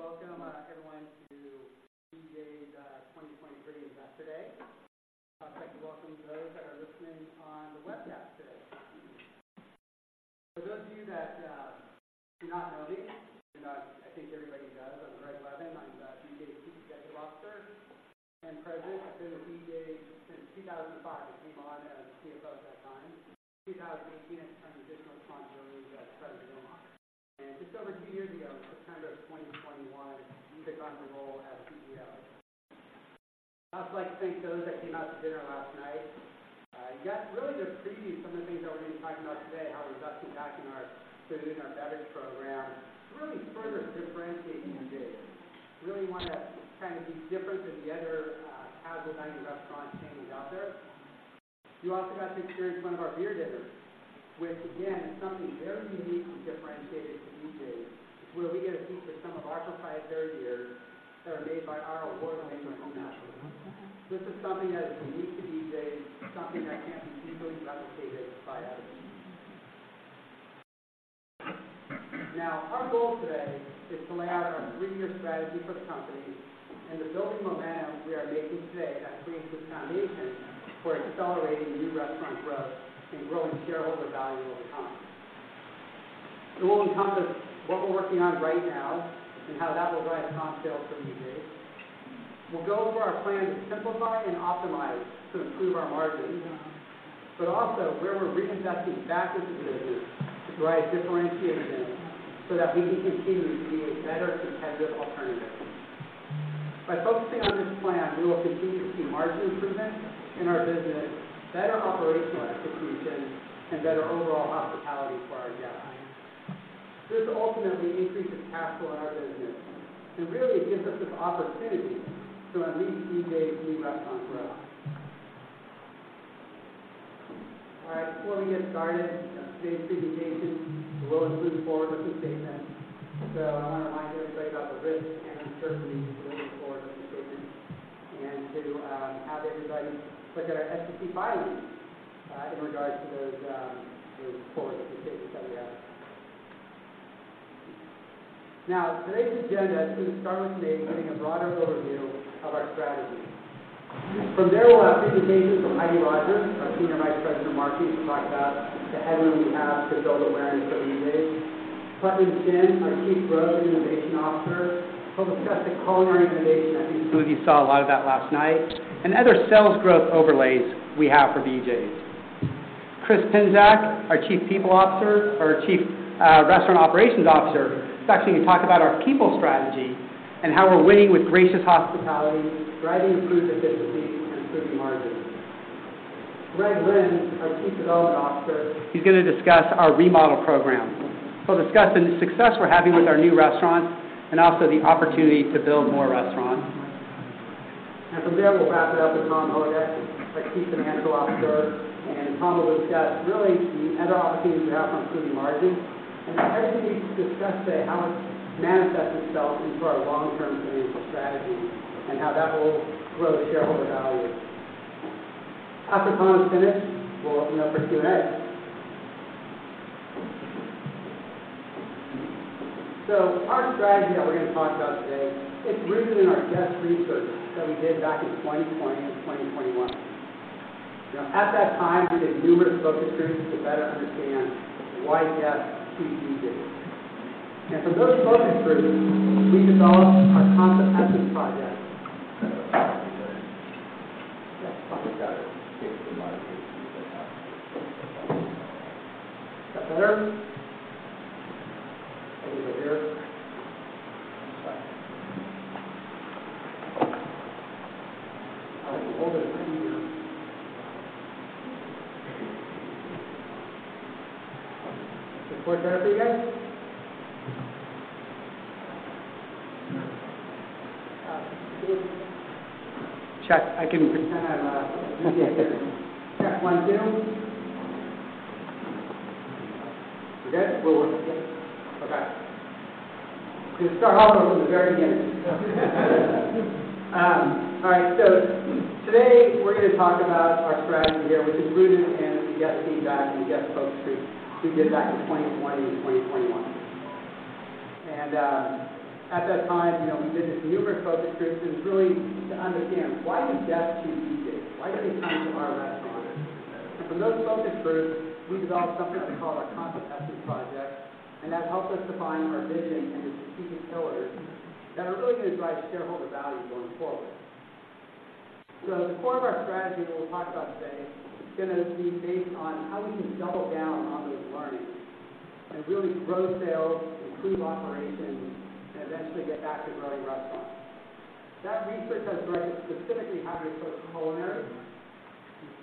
Good morning, everyone. Welcome, everyone, to BJ's 2023 Investor Day. I'd like to welcome those that are listening on the webcast today. For those of you that do not know me, and I think everybody does, I'm Greg Levin. I'm BJ's CEO and president. I've been with BJ since 2005. I came on as CEO at that time. In 2018, I took on additional responsibilities as president and CEO. And just over two years ago, in September of 2021, I took on the role as CEO. I'd also like to thank those that came out to dinner last night. You got really to preview some of the things that we're going to be talking about today, how we're investing back in our food, in our beverage program, to really further differentiate BJ. We really want to kind of be different than the other, casual dining restaurant chains out there. You also got to experience one of our beer dinners, which again, is something very unique and differentiated to BJ's, where we get to feature some of our proprietary beers that are made by our award-winning homebrew masters. This is something that is unique to BJ's, something that can't be easily replicated by others. Now, our goal today is to lay out our three-year strategy for the company and the building momentum we are making today that creates this foundation for accelerating new restaurant growth and growing shareholder value over time. It will encompass what we're working on right now and how that will drive comp sales for BJ's. We'll go over our plan to simplify and optimize to improve our margins, but also where we're reinvesting back into the business to drive differentiated growth so that we can continue to be a better competitive alternative. By focusing on this plan, we will continue to see margin improvement in our business, better operational execution, and better overall hospitality for our guests. This ultimately increases cash flow in our business, and really, it gives us the opportunity to unleash BJ's new restaurant growth. All right, before we get started, today's presentation will include forward-looking statements. So I want to remind everybody about the risks and uncertainties in those forward-looking statements and to have everybody look at our SEC filings in regards to those those forward-looking statements that we have. Now, today's agenda is going to start with me giving a broader overview of our strategy. From there, we'll have presentations from Heidi Rogers, our Senior Vice President of Marketing, to talk about the headroom we have to build awareness for BJ's. Putnam Shin, our Chief Growth and Innovation Officer, he'll discuss the culinary innovation. I think some of you saw a lot of that last night, and other sales growth overlays we have for BJ's. Christopher Pinsak, our Chief People Officer or Chief Restaurant Operations Officer, is actually going to talk about our people strategy and how we're winning with gracious hospitality, driving improved efficiency, and improving margins. Greg Lynds, our Chief Development Officer, he's going to discuss our remodel program. He'll discuss the success we're having with our new restaurants and also the opportunity to build more restaurants. From there, we'll wrap it up with Tom Houdek, our Chief Financial Officer, and Tom will discuss really the other opportunities we have on improving margins and everything we've discussed today, how it manifests itself into our long-term financial strategy and how that will grow the shareholder value. After Tom is finished, we'll open up for Q&A. Our strategy that we're going to talk about today, it's rooted in our guest research that we did back in 2020 and 2021. Now, at that time, we did numerous focus groups to better understand why guests choose BJ's. From those focus groups, we developed our Concept Essence Project. Is that better? A little bit here. Is the board better for you guys? Check. I can present on. Check one, two. We good? We're good. Okay. We're going to start all over from the very beginning. All right, so today we're going to talk about our strategy here, which is rooted in the guest feedback and guest focus groups we did back in 2020 and 2021. And at that time, you know, we did this with numerous focus groups and really to understand why do guests choose BJ's? Why do they come to our restaurants? And from those focus groups, we developed something that we call our Concept Essence Project, and that helped us define our vision and the strategic pillars that are really going to drive shareholder value going forward. So the core of our strategy that we'll talk about today is going to be based on how we can double down on those learnings and really grow sales, improve operations, and eventually get back to growing restaurants. That research has directed specifically how we approach culinary,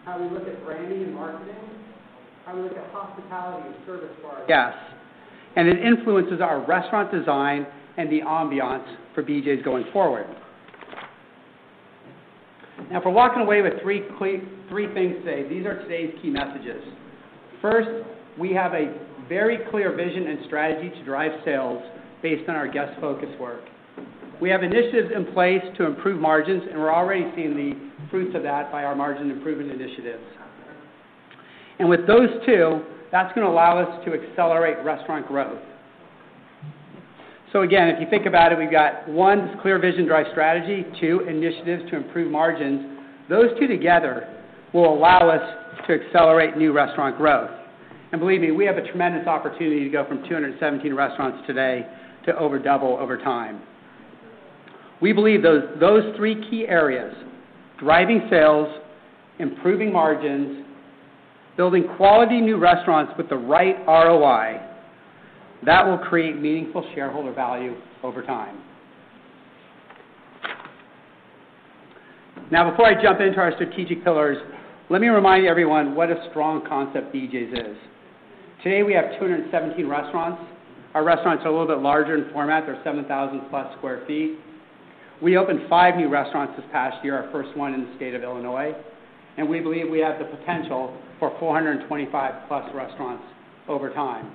how we look at branding and marketing, how we look at hospitality and service for our guests, and it influences our restaurant design and the ambiance for BJ's going forward. Now, if we're walking away with three things today, these are today's key messages. First, we have a very clear vision and strategy to drive sales based on our guest focus work. We have initiatives in place to improve margins, and we're already seeing the fruits of that by our margin improvement initiatives.... And with those two, that's going to allow us to accelerate restaurant growth. So again, if you think about it, we've got, 1, clear vision-driven strategy, 2, initiatives to improve margins. Those two together will allow us to accelerate new restaurant growth. And believe me, we have a tremendous opportunity to go from 217 restaurants today to over double over time. We believe those, those three key areas: driving sales, improving margins, building quality new restaurants with the right ROI, that will create meaningful shareholder value over time. Now, before I jump into our strategic pillars, let me remind everyone what a strong concept BJ's is. Today, we have 217 restaurants. Our restaurants are a little bit larger in format. They're 7,000-plus square feet. We opened 5 new restaurants this past year, our first one in the state of Illinois, and we believe we have the potential for 425+ restaurants over time.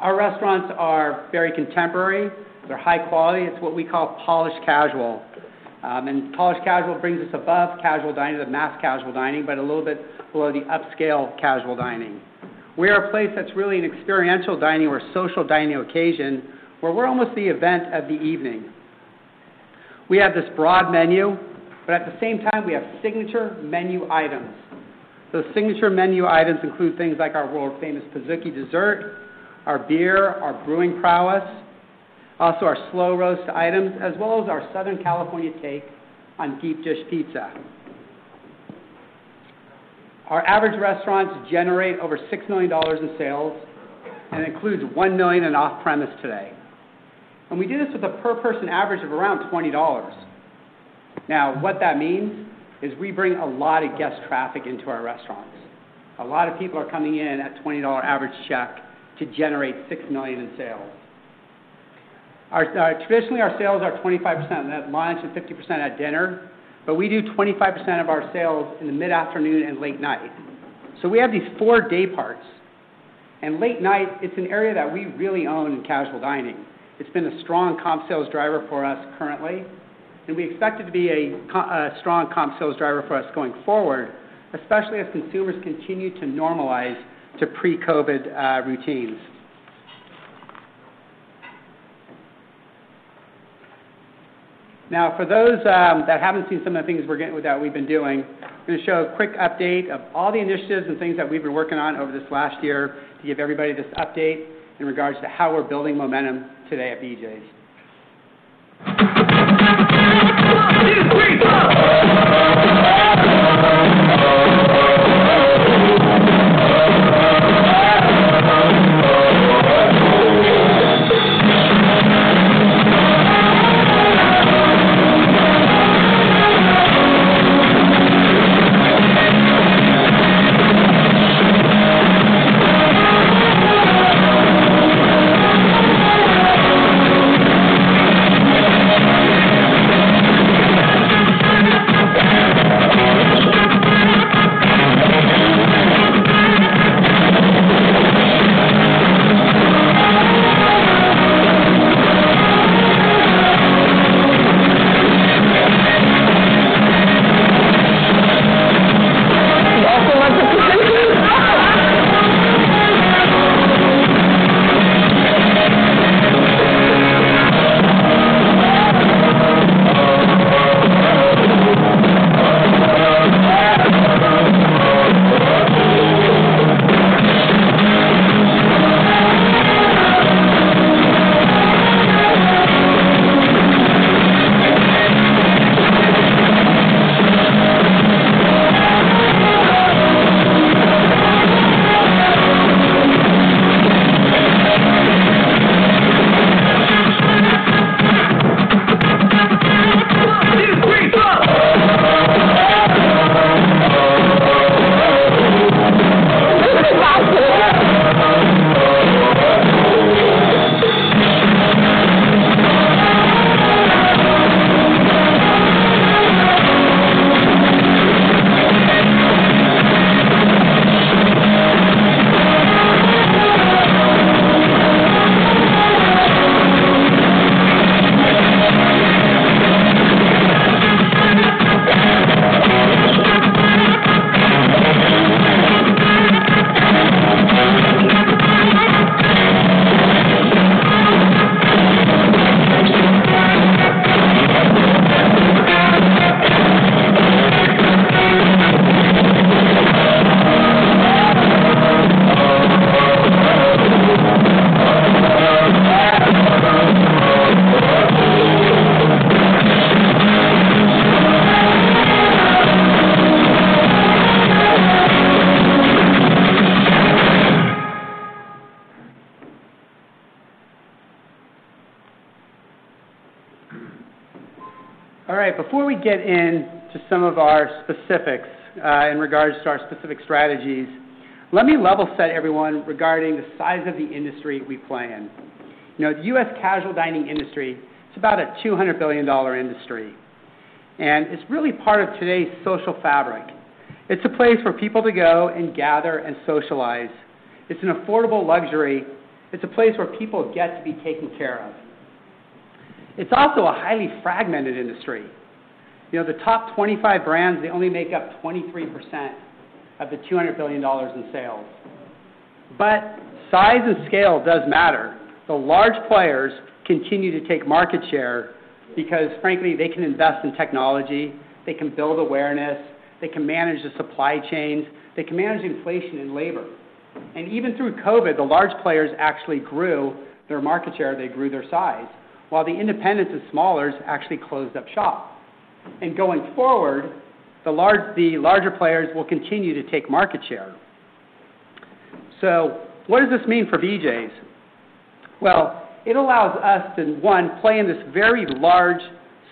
Our restaurants are very contemporary. They're high quality. It's what we call Polished Casual. Polished Casual brings us above casual dining, the mass casual dining, but a little bit below the upscale casual dining. We are a place that's really an experiential dining or social dining occasion, where we're almost the event of the evening. We have this broad menu, but at the same time, we have signature menu items. Those signature menu items include things like our world-famous Pizookie dessert, our beer, our brewing prowess, also our Slow-Roast items, as well as our Southern California take on deep-dish pizza. Our average restaurants generate over $6 million in sales and includes $1 million in off-premise today. We do this with a per-person average of around $20. Now, what that means is we bring a lot of guest traffic into our restaurants. A lot of people are coming in at $20 average check to generate $6 million in sales. Our traditionally, our sales are 25% at lunch and 50% at dinner, but we do 25% of our sales in the mid-afternoon and late night. So we have these four day parts, and late night, it's an area that we really own in casual dining. It's been a strong comp sales driver for us currently, and we expect it to be a strong comp sales driver for us going forward, especially as consumers continue to normalize to pre-COVID routines. Now, for those that haven't seen some of the things we're getting with that we've been doing, I'm going to show a quick update of all the initiatives and things that we've been working on over this last year to give everybody this update in regards to how we're building momentum today at BJ's. All right, before we get into some of our specifics, in regards to our specific strategies, let me level set everyone regarding the size of the industry we play in. You know, the U.S. casual dining industry, it's about a $200 billion industry, and it's really part of today's social fabric. It's a place for people to go and gather and socialize. It's an affordable luxury. It's a place where people get to be taken care of. It's also a highly fragmented industry. You know, the top 25 brands, they only make up 23% of the $200 billion in sales. But size and scale does matter. The large players continue to take market share because, frankly, they can invest in technology, they can build awareness, they can manage the supply chains, they can manage inflation and labor. And even through COVID, the large players actually grew their market share, they grew their size, while the independents and smallers actually closed up shop. And going forward, the larger players will continue to take market share. So what does this mean for BJ's? Well, it allows us to, one, play in this very large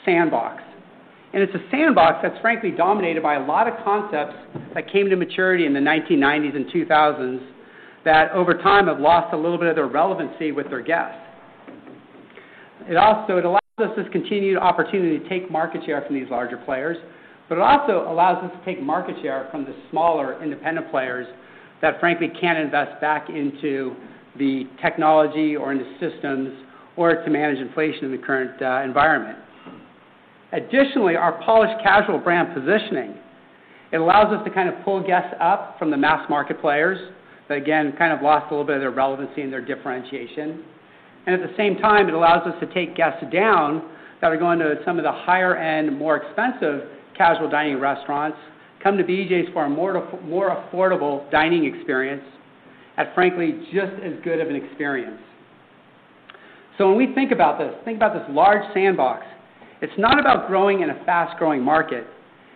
sandbox, and it's a sandbox that's frankly dominated by a lot of concepts that came to maturity in the 1990s and 2000s, that over time have lost a little bit of their relevancy with their guests. It allows us this continued opportunity to take market share from these larger players, but it also allows us to take market share from the smaller independent players that, frankly, can't invest back into the technology or into systems or to manage inflation in the current environment. Additionally, our Polished Casual brand positioning, it allows us to kind of pull guests up from the mass market players that, again, kind of lost a little bit of their relevancy and their differentiation. And at the same time, it allows us to take guests down that are going to some of the higher end, more expensive casual dining restaurants, come to BJ's for a more affordable dining experience at, frankly, just as good of an experience. So when we think about this, think about this large sandbox, it's not about growing in a fast-growing market.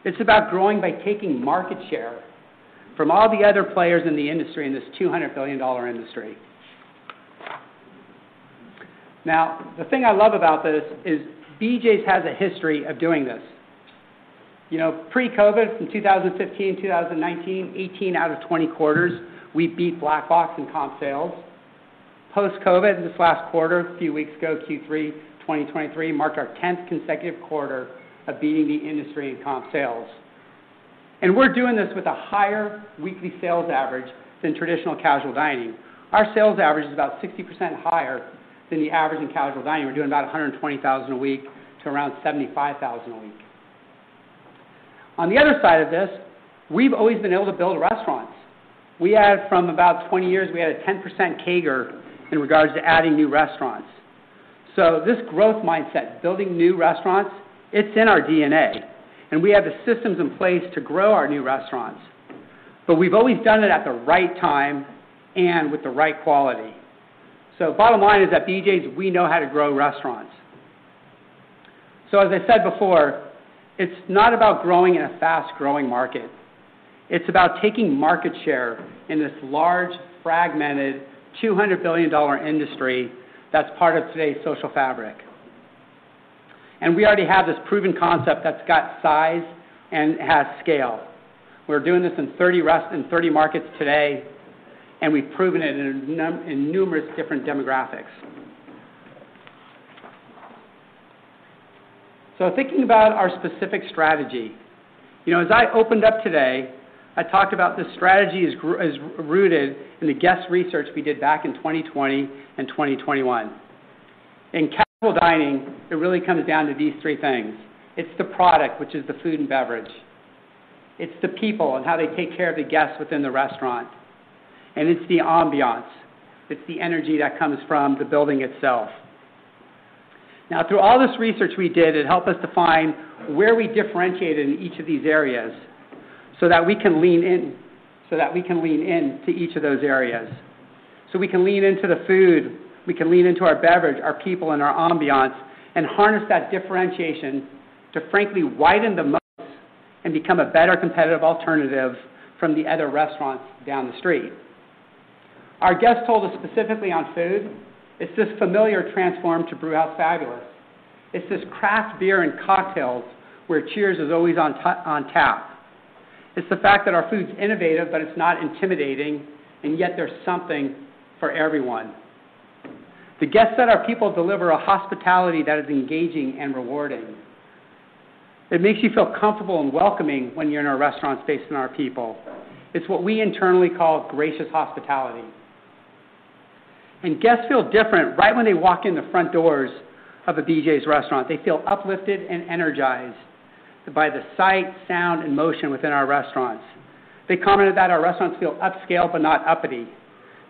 It's about growing by taking market share from all the other players in the industry, in this $200 billion industry. Now, the thing I love about this is BJ's has a history of doing this. You know, pre-COVID, from 2015 to 2019, 18 out of 20 quarters, we beat Black Box in comp sales. Post-COVID, this last quarter, a few weeks ago, Q3 2023, marked our tenth consecutive quarter of beating the industry in comp sales. And we're doing this with a higher weekly sales average than traditional casual dining. Our sales average is about 60% higher than the average in casual dining. We're doing about $120,000 a week to around $75,000 a week. On the other side of this, we've always been able to build restaurants. We had from about 20 years, we had a 10% CAGR in regards to adding new restaurants. So this growth mindset, building new restaurants, it's in our DNA, and we have the systems in place to grow our new restaurants, but we've always done it at the right time and with the right quality. So bottom line is, at BJ's, we know how to grow restaurants. So as I said before, it's not about growing in a fast-growing market. It's about taking market share in this large, fragmented, $200 billion industry that's part of today's social fabric. And we already have this proven concept that's got size and has scale. We're doing this in 30 markets today, and we've proven it in numerous different demographics. So thinking about our specific strategy, you know, as I opened up today, I talked about this strategy is rooted in the guest research we did back in 2020 and 2021. In casual dining, it really comes down to these three things: It's the product, which is the food and beverage. It's the people and how they take care of the guests within the restaurant. And it's the ambiance, it's the energy that comes from the building itself. Now, through all this research we did, it helped us define where we differentiated in each of these areas so that we can lean in to each of those areas. So we can lean into the food, we can lean into our beverage, our people, and our ambiance, and harness that differentiation to frankly widen the moats and become a better competitive alternative from the other restaurants down the street. Our guests told us specifically on food, it's this familiar transformed to Brewhouse fabulous. It's this craft beer and cocktails, where cheers is always on tap. It's the fact that our food's innovative, but it's not intimidating, and yet there's something for everyone. The guests said our people deliver a hospitality that is engaging and rewarding. It makes you feel comfortable and welcoming when you're in our restaurants based on our people. It's what we internally call gracious hospitality. Guests feel different right when they walk in the front doors of a BJ's restaurant. They feel uplifted and energized by the sight, sound, and motion within our restaurants. They commented that our restaurants feel upscale, but not uppity,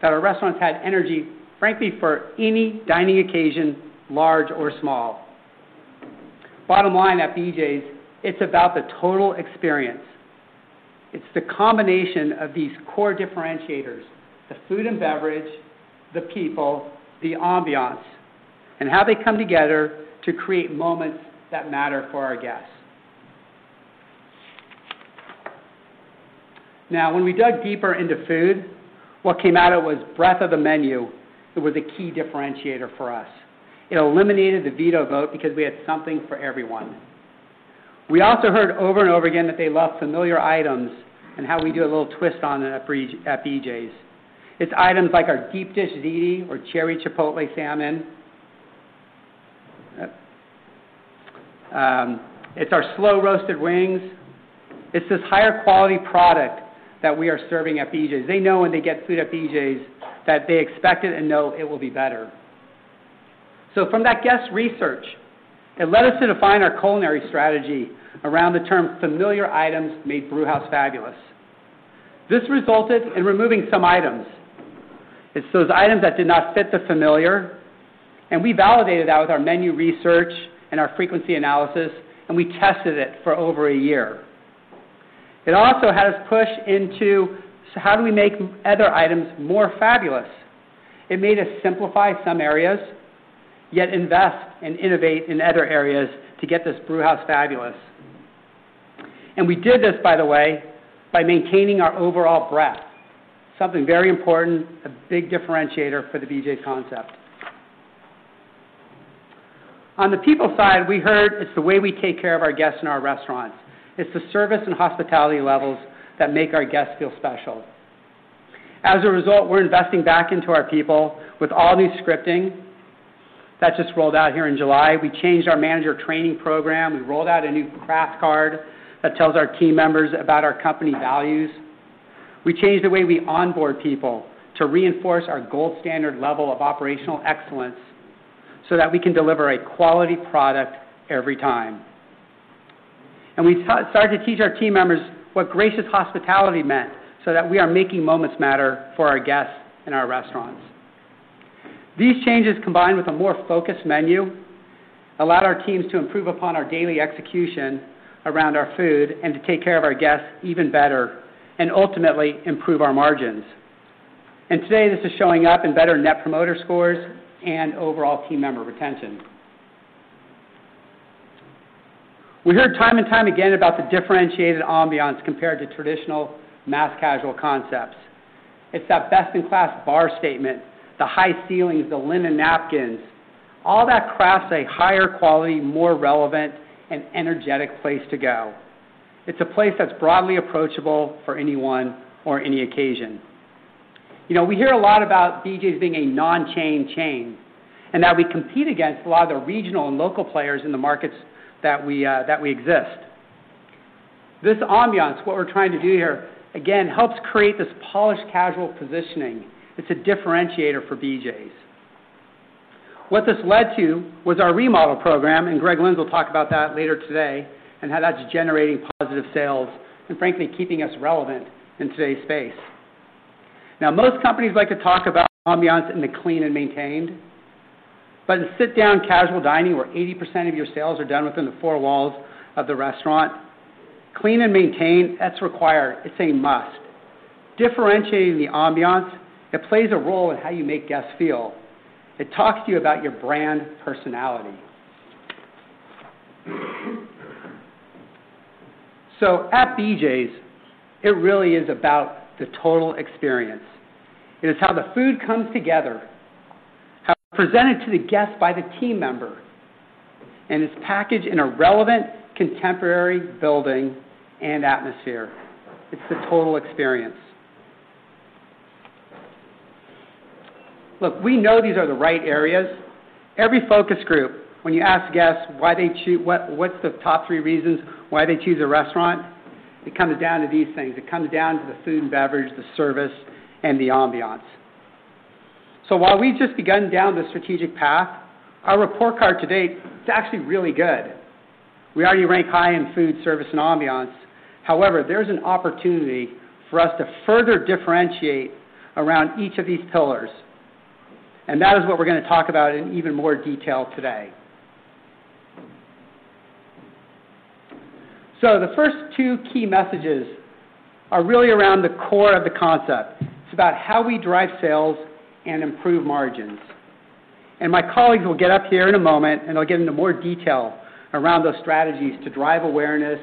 that our restaurants had energy, frankly, for any dining occasion, large or small. Bottom line, at BJ's, it's about the total experience. It's the combination of these core differentiators: the food and beverage, the people, the ambiance, and how they come together to create moments that matter for our guests. Now, when we dug deeper into food, what came out of it was breadth of the menu. It was a key differentiator for us. It eliminated the veto vote because we had something for everyone. We also heard over and over again that they love familiar items and how we do a little twist on it at BJ's. It's items like our Deep Dish Ziti or Cherry Chipotle Salmon. It's our slow-roasted wings. It's this higher quality product that we are serving at BJ's. They know when they get food at BJ's, that they expect it and know it will be better. So from that guest research, it led us to define our culinary strategy around the term familiar items made Brewhouse fabulous. This resulted in removing some items. It's those items that did not fit the familiar, and we validated that with our menu research and our frequency analysis, and we tested it for over a year. It also had us push into, so how do we make other items more fabulous? It made us simplify some areas, yet invest and innovate in other areas to get this Brewhouse fabulous. And we did this, by the way, by maintaining our overall breadth, something very important, a big differentiator for the BJ's concept. On the people side, we heard it's the way we take care of our guests in our restaurants. It's the service and hospitality levels that make our guests feel special. As a result, we're investing back into our people with all new scripting that just rolled out here in July. We changed our manager training program. We rolled out a new craft card that tells our team members about our company values. We changed the way we onboard people to reinforce our gold standard level of operational excellence so that we can deliver a quality product every time. And we started to teach our team members what gracious hospitality meant, so that we are making moments matter for our guests in our restaurants. These changes, combined with a more focused menu, allowed our teams to improve upon our daily execution around our food and to take care of our guests even better and ultimately improve our margins. Today, this is showing up in better Net Promoter Scores and overall team member retention. We heard time and time again about the differentiated ambiance compared to traditional mass casual concepts. It's that best-in-class bar statement, the high ceilings, the linen napkins, all that crafts a higher quality, more relevant and energetic place to go. It's a place that's broadly approachable for anyone or any occasion. You know, we hear a lot about BJ's being a non-chain chain, and that we compete against a lot of the regional and local players in the markets that we, that we exist. This ambiance, what we're trying to do here, again, helps create this polished, casual positioning. It's a differentiator for BJ's. What this led to was our remodel program, and Greg Lynds will talk about that later today, and how that's generating positive sales and frankly, keeping us relevant in today's space. Now, most companies like to talk about ambiance and the clean and maintained, but in sit-down casual dining, where 80% of your sales are done within the four walls of the restaurant, clean and maintained, that's required. It's a must. Differentiating the ambiance, it plays a role in how you make guests feel. It talks to you about your brand personality. So at BJ's, it really is about the total experience. It is how the food comes together, how it's presented to the guest by the team member, and it's packaged in a relevant, contemporary building and atmosphere. It's the total experience. Look, we know these are the right areas. Every focus group, when you ask guests why they choose, what's the top three reasons why they choose a restaurant, it comes down to these things. It comes down to the food and beverage, the service, and the ambiance. So while we've just begun down this strategic path, our report card to date is actually really good. We already rank high in food, service, and ambiance. However, there's an opportunity for us to further differentiate around each of these pillars, and that is what we're going to talk about in even more detail today. So the first two key messages are really around the core of the concept. It's about how we drive sales and improve margins. My colleagues will get up here in a moment, and they'll get into more detail around those strategies to drive awareness,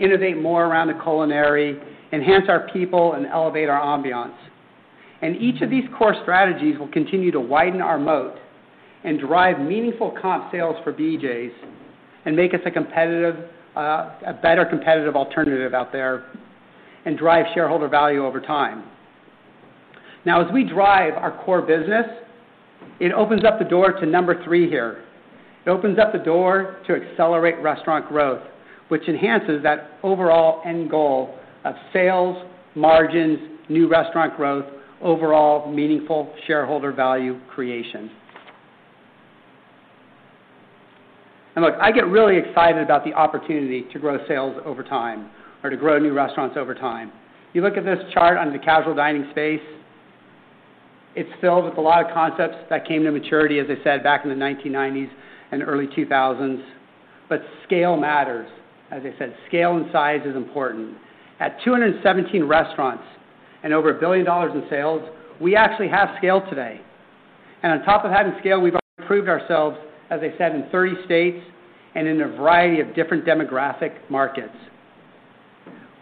innovate more around the culinary, enhance our people, and elevate our ambiance. Each of these core strategies will continue to widen our moat and drive meaningful comp sales for BJ's and make us a competitive, a better competitive alternative out there and drive shareholder value over time. Now, as we drive our core business, it opens up the door to number three here. It opens up the door to accelerate restaurant growth, which enhances that overall end goal of sales, margins, new restaurant growth, overall meaningful shareholder value creation. And look, I get really excited about the opportunity to grow sales over time or to grow new restaurants over time. You look at this chart on the casual dining space, it's filled with a lot of concepts that came to maturity, as I said, back in the 1990s and early 2000s. But scale matters. As I said, scale and size is important. At 217 restaurants and over $1 billion in sales, we actually have scale today. And on top of having scale, we've improved ourselves, as I said, in 30 states and in a variety of different demographic markets.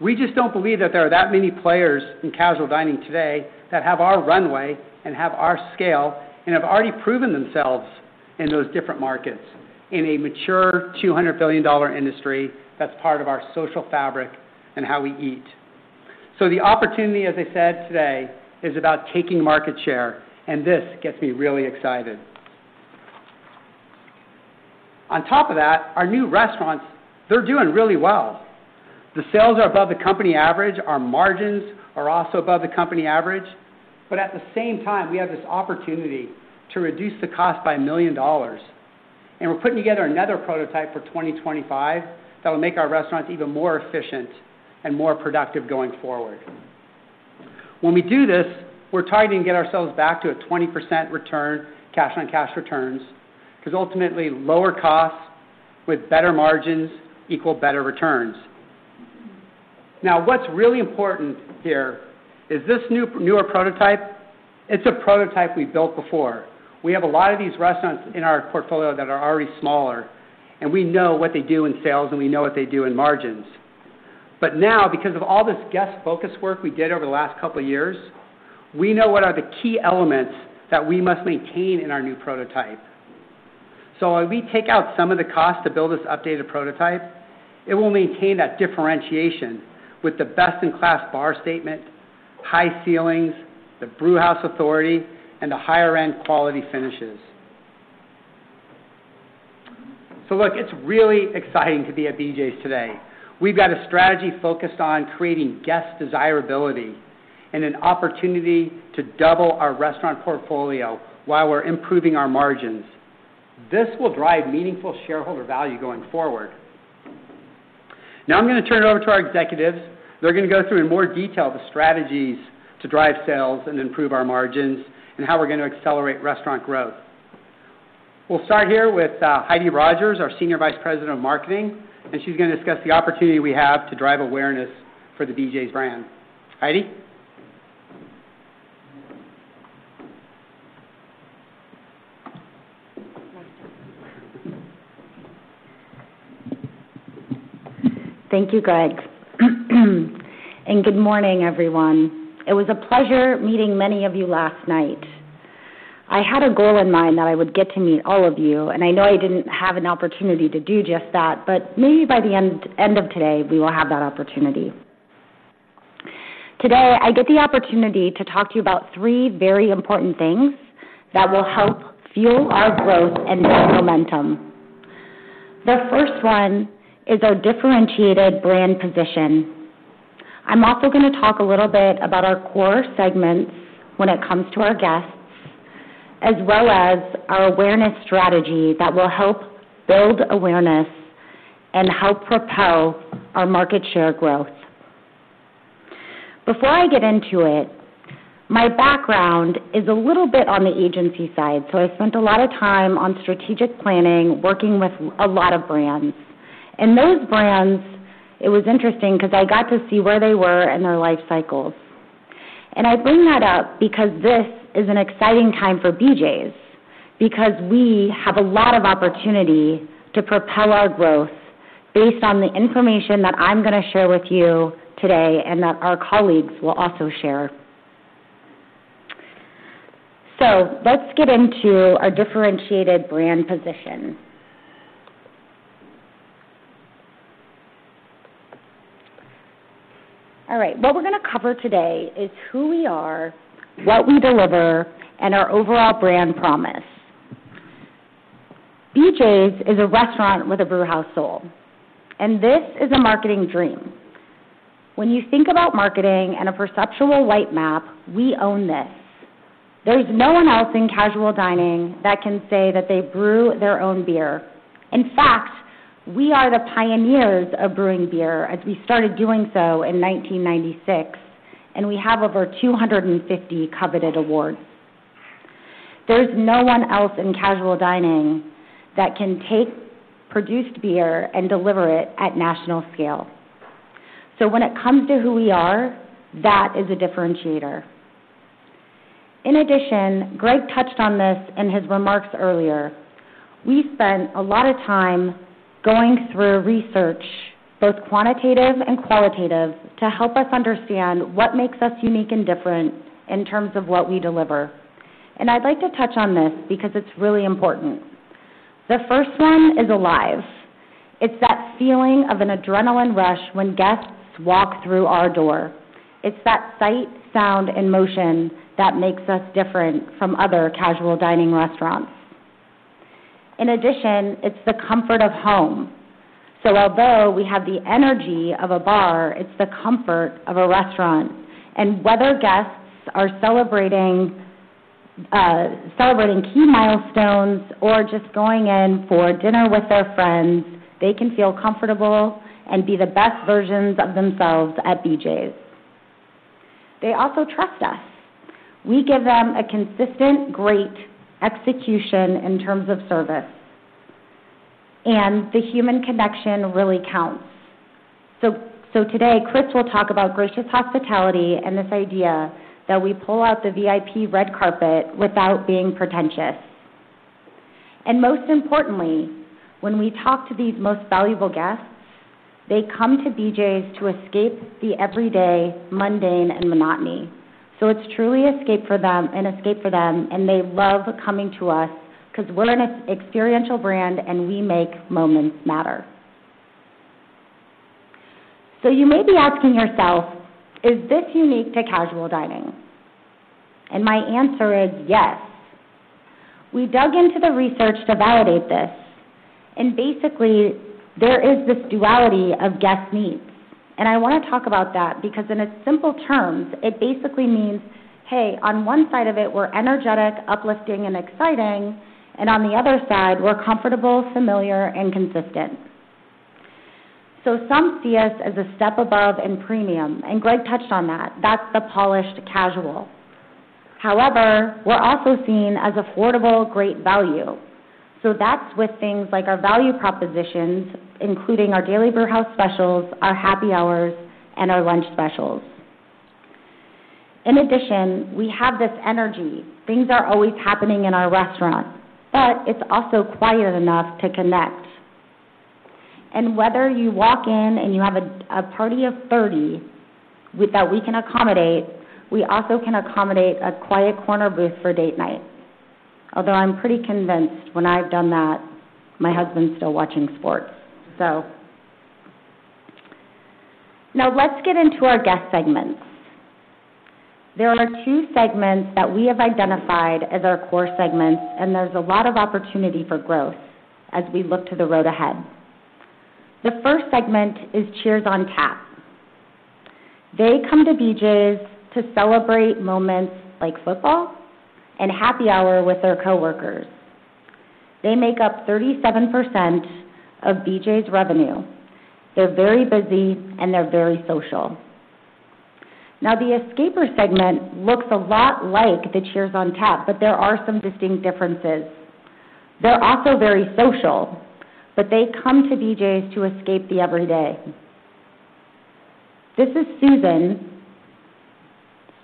We just don't believe that there are that many players in casual dining today that have our runway and have our scale and have already proven themselves in those different markets, in a mature, $200 billion dollar industry that's part of our social fabric and how we eat... So the opportunity, as I said today, is about taking market share, and this gets me really excited. On top of that, our new restaurants, they're doing really well. The sales are above the company average. Our margins are also above the company average, but at the same time, we have this opportunity to reduce the cost by $1 million. And we're putting together another prototype for 2025 that will make our restaurants even more efficient and more productive going forward. When we do this, we're targeting to get ourselves back to a 20% return, cash on cash returns, 'cause ultimately, lower costs with better margins equal better returns. Now, what's really important here is this new, newer prototype, it's a prototype we built before. We have a lot of these restaurants in our portfolio that are already smaller, and we know what they do in sales, and we know what they do in margins. But now, because of all this guest focus work we did over the last couple of years, we know what are the key elements that we must maintain in our new prototype. So as we take out some of the costs to build this updated prototype, it will maintain that differentiation with the best-in-class bar statement, high ceilings, the brewhouse authority, and the higher-end quality finishes. So look, it's really exciting to be at BJ's today. We've got a strategy focused on creating guest desirability and an opportunity to double our restaurant portfolio while we're improving our margins. This will drive meaningful shareholder value going forward. Now I'm going to turn it over to our executives. They're going to go through in more detail the strategies to drive sales and improve our margins and how we're going to accelerate restaurant growth. We'll start here with Heidi Rogers, our Senior Vice President of Marketing, and she's going to discuss the opportunity we have to drive awareness for the BJ's brand. Heidi? Thank you, Greg. Good morning, everyone. It was a pleasure meeting many of you last night. I had a goal in mind that I would get to meet all of you, and I know I didn't have an opportunity to do just that, but maybe by the end of today, we will have that opportunity. Today, I get the opportunity to talk to you about three very important things that will help fuel our growth and build momentum. The first one is our differentiated brand position. I'm also going to talk a little bit about our core segments when it comes to our guests, as well as our awareness strategy that will help build awareness and help propel our market share growth. Before I get into it, my background is a little bit on the agency side, so I spent a lot of time on strategic planning, working with a lot of brands. And those brands, it was interesting 'cause I got to see where they were in their life cycles. And I bring that up because this is an exciting time for BJ's, because we have a lot of opportunity to propel our growth based on the information that I'm going to share with you today and that our colleagues will also share. So let's get into our differentiated brand position. All right. What we're going to cover today is who we are, what we deliver, and our overall brand promise. BJ's is a restaurant with a brewhouse soul, and this is a marketing dream. When you think about marketing and a perceptual light map, we own this. There's no one else in casual dining that can say that they brew their own beer. In fact, we are the pioneers of brewing beer, as we started doing so in 1996, and we have over 250 coveted awards. There's no one else in casual dining that can take produced beer and deliver it at national scale. So when it comes to who we are, that is a differentiator. In addition, Greg touched on this in his remarks earlier. We spent a lot of time going through research, both quantitative and qualitative, to help us understand what makes us unique and different in terms of what we deliver. I'd like to touch on this because it's really important. The first one is alive. It's that feeling of an adrenaline rush when guests walk through our door. It's that sight, sound, and motion that makes us different from other casual dining restaurants. In addition, it's the comfort of home. So although we have the energy of a bar, it's the comfort of a restaurant. And whether guests are celebrating key milestones or just going in for dinner with their friends, they can feel comfortable and be the best versions of themselves at BJ's. They also trust us. We give them a consistent, great execution in terms of service, and the human connection really counts. So today, Chris will talk about gracious hospitality and this idea that we pull out the VIP red carpet without being pretentious. And most importantly, when we talk to these most valuable guests, they come to BJ's to escape the everyday mundane and monotony.... So it's truly escape for them, an escape for them, and they love coming to us because we're an experiential brand and we make moments matter. So you may be asking yourself: Is this unique to casual dining? And my answer is yes. We dug into the research to validate this, and basically, there is this duality of guest needs. And I want to talk about that because in its simple terms, it basically means, hey, on one side of it, we're energetic, uplifting, and exciting, and on the other side, we're comfortable, familiar, and consistent. So some see us as a step above in premium, and Greg touched on that. That's the Polished Casual. However, we're also seen as affordable, great value. So that's with things like our value propositions, including our Daily Brewhouse Specials, our happy hours, and our lunch specials. In addition, we have this energy. Things are always happening in our restaurants, but it's also quiet enough to connect. Whether you walk in and you have a, a party of 30 with that, we can accommodate. We also can accommodate a quiet corner booth for date night. Although I'm pretty convinced when I've done that, my husband's still watching sports. So now let's get into our guest segments. There are two segments that we have identified as our core segments, and there's a lot of opportunity for growth as we look to the road ahead. The first segment is Cheers on Tap. They come to BJ's to celebrate moments like football and happy hour with their coworkers. They make up 37% of BJ's revenue. They're very busy, and they're very social. Now, the Escaper segment looks a lot like the Cheers on Tap, but there are some distinct differences. They're also very social, but they come to BJ's to escape the everyday. This is Susan.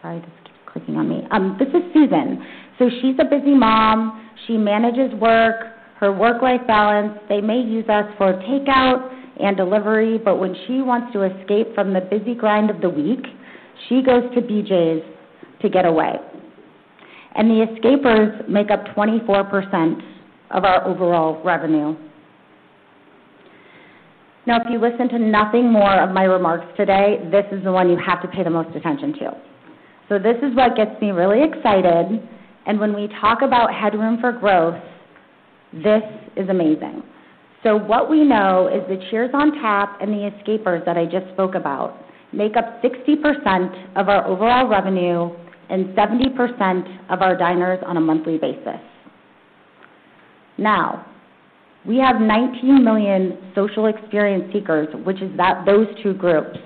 Sorry, this keeps clicking on me. This is Susan. So she's a busy mom. She manages work, her work-life balance. They may use us for takeout and delivery, but when she wants to escape from the busy grind of the week, she goes to BJ's to get away. The Escapers make up 24% of our overall revenue. Now, if you listen to nothing more of my remarks today, this is the one you have to pay the most attention to. So this is what gets me really excited, and when we talk about headroom for growth, this is amazing. So what we know is the Cheers on Tap and the Escapers that I just spoke about make up 60% of our overall revenue and 70% of our diners on a monthly basis. Now, we have 19 million social experience seekers, which is that-- those two groups,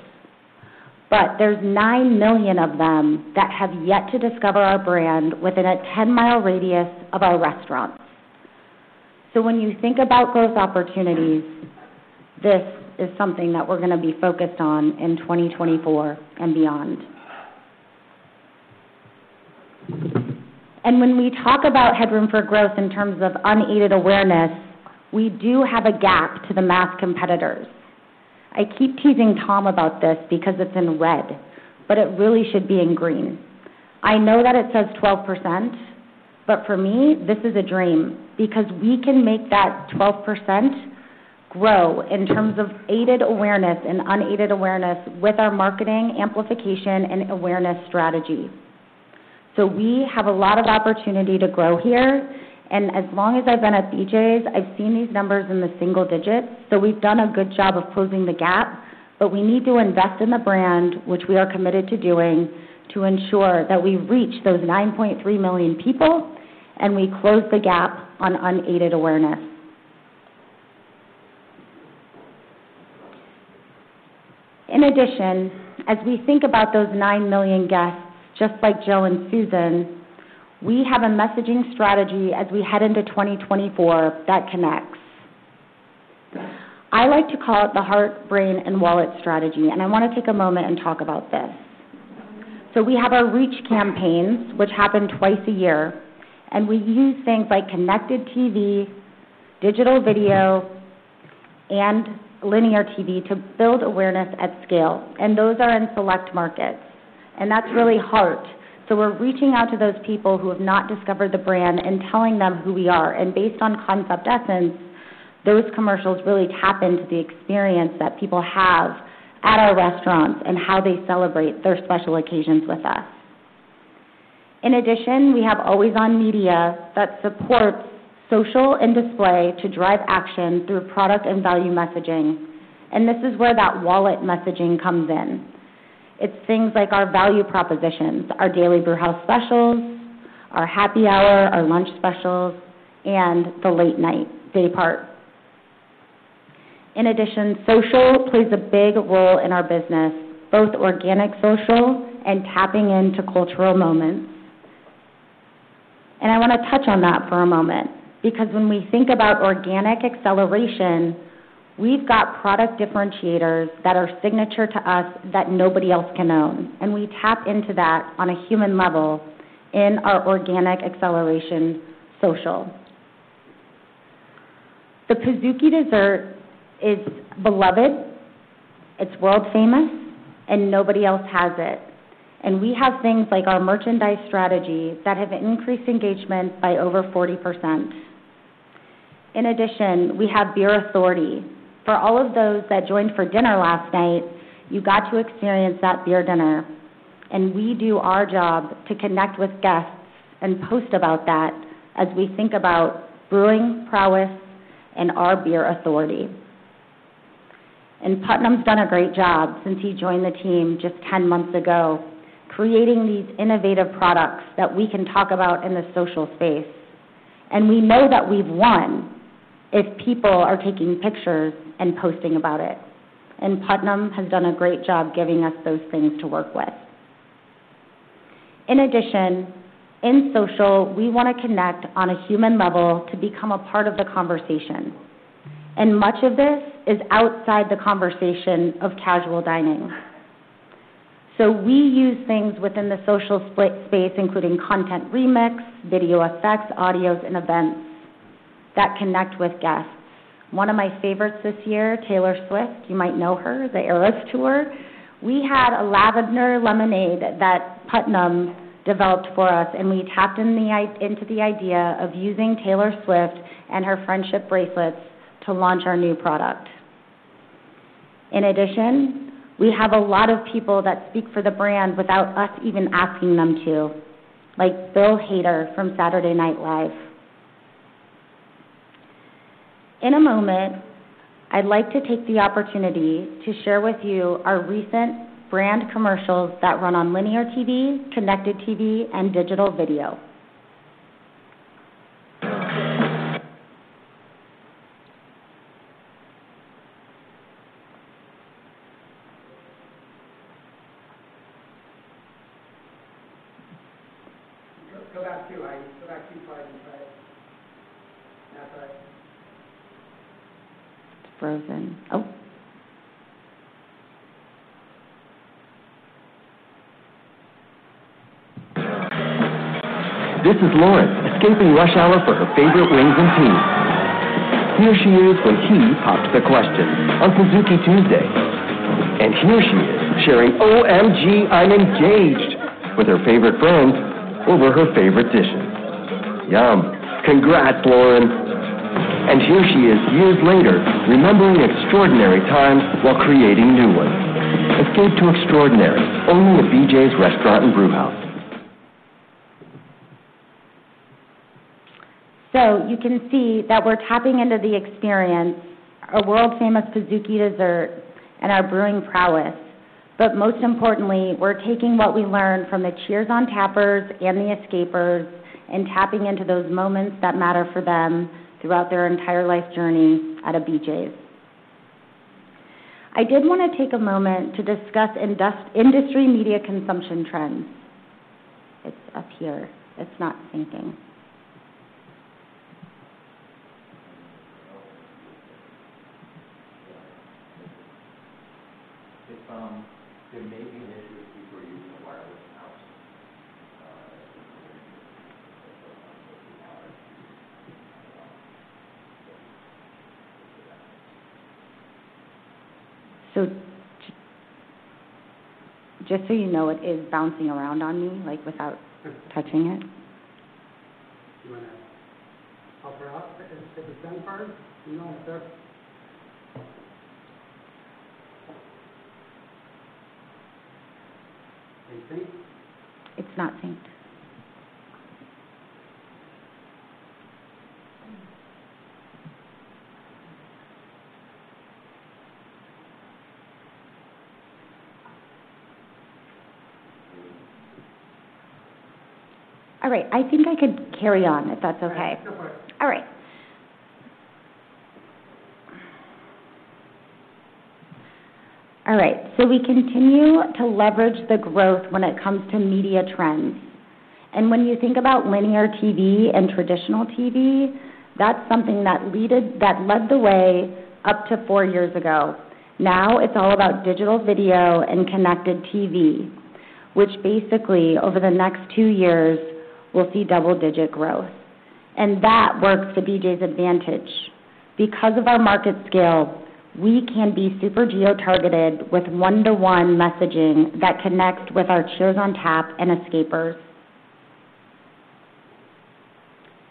but there's 9 million of them that have yet to discover our brand within a 10-mile radius of our restaurants. So when you think about growth opportunities, this is something that we're going to be focused on in 2024 and beyond. And when we talk about headroom for growth in terms of unaided awareness, we do have a gap to the mass competitors. I keep teasing Tom about this because it's in red, but it really should be in green. I know that it says 12%, but for me, this is a dream because we can make that 12% grow in terms of aided awareness and unaided awareness with our marketing amplification and awareness strategies. So we have a lot of opportunity to grow here, and as long as I've been at BJ's, I've seen these numbers in the single digits, so we've done a good job of closing the gap, but we need to invest in the brand, which we are committed to doing, to ensure that we reach those 9.3 million people and we close the gap on unaided awareness. In addition, as we think about those 9 million guests, just like Joe and Susan, we have a messaging strategy as we head into 2024 that connects. I like to call it the heart, brain, and wallet strategy, and I want to take a moment and talk about this. So we have our reach campaigns, which happen twice a year, and we use things like Connected TV, digital video, and linear TV to build awareness at scale, and those are in select markets, and that's really heart. So we're reaching out to those people who have not discovered the brand and telling them who we are. And based on concept essence, those commercials really tap into the experience that people have at our restaurants and how they celebrate their special occasions with us. In addition, we have always-on media that supports social and display to drive action through product and value messaging. And this is where that wallet messaging comes in. It's things like our value propositions, our daily brewhouse specials, our happy hour, our lunch specials, and the late night, day part. In addition, social plays a big role in our business, both organic social and tapping into cultural moments. And I want to touch on that for a moment because when we think about organic acceleration, we've got product differentiators that are signature to us that nobody else can own, and we tap into that on a human level in our organic acceleration social. The Pizookie dessert is beloved, it's world famous, and nobody else has it. And we have things like our merchandise strategy that have increased engagement by over 40%. In addition, we have beer authority. For all of those that joined for dinner last night, you got to experience that beer dinner, and we do our job to connect with guests and post about that as we think about brewing prowess and our beer authority. Putnam's done a great job since he joined the team just 10 months ago, creating these innovative products that we can talk about in the social space. We know that we've won if people are taking pictures and posting about it, and Putnam has done a great job giving us those things to work with. In addition, in social, we want to connect on a human level to become a part of the conversation, and much of this is outside the conversation of casual dining. We use things within the social split space, including content remix, video effects, audios, and events that connect with guests. One of my favorites this year, Taylor Swift, you might know her, the Eras Tour. We had a Lavender Lemonade that Putnam developed for us, and we tapped into the idea of using Taylor Swift and her friendship bracelets to launch our new product. In addition, we have a lot of people that speak for the brand without us even asking them to, like Bill Hader from Saturday Night Live. In a moment, I'd like to take the opportunity to share with you our recent brand commercials that run on linear TV, connected TV, and digital video. Go, go back 2 slides. Go back 2 slides and try it. That's all right. It's frozen. Oh! This is Lauren, skipping rush hour for her favorite wings and team. Here she is when he popped the question on Pizookie Tuesday, and here she is sharing, "OMG, I'm engaged!" with her favorite friends over her favorite dish. Yum! Congrats, Lauren. And here she is, years later, remembering extraordinary times while creating new ones. Escape to extraordinary only at BJ's Restaurant and Brewhouse. So you can see that we're tapping into the experience, our world-famous Pizookie dessert, and our brewing prowess. But most importantly, we're taking what we learned from the Cheers On Tappers and the Escapers and tapping into those moments that matter for them throughout their entire life journey at a BJ's. I did want to take a moment to discuss industry media consumption trends. It's up here. It's not syncing. There may be an issue with you using a wireless mouse. Just so you know, it is bouncing around on me, like, without touching it. You want to help her out? If it's that part, you know, if the... Is it synced? It's not synced. All right, I think I could carry on, if that's okay. All right, go for it. All right. All right, so we continue to leverage the growth when it comes to media trends. When you think about linear TV and traditional TV, that's something that led the way up to 4 years ago. Now it's all about digital video and Connected TV, which basically, over the next 2 years, will see double-digit growth. And that works to BJ's advantage. Because of our market scale, we can be super geo-targeted with one-to-one messaging that connects with our Cheers On Tap and Escapers.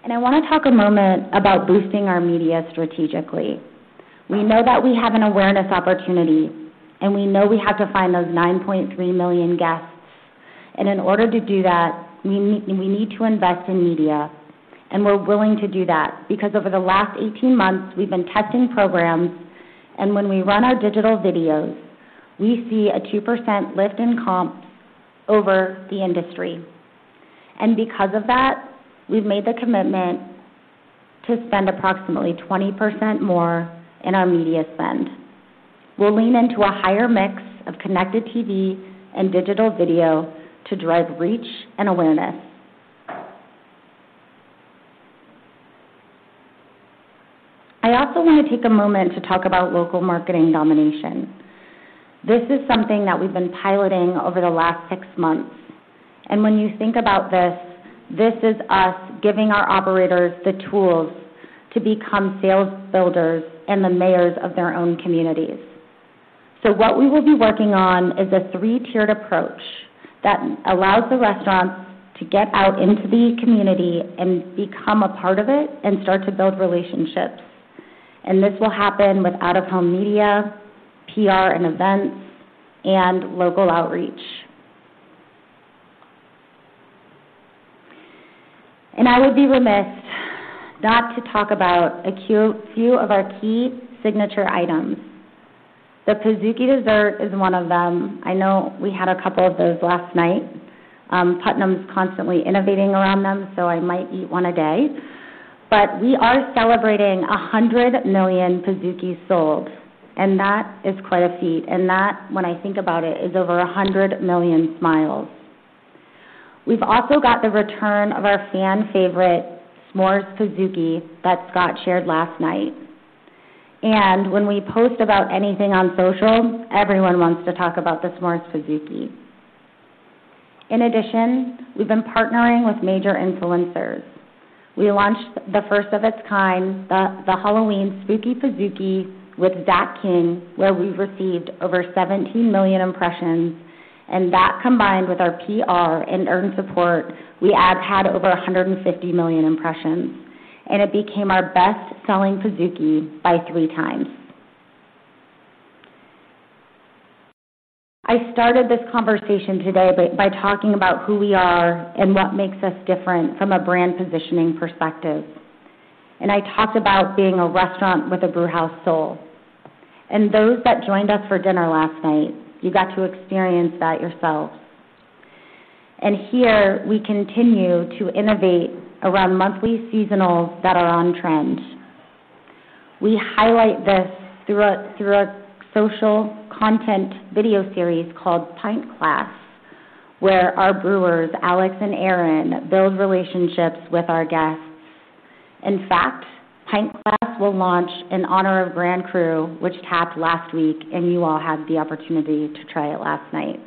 And I want to talk a moment about boosting our media strategically. We know that we have an awareness opportunity, and we know we have to find those 9.3 million guests. In order to do that, we need to invest in media, and we're willing to do that, because over the last 18 months, we've been testing programs, and when we run our digital videos, we see a 2% lift in comps over the industry. Because of that, we've made the commitment to spend approximately 20% more in our media spend. We'll lean into a higher mix of Connected TV and digital video to drive reach and awareness. I also want to take a moment to talk about local marketing domination. This is something that we've been piloting over the last 6 months, and when you think about this, this is us giving our operators the tools to become sales builders and the mayors of their own communities. What we will be working on is a three-tiered approach that allows the restaurants to get out into the community and become a part of it and start to build relationships. This will happen with out-of-home media, PR and events, and local outreach. And I would be remiss not to talk about a few of our key signature items. The Pizookie dessert is one of them. I know we had a couple of those last night. Putnam's constantly innovating around them, so I might eat one a day. But we are celebrating 100 million Pizookies sold, and that is quite a feat. And that, when I think about it, is over 100 million smiles. We've also got the return of our fan favorite, S'mores Pizookie, that Scott shared last night. When we post about anything on social, everyone wants to talk about the S'mores Pizookie. In addition, we've been partnering with major influencers. We launched the first of its kind, the Halloween Spooky Pizookie with Zach King, where we received over 17 million impressions, and that combined with our PR and earned support, we have had over 150 million impressions, and it became our best-selling Pizookie by 3 times. I started this conversation today by talking about who we are and what makes us different from a brand positioning perspective. I talked about being a restaurant with a brewhouse soul. Those that joined us for dinner last night, you got to experience that yourselves. Here, we continue to innovate around monthly seasonals that are on trend. We highlight this through our social content video series called Pint Class, where our brewers, Alex and Aaron, build relationships with our guests. In fact, Pint Class will launch in honor of Grand Cru, which tapped last week, and you all had the opportunity to try it last night.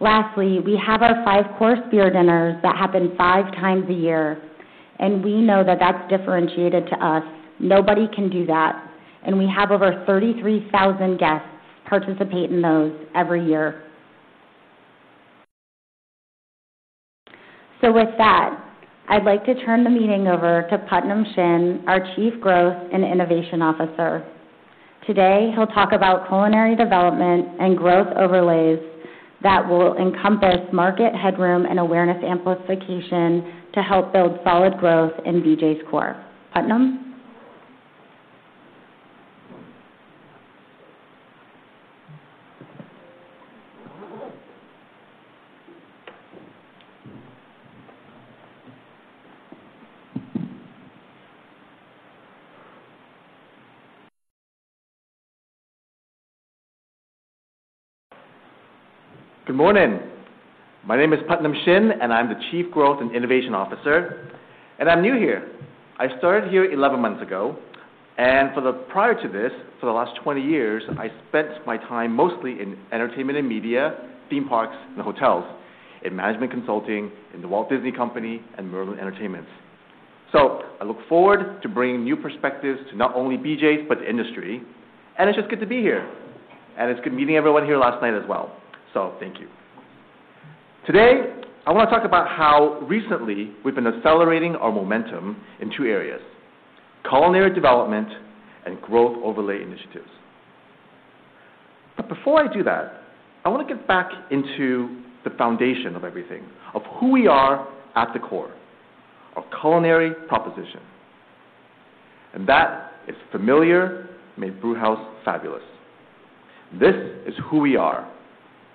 Lastly, we have our five-course beer dinners that happen five times a year, and we know that that's differentiated to us. Nobody can do that, and we have over 33,000 guests participate in those every year. So with that, I'd like to turn the meeting over to Putnam Shin, our Chief Growth and Innovation Officer. Today, he'll talk about culinary development and growth overlays that will encompass market headroom and awareness amplification to help build solid growth in BJ's core. Putnam? Good morning. My name is Putnam Shin, and I'm the Chief Growth and Innovation Officer, and I'm new here. I started here 11 months ago, and for the... Prior to this, for the last 20 years, I spent my time mostly in entertainment and media, theme parks, and hotels, in management consulting, in The Walt Disney Company, and Merlin Entertainments. So I look forward to bringing new perspectives to not only BJ's, but the industry, and it's just good to be here. And it's good meeting everyone here last night as well. So thank you. Today, I want to talk about how recently we've been accelerating our momentum in two areas: culinary development and growth overlay initiatives. But before I do that, I want to get back into the foundation of everything, of who we are at the core, our culinary proposition, and that is familiar made brewhouse fabulous. This is who we are.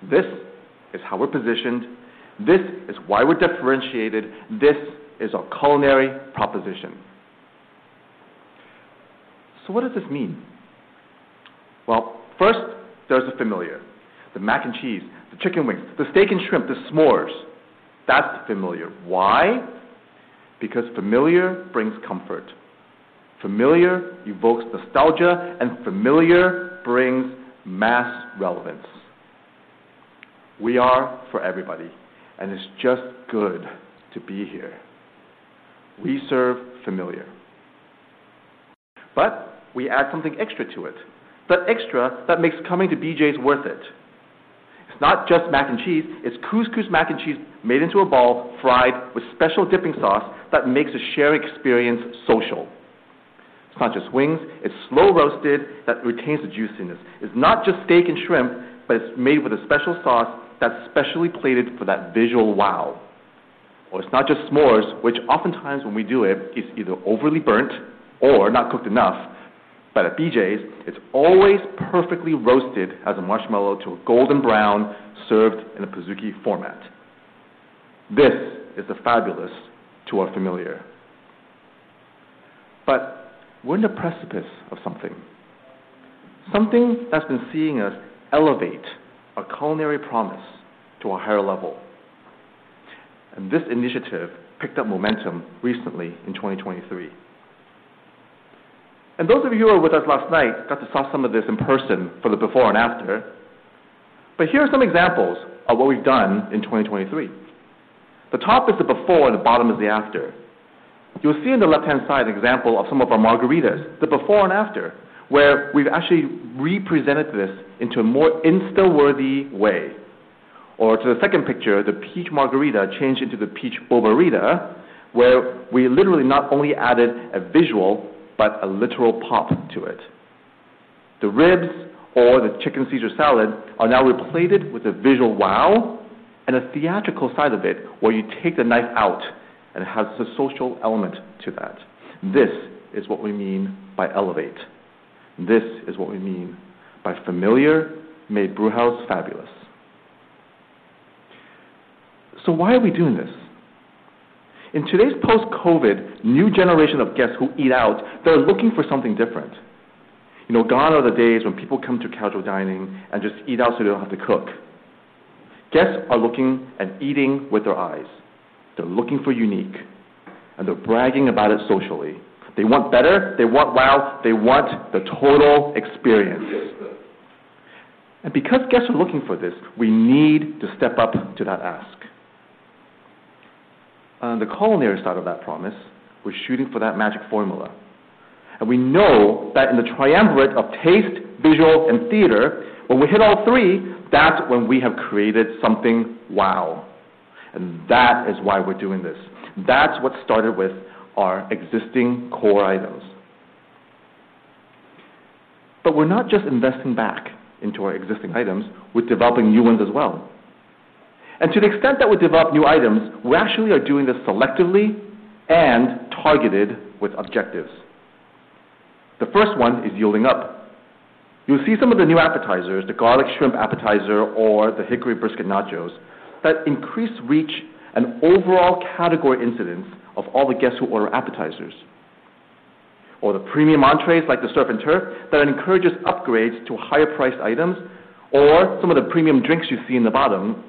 This is how we're positioned. This is why we're differentiated. This is our culinary proposition. So what does this mean? Well, first, there's the familiar, the mac and cheese, the chicken wings, the steak and shrimp, the s'mores. That's familiar. Why? Because familiar brings comfort, familiar evokes nostalgia, and familiar brings mass relevance. We are for everybody, and it's just good to be here. We serve familiar, but we add something extra to it. That extra that makes coming to BJ's worth it. It's not just mac and cheese. It's Couscous Mac and Cheese made into a ball, fried with special dipping sauce that makes the share experience social. It's not just wings. It's slow-roasted that retains the juiciness. It's not just steak and shrimp, but it's made with a special sauce that's specially plated for that visual wow. Or it's not just s'mores, which oftentimes when we do it, it's either overly burnt or not cooked enough. But at BJ's, it's always perfectly roasted as a marshmallow to a golden brown, served in a Pizookie format. This is the fabulous to our familiar. But we're in the precipice of something, something that's been seeing us elevate our culinary promise to a higher level. And this initiative picked up momentum recently in 2023. And those of you who were with us last night got to saw some of this in person for the before and after. But here are some examples of what we've done in 2023. The top is the before, and the bottom is the after. You'll see in the left-hand side an example of some of our margaritas, the before and after, where we've actually represented this into a more Insta-worthy way. Or, to the second picture, the peach margarita changed into the Peach Boba-Rita, where we literally not only added a visual, but a literal pop to it. The ribs or the chicken Caesar salad are now replated with a visual wow and a theatrical side of it, where you take the knife out, and it has a social element to that. This is what we mean by elevate. This is what we mean by familiar made Brewhouse fabulous. So why are we doing this? In today's post-COVID, new generation of guests who eat out, they're looking for something different. You know, gone are the days when people come to casual dining and just eat out so they don't have to cook. Guests are looking and eating with their eyes. They're looking for unique, and they're bragging about it socially. They want better, they want wow, they want the total experience. Because guests are looking for this, we need to step up to that ask. On the culinary side of that promise, we're shooting for that magic formula, and we know that in the triumvirate of taste, visual, and theater, when we hit all three, that's when we have created something wow! That is why we're doing this. That's what started with our existing core items. We're not just investing back into our existing items, we're developing new ones as well. To the extent that we develop new items, we actually are doing this selectively and targeted with objectives. The first one is yielding up. You'll see some of the new appetizers, the garlic shrimp appetizer or the hickory brisket nachos, that increase reach and overall category incidence of all the guests who order appetizers. Or the premium entrées, like the Surf and Turf, that encourages upgrades to higher priced items, or some of the premium drinks you see in the bottom,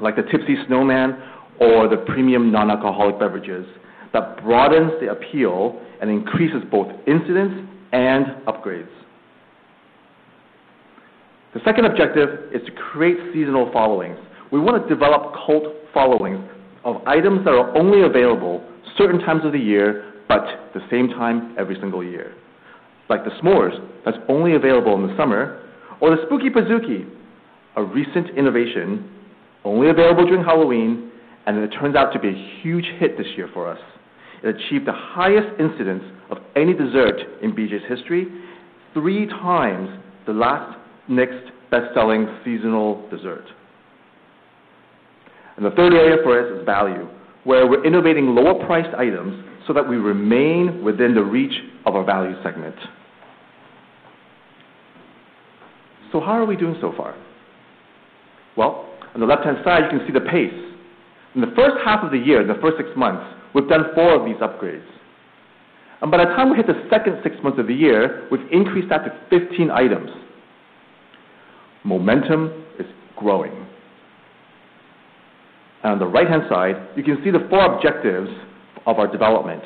like the Tipsy Snowman or the premium non-alcoholic beverages, that broadens the appeal and increases both incidence and upgrades. The second objective is to create seasonal offerings. We want to develop cult followings of items that are only available certain times of the year, but the same time every single year. Like the S'mores, that's only available in the summer, or the Spooky Pizookie, a recent innovation only available during Halloween, and it turns out to be a huge hit this year for us. It achieved the highest incidence of any dessert in BJ's history, three times the last next best-selling seasonal dessert. The third area for us is value, where we're innovating lower-priced items so that we remain within the reach of our value segment. So how are we doing so far? Well, on the left-hand side, you can see the pace. In the first half of the year, in the first 6 months, we've done 4 of these upgrades. By the time we hit the second 6 months of the year, we've increased that to 15 items. Momentum is growing. On the right-hand side, you can see the 4 objectives of our development,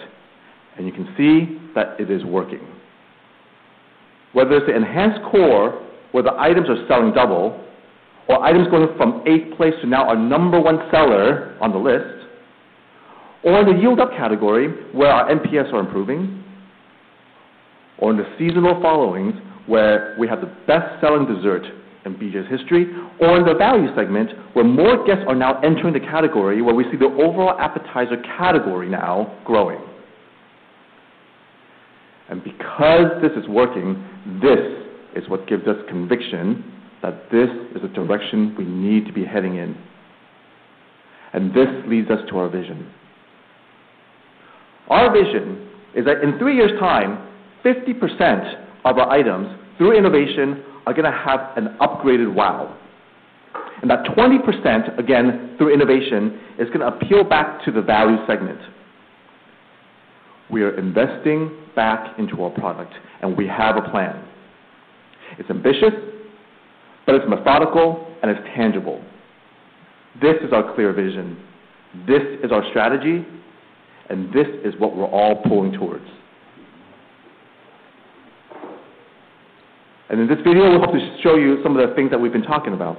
and you can see that it is working. Whether it's the enhanced core, where the items are selling double, or items going from eighth place to now our number one seller on the list, or in the yield up category, where our NPS are improving, or in the seasonal followings, where we have the best-selling dessert in BJ's history, or in the value segment, where more guests are now entering the category, where we see the overall appetizer category now growing. Because this is working, this is what gives us conviction that this is the direction we need to be heading in. This leads us to our vision. Our vision is that in 3 years' time, 50% of our items, through innovation, are gonna have an upgraded wow, and that 20%, again, through innovation, is gonna appeal back to the value segment. We are investing back into our product, and we have a plan. It's ambitious, but it's methodical and it's tangible. This is our clear vision, this is our strategy, and this is what we're all pulling towards. In this video, we hope to show you some of the things that we've been talking about. ...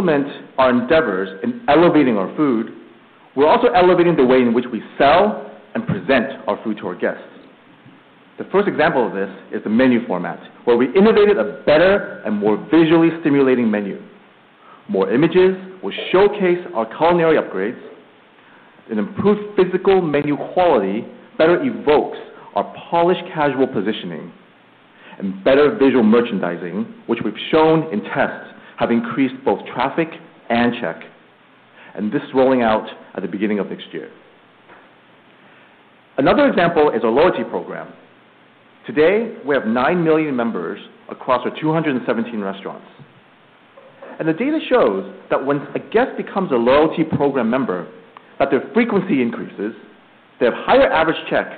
To complement our endeavors in elevating our food, we're also elevating the way in which we sell and present our food to our guests. The first example of this is the menu format, where we innovated a better and more visually stimulating menu. More images will showcase our culinary upgrades, an improved physical menu quality better evokes our Polished Casual positioning, and better visual merchandising, which we've shown in tests, have increased both traffic and check, and this is rolling out at the beginning of next year. Another example is our loyalty program. Today, we have 9 million members across our 217 restaurants. The data shows that when a guest becomes a loyalty program member, that their frequency increases, they have higher average check,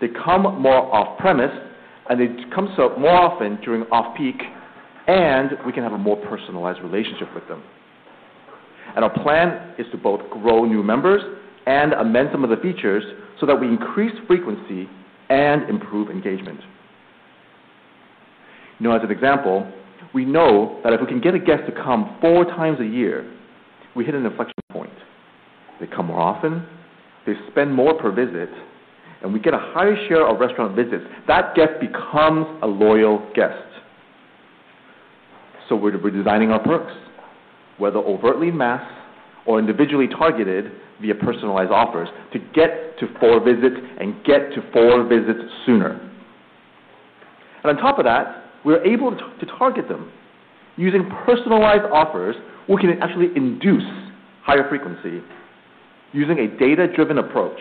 they come more off-premise, and they comes up more often during off-peak, and we can have a more personalized relationship with them. Our plan is to both grow new members and amend some of the features so that we increase frequency and improve engagement. Now, as an example, we know that if we can get a guest to come four times a year, we hit an inflection point. They come more often, they spend more per visit, and we get a higher share of restaurant visits. That guest becomes a loyal guest. We're redesigning our perks, whether overtly mass or individually targeted via personalized offers, to get to four visits and get to four visits sooner. On top of that, we're able to target them. Using personalized offers, we can actually induce higher frequency using a data-driven approach.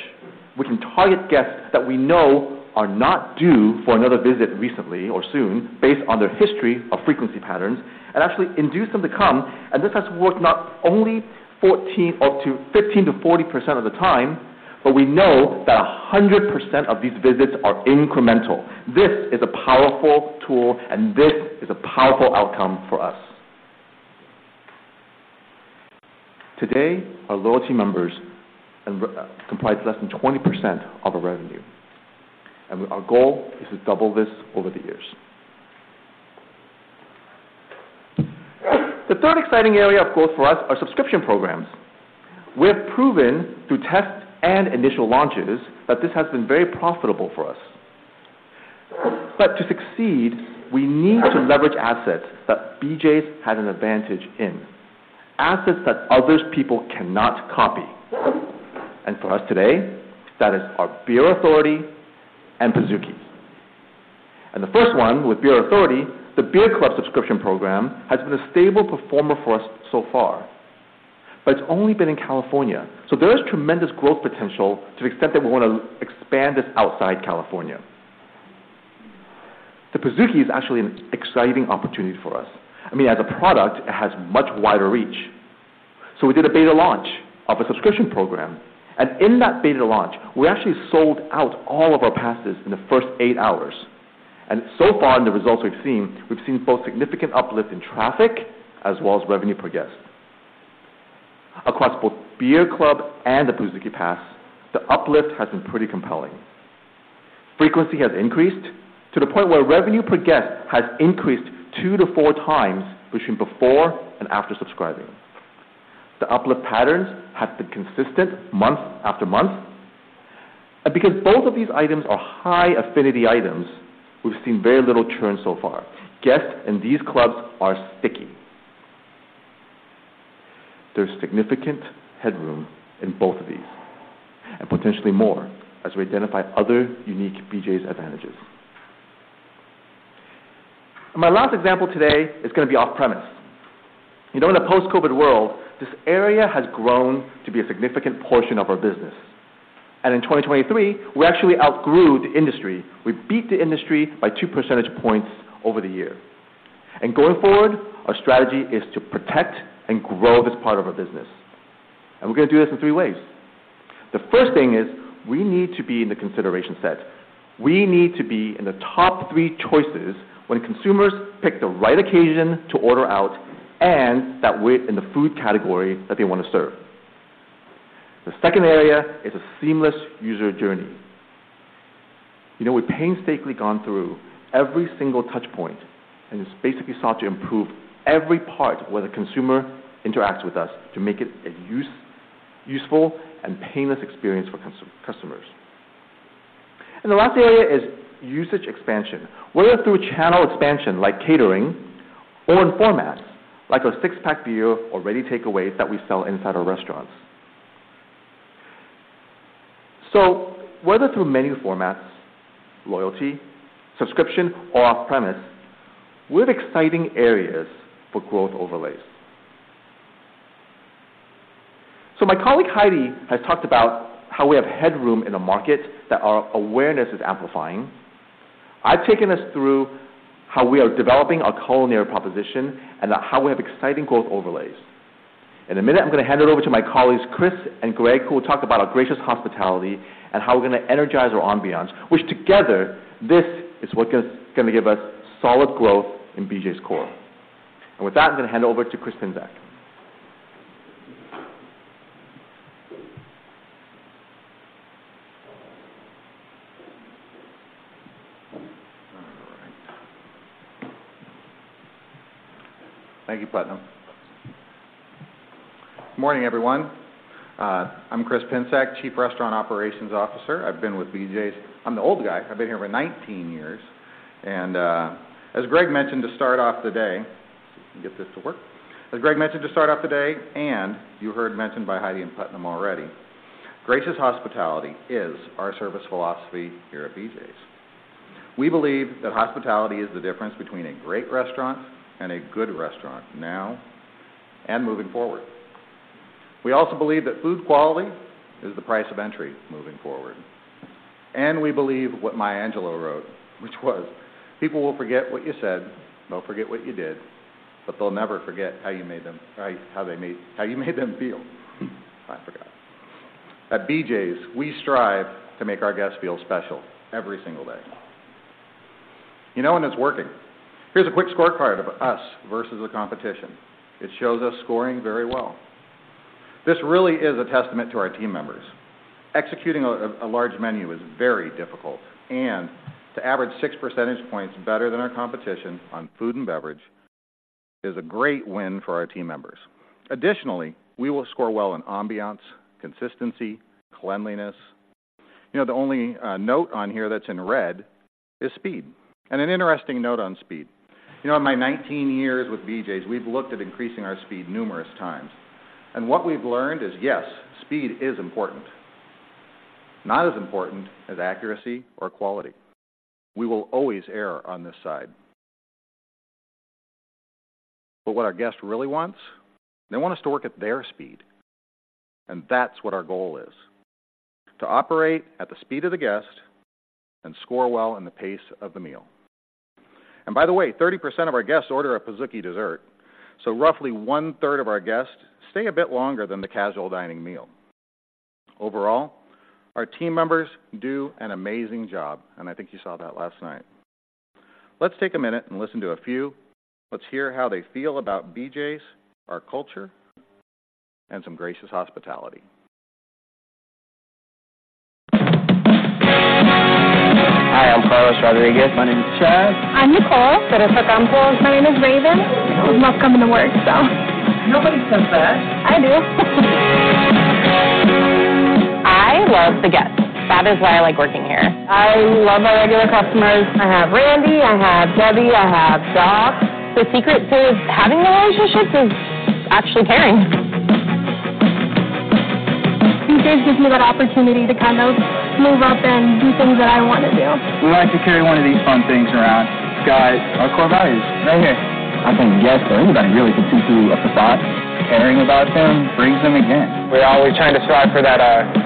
We can target guests that we know are not due for another visit recently or soon, based on their history of frequency patterns, and actually induce them to come, and this has worked not only 14 up to 15 to 40% of the time, but we know that 100% of these visits are incremental. This is a powerful tool, and this is a powerful outcome for us. Today, our loyalty members comprise less than 20% of our revenue, and our goal is to double this over the years. The third exciting area, of course, for us, are subscription programs. We have proven through tests and initial launches that this has been very profitable for us. But to succeed, we need to leverage assets that BJ's has an advantage in, assets that other people cannot copy. And for us today, that is our Beer Authority and Pizookie. And the first one, with Beer Authority, the Beer Club subscription program, has been a stable performer for us so far, but it's only been in California. So there is tremendous growth potential to the extent that we want to expand this outside California. The Pizookie is actually an exciting opportunity for us. I mean, as a product, it has much wider reach. So we did a beta launch of a subscription program, and in that beta launch, we actually sold out all of our passes in the first eight hours. And so far, in the results we've seen, we've seen both significant uplift in traffic as well as revenue per guest. Across both Beer Club and the Pizookie Pass, the uplift has been pretty compelling. Frequency has increased to the point where revenue per guest has increased 2-4 times between before and after subscribing. The uplift patterns have been consistent month after month, and because both of these items are high-affinity items, we've seen very little churn so far. Guests in these clubs are sticky. There's significant headroom in both of these, and potentially more as we identify other unique BJ's advantages. My last example today is going to be off-premise. You know, in a post-COVID world, this area has grown to be a significant portion of our business, and in 2023, we actually outgrew the industry. We beat the industry by 2 percentage points over the year. Going forward, our strategy is to protect and grow this part of our business, and we're going to do this in three ways. The first thing is we need to be in the consideration set. We need to be in the top three choices when consumers pick the right occasion to order out and that we're in the food category that they want to serve. The second area is a seamless user journey. You know, we've painstakingly gone through every single touch point and basically sought to improve every part where the consumer interacts with us to make it a useful and painless experience for customers. And the last area is usage expansion, whether through channel expansion, like catering, or in formats, like our six-pack beer or ready takeaways that we sell inside our restaurants.... So whether through menu formats, loyalty, subscription, or off-premise, we have exciting areas for growth overlays. So my colleague, Heidi, has talked about how we have headroom in a market that our awareness is amplifying. I've taken us through how we are developing our culinary proposition and how we have exciting growth overlays. In a minute, I'm going to hand it over to my colleagues, Chris and Greg, who will talk about our gracious hospitality and how we're going to energize our ambiance, which together, this is what is going to give us solid growth in BJ's core. And with that, I'm going to hand it over to Chris Pinsak. All right. Thank you, Putnam. Morning, everyone. I'm Chris Pinsak, Chief Restaurant Operations Officer. I've been with BJ's—I'm the old guy. I've been here for 19 years, and as Greg mentioned, to start off the day. If I can get this to work. As Greg mentioned, to start off the day, and you heard mentioned by Heidi and Putnam already, gracious hospitality is our service philosophy here at BJ's. We believe that hospitality is the difference between a great restaurant and a good restaurant, now and moving forward. We also believe that food quality is the price of entry moving forward. And we believe what Maya Angelou wrote, which was: "People will forget what you said, they'll forget what you did, but they'll never forget how you made them, how they made—how you made them feel." I forgot. At BJ's, we strive to make our guests feel special every single day. You know when it's working. Here's a quick scorecard of us versus the competition. It shows us scoring very well. This really is a testament to our team members. Executing a large menu is very difficult, and to average six percentage points better than our competition on food and beverage is a great win for our team members. Additionally, we will score well in ambiance, consistency, cleanliness. You know, the only note on here that's in red is speed. An interesting note on speed. You know, in my 19 years with BJ's, we've looked at increasing our speed numerous times, and what we've learned is, yes, speed is important. Not as important as accuracy or quality. We will always err on this side. What our guest really wants, they want us to work at their speed, and that's what our goal is: to operate at the speed of the guest and score well in the pace of the meal. And by the way, 30% of our guests order a Pizookie dessert, so roughly one-third of our guests stay a bit longer than the casual dining meal. Overall, our team members do an amazing job, and I think you saw that last night. Let's take a minute and listen to a few. Let's hear how they feel about BJ's, our culture, and some gracious hospitality. Hi, I'm Carlos Rodriguez. My name is Chad. I'm Nicole. Teresa Ocampo. My name is Raven. I love coming to work, so Nobody says that! I do. I love the guests. That is why I like working here. I love our regular customers. I have Randy, I have Debbie, I have Doc. The secret to having the relationships is actually caring. BJ's gives me that opportunity to kind of move up and do things that I want to do. We like to carry one of these fun things around. It's got our core values right here. I think guests or anybody, really, can see we have the thought. Caring about them brings them again. We're always trying to strive for that,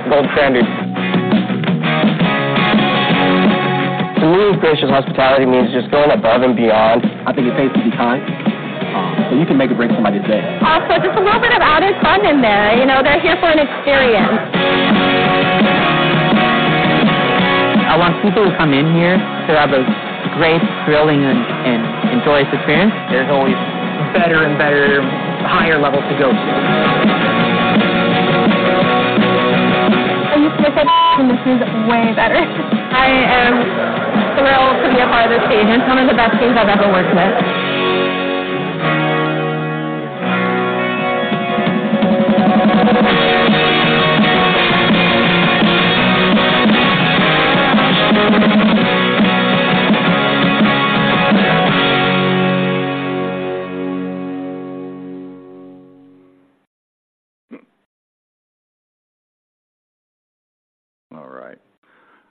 gold standard. To me, gracious hospitality means just going above and beyond. I think it's safe to be kind, and you can make or break somebody's day. Also, just a little bit of added fun in there. You know, they're here for an experience. I want people to come in here to have a great, thrilling, and enjoyable experience. There's always better and better, higher levels to go to. I'm just going to say this is way better. I am thrilled to be a part of this team. It's one of the best teams I've ever worked with. All right.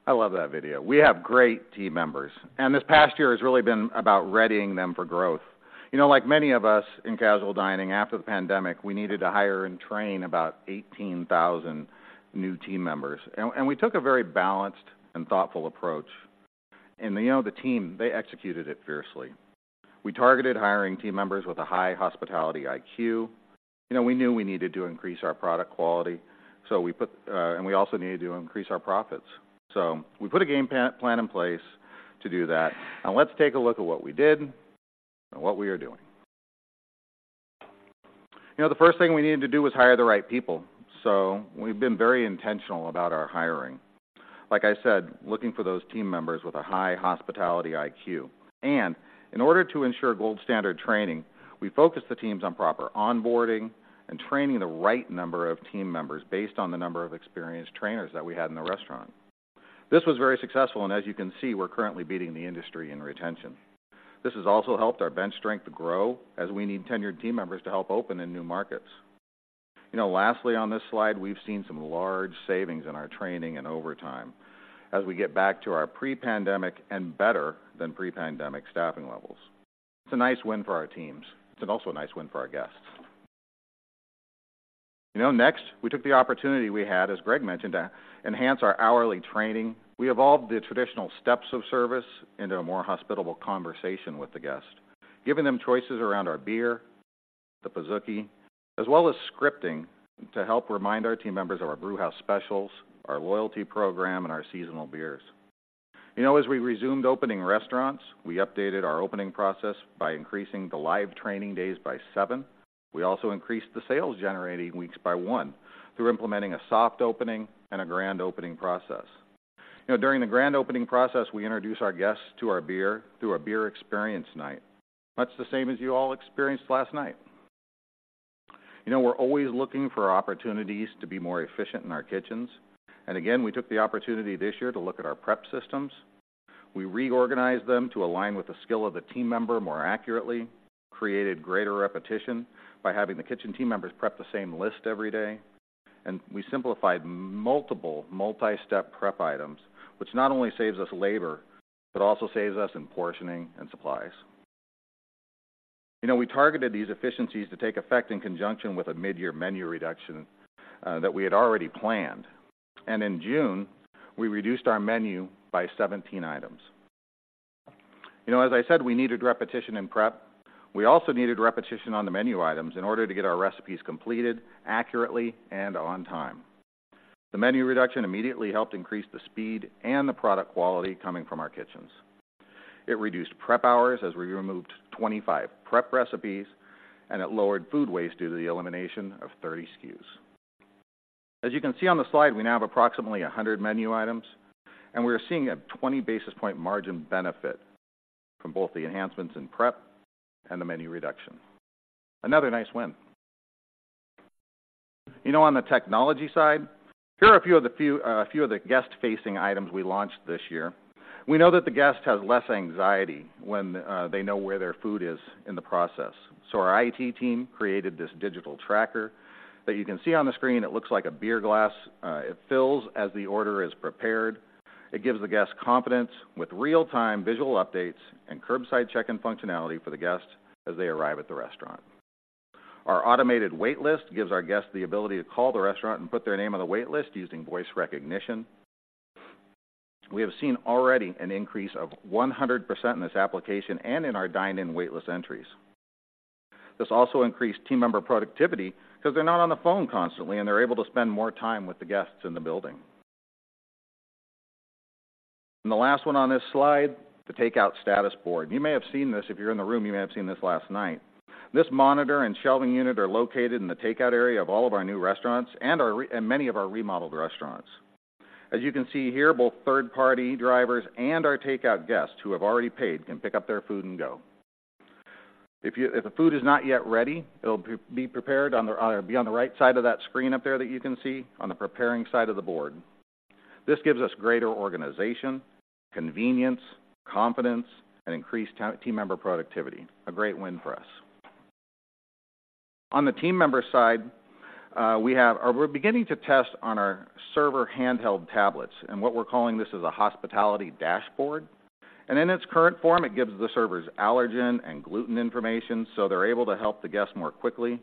I love that video. We have great team members, and this past year has really been about readying them for growth. You know, like many of us in casual dining, after the pandemic, we needed to hire and train about 18,000 new team members. And we took a very balanced and thoughtful approach. And, you know, the team, they executed it fiercely. We targeted hiring team members with a high hospitality IQ. You know, we knew we needed to increase our product quality, so we put... And we also needed to increase our profits. So we put a game plan in place to do that, and let's take a look at what we did and what we are doing. You know, the first thing we needed to do was hire the right people. So we've been very intentional about our hiring. Like I said, looking for those team members with a high hospitality IQ. And in order to ensure gold standard training, we focused the teams on proper onboarding and training the right number of team members based on the number of experienced trainers that we had in the restaurant. This was very successful, and as you can see, we're currently beating the industry in retention. This has also helped our bench strength to grow as we need tenured team members to help open in new markets. You know, lastly, on this slide, we've seen some large savings in our training and overtime as we get back to our pre-pandemic and better than pre-pandemic staffing levels. It's a nice win for our teams. It's also a nice win for our guests. You know, next, we took the opportunity we had, as Greg mentioned, to enhance our hourly training. We evolved the traditional steps of service into a more hospitable conversation with the guest, giving them choices around our beer, the Pizookie, as well as scripting to help remind our team members of our brewhouse specials, our loyalty program, and our seasonal beers. You know, as we resumed opening restaurants, we updated our opening process by increasing the live training days by seven. We also increased the sales-generating weeks by one through implementing a soft opening and a grand opening process. You know, during the grand opening process, we introduce our guests to our beer through a beer experience night. Much the same as you all experienced last night. You know, we're always looking for opportunities to be more efficient in our kitchens, and again, we took the opportunity this year to look at our prep systems. We reorganized them to align with the skill of the team member more accurately, created greater repetition by having the kitchen team members prep the same list every day, and we simplified multiple multi-step prep items, which not only saves us labor, but also saves us in portioning and supplies. You know, we targeted these efficiencies to take effect in conjunction with a mid-year menu reduction, that we had already planned. And in June, we reduced our menu by 17 items. You know, as I said, we needed repetition in prep. We also needed repetition on the menu items in order to get our recipes completed accurately and on time. The menu reduction immediately helped increase the speed and the product quality coming from our kitchens. It reduced prep hours as we removed 25 prep recipes, and it lowered food waste due to the elimination of 30 SKUs. As you can see on the slide, we now have approximately 100 menu items, and we are seeing a 20 basis point margin benefit from both the enhancements in prep and the menu reduction. Another nice win. You know, on the technology side, here are a few of the guest-facing items we launched this year. We know that the guest has less anxiety when they know where their food is in the process. So our IT team created this digital tracker that you can see on the screen. It looks like a beer glass. It fills as the order is prepared. It gives the guest confidence with real-time visual updates and curbside check-in functionality for the guests as they arrive at the restaurant. Our automated wait list gives our guests the ability to call the restaurant and put their name on the wait list using voice recognition. We have seen already an increase of 100% in this application and in our dine-in wait list entries. This also increased team member productivity because they're not on the phone constantly, and they're able to spend more time with the guests in the building. And the last one on this slide, the takeout status board. You may have seen this. If you're in the room, you may have seen this last night. This monitor and shelving unit are located in the takeout area of all of our new restaurants and many of our remodeled restaurants. As you can see here, both third-party drivers and our takeout guests who have already paid can pick up their food and go. If the food is not yet ready, it'll be prepared on the right side of that screen up there that you can see on the preparing side of the board. This gives us greater organization, convenience, confidence, and increased team member productivity. A great win for us. On the team member side, we're beginning to test on our server handheld tablets and what we're calling this is a hospitality dashboard. In its current form, it gives the servers allergen and gluten information, so they're able to help the guests more quickly.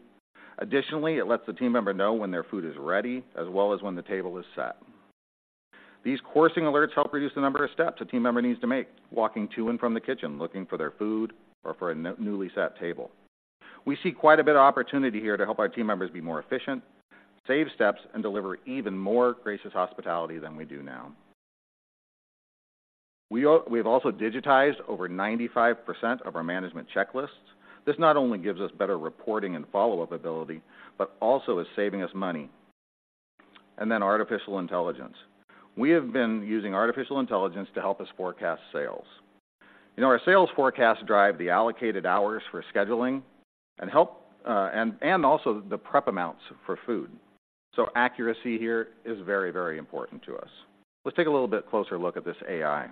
Additionally, it lets the team member know when their food is ready, as well as when the table is set. These coursing alerts help reduce the number of steps a team member needs to make, walking to and from the kitchen, looking for their food or for a newly set table. We see quite a bit of opportunity here to help our team members be more efficient, save steps, and deliver even more gracious hospitality than we do now. We've also digitized over 95% of our management checklists. This not only gives us better reporting and follow-up ability, but also is saving us money. And then artificial intelligence. We have been using artificial intelligence to help us forecast sales. You know, our sales forecasts drive the allocated hours for scheduling and help, and also the prep amounts for food. So accuracy here is very, very important to us. Let's take a little bit closer look at this AI.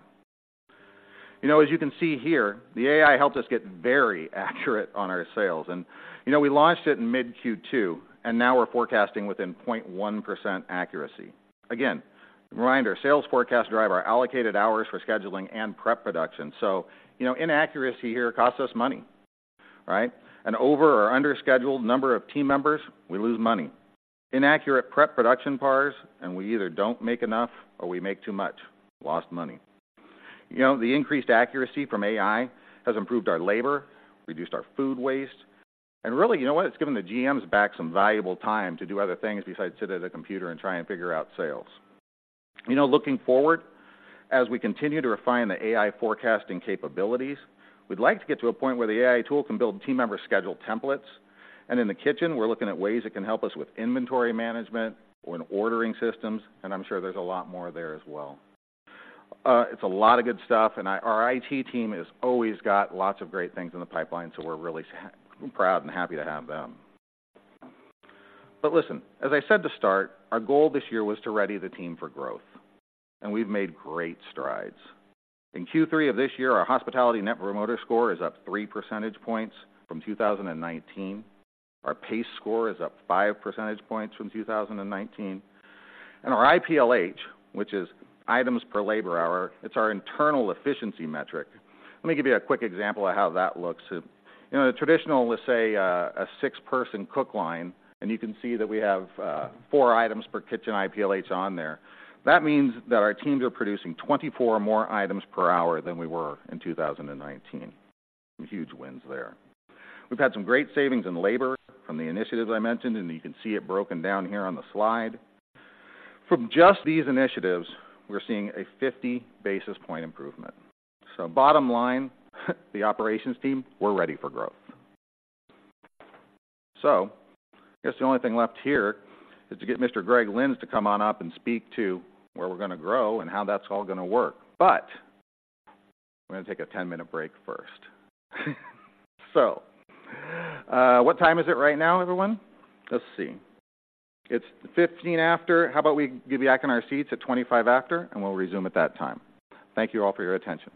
You know, as you can see here, the AI helps us get very accurate on our sales. And, you know, we launched it in mid Q2, and now we're forecasting within 0.1% accuracy. Again, reminder, sales forecast drive our allocated hours for scheduling and prep production. So you know, inaccuracy here costs us money, right? An over or under scheduled number of team members, we lose money. Inaccurate prep production pars, and we either don't make enough or we make too much. Lost money. You know, the increased accuracy from AI has improved our labor, reduced our food waste, and really, you know what? It's given the GMs back some valuable time to do other things besides sit at a computer and try and figure out sales. You know, looking forward, as we continue to refine the AI forecasting capabilities, we'd like to get to a point where the AI tool can build team member schedule templates. And in the kitchen, we're looking at ways it can help us with inventory management or in ordering systems, and I'm sure there's a lot more there as well. It's a lot of good stuff, and our IT team has always got lots of great things in the pipeline, so we're really proud and happy to have them. But listen, as I said to start, our goal this year was to ready the team for growth, and we've made great strides. In Q3 of this year, our hospitality net promoter score is up three percentage points from 2019. Our pace score is up 5 percentage points from 2019, and our IPLH, which is items per labor hour, it's our internal efficiency metric. Let me give you a quick example of how that looks. In a traditional, let's say, a 6-person cook line, and you can see that we have 4 items per kitchen IPLH on there. That means that our teams are producing 24 more items per hour than we were in 2019. Some huge wins there. We've had some great savings in labor from the initiatives I mentioned, and you can see it broken down here on the slide. From just these initiatives, we're seeing a 50 basis point improvement. So bottom line, the operations team, we're ready for growth. So I guess the only thing left here is to get Mr. Greg Lynds to come on up and speak to where we're going to grow and how that's all going to work. But we're going to take a 10-minute break first. So what time is it right now, everyone? Let's see. It's 15 after. How about we get back in our seats at 25 after, and we'll resume at that time. Thank you all for your attention.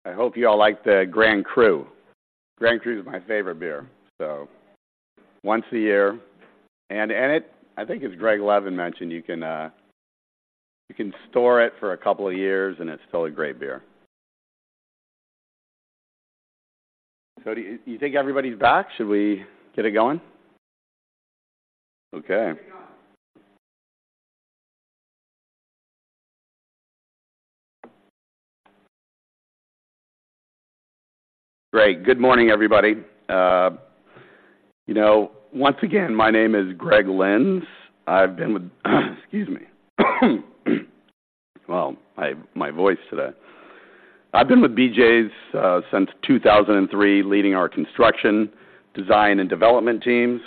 Yeah, it was working. Yeah, okay. Yeah. One of those things, you know? It's just, it's just the front and back, right? Yeah.... I hope you all like the Grand Cru. Grand Cru is my favorite beer, so once a year, and it, I think as Greg Levin mentioned, you can store it for a couple of years, and it's still a great beer. So do you think everybody's back? Should we get it going? Okay. Great. Good morning, everybody. You know, once again, my name is Greg Lynds. I've been with... Excuse me. Well, I have my voice today. I've been with BJ's since 2003, leading our construction, design, and development teams.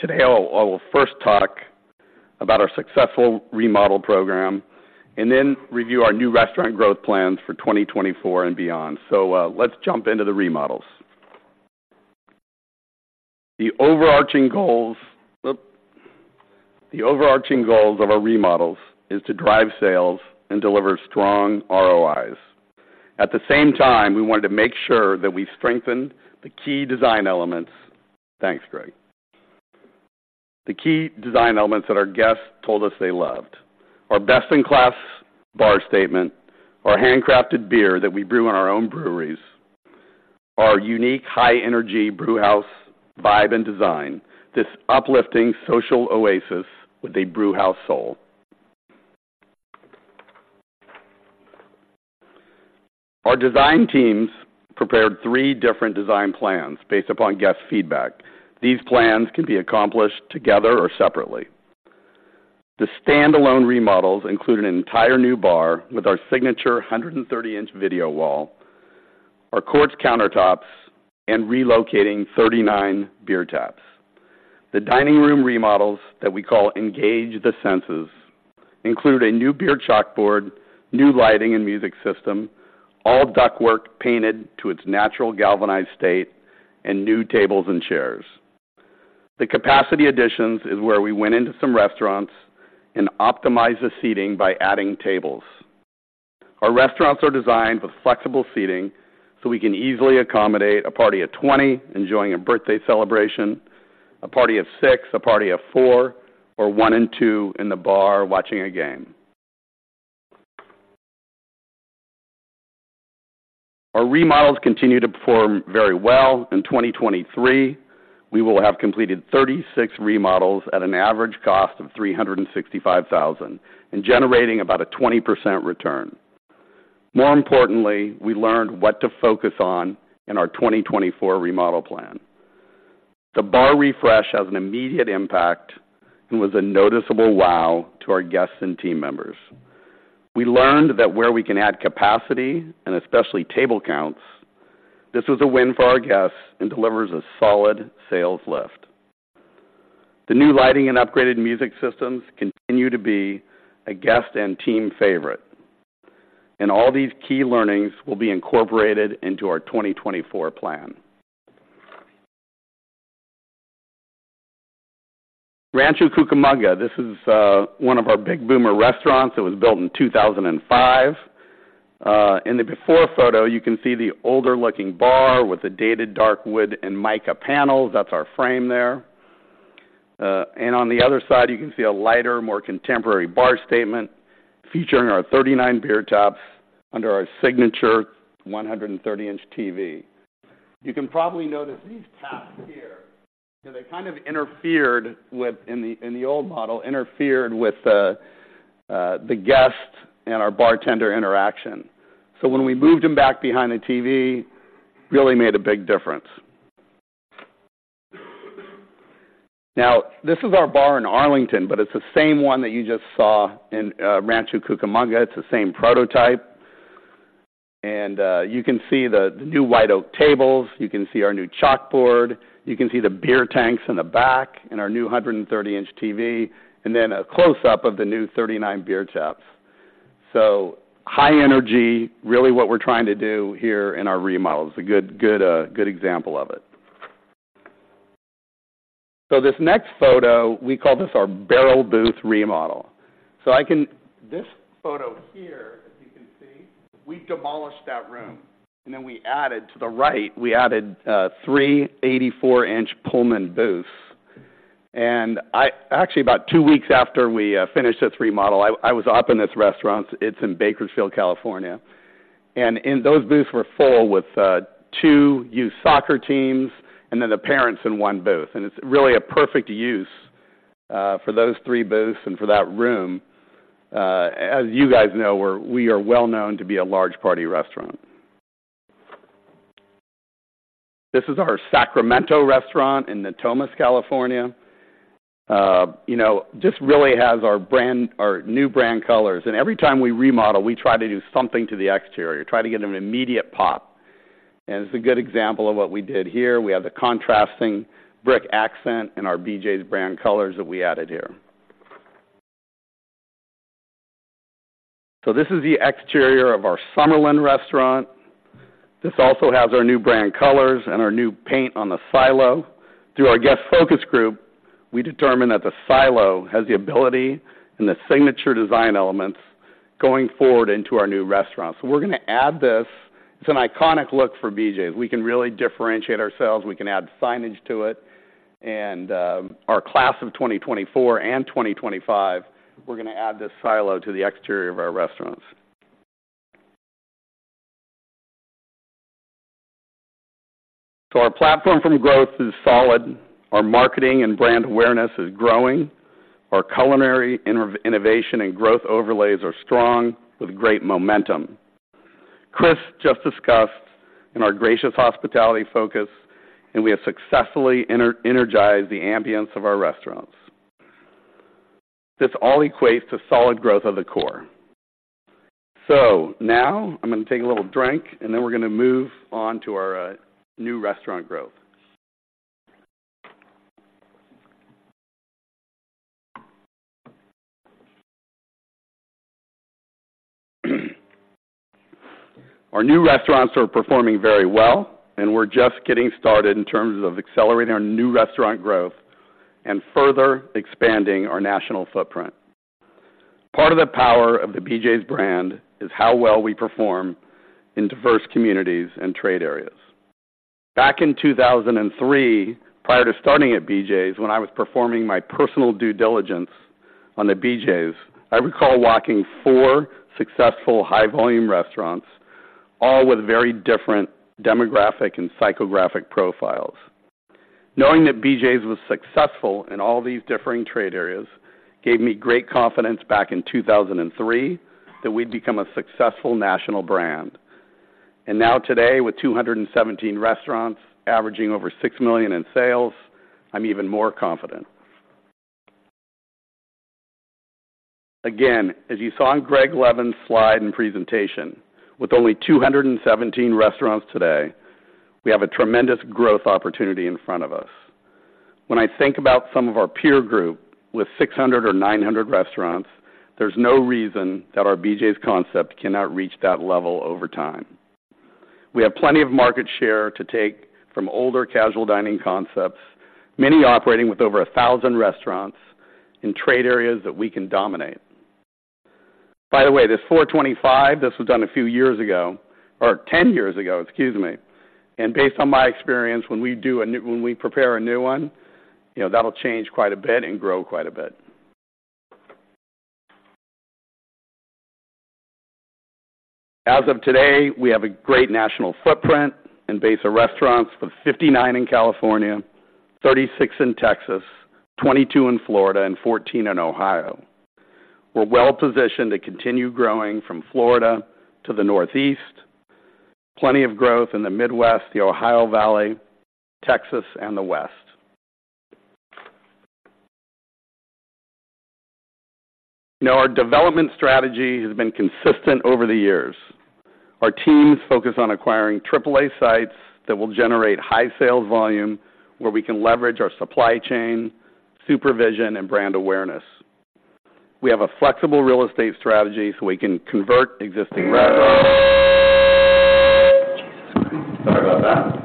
Today, I will first talk about our successful remodel program, and then review our new restaurant growth plans for 2024 and beyond. So, let's jump into the remodels. The overarching goals. Oop! The overarching goals of our remodels is to drive sales and deliver strong ROIs. At the same time, we wanted to make sure that we strengthened the key design elements. Thanks, Greg. The key design elements that our guests told us they loved: our best-in-class bar statement, our handcrafted beer that we brew in our own breweries, our unique, high-energy brewhouse vibe and design, this uplifting social oasis with a brewhouse soul. Our design teams prepared three different design plans based upon guest feedback. These plans can be accomplished together or separately. The standalone remodels include an entire new bar with our signature 130-inch video wall, our quartz countertops, and relocating 39 beer taps. The dining room remodels that we call Engage the Senses include a new beer chalkboard, new lighting and music system, all ductwork painted to its natural galvanized state, and new tables and chairs. The capacity additions is where we went into some restaurants and optimized the seating by adding tables. Our restaurants are designed with flexible seating, so we can easily accommodate a party of 20 enjoying a birthday celebration, a party of 6, a party of 4, or 1 and 2 in the bar watching a game. Our remodels continue to perform very well. In 2023, we will have completed 36 remodels at an average cost of $365,000, and generating about a 20% return. More importantly, we learned what to focus on in our 2024 remodel plan. The bar refresh has an immediate impact and was a noticeable wow to our guests and team members. We learned that where we can add capacity, and especially table counts, this was a win for our guests and delivers a solid sales lift. The new lighting and upgraded music systems continue to be a guest and team favorite, and all these key learnings will be incorporated into our 2024 plan. Rancho Cucamonga, this is one of our big boomer restaurants that was built in 2005. In the before photo, you can see the older-looking bar with the dated dark wood and mica panels. That's our frame there. And on the other side, you can see a lighter, more contemporary bar statement featuring our 39 beer taps under our signature 130-inch TV. You can probably notice these taps here, so they kind of interfered with the guest and our bartender interaction in the old model. So when we moved them back behind the TV, really made a big difference. Now, this is our bar in Arlington, but it's the same one that you just saw in Rancho Cucamonga. It's the same prototype, and you can see the new white oak tables, you can see our new chalkboard, you can see the beer tanks in the back and our new 130-inch TV, and then a close-up of the new 39 beer taps. So high energy, really what we're trying to do here in our remodels. A good, good, good example of it. So this next photo, we call this our barrel booth remodel. This photo here, as you can see, we demolished that room, and then we added to the right, we added three 84-inch Pullman booths. And actually, about two weeks after we finished this remodel, I was up in this restaurant. It's in Bakersfield, California. Those booths were full with two youth soccer teams and then the parents in one booth. And it's really a perfect use for those three booths and for that room. As you guys know, we are well-known to be a large party restaurant. This is our Sacramento restaurant in Natomas, California. You know, just really has our new brand colors. And every time we remodel, we try to do something to the exterior, try to get an immediate pop. And it's a good example of what we did here. We have the contrasting brick accent and our BJ's brand colors that we added here. So this is the exterior of our Summerlin restaurant. This also has our new brand colors and our new paint on the silo. Through our guest focus group, we determined that the silo has the ability and the signature design elements going forward into our new restaurant. So we're going to add this. It's an iconic look for BJ's. We can really differentiate ourselves, we can add signage to it, and our class of 2024 and 2025, we're going to add this silo to the exterior of our restaurants. So our platform for growth is solid, our marketing and brand awareness is growing, our culinary innovation and growth overlays are strong with great momentum. Chris just discussed in our gracious hospitality focus, and we have successfully energized the ambiance of our restaurants. This all equates to solid growth of the core. So now I'm going to take a little drink, and then we're going to move on to our new restaurant growth. Our new restaurants are performing very well, and we're just getting started in terms of accelerating our new restaurant growth and further expanding our national footprint. Part of the power of the BJ's brand is how well we perform in diverse communities and trade areas. Back in 2003, prior to starting at BJ's, when I was performing my personal due diligence on the BJ's, I recall walking four successful high-volume restaurants, all with very different demographic and psychographic profiles. Knowing that BJ's was successful in all these differing trade areas gave me great confidence back in 2003, that we'd become a successful national brand. And now today, with 217 restaurants averaging over $6 million in sales, I'm even more confident. Again, as you saw in Greg Levin's slide and presentation, with only 217 restaurants today, we have a tremendous growth opportunity in front of us. When I think about some of our peer group with 600 or 900 restaurants, there's no reason that our BJ's concept cannot reach that level over time. We have plenty of market share to take from older casual dining concepts, many operating with over 1,000 restaurants in trade areas that we can dominate. By the way, this 425, this was done a few years ago, or 10 years ago, excuse me. And based on my experience, when we prepare a new one, you know, that'll change quite a bit and grow quite a bit. As of today, we have a great national footprint and base of restaurants with 59 in California, 36 in Texas, 22 in Florida, and 14 in Ohio. We're well-positioned to continue growing from Florida to the Northeast. Plenty of growth in the Midwest, the Ohio Valley, Texas, and the West. Now, our development strategy has been consistent over the years. Our teams focus on acquiring AAA sites that will generate high sales volume, where we can leverage our supply chain, supervision, and brand awareness. We have a flexible real estate strategy so we can convert existing restaurants. Sorry about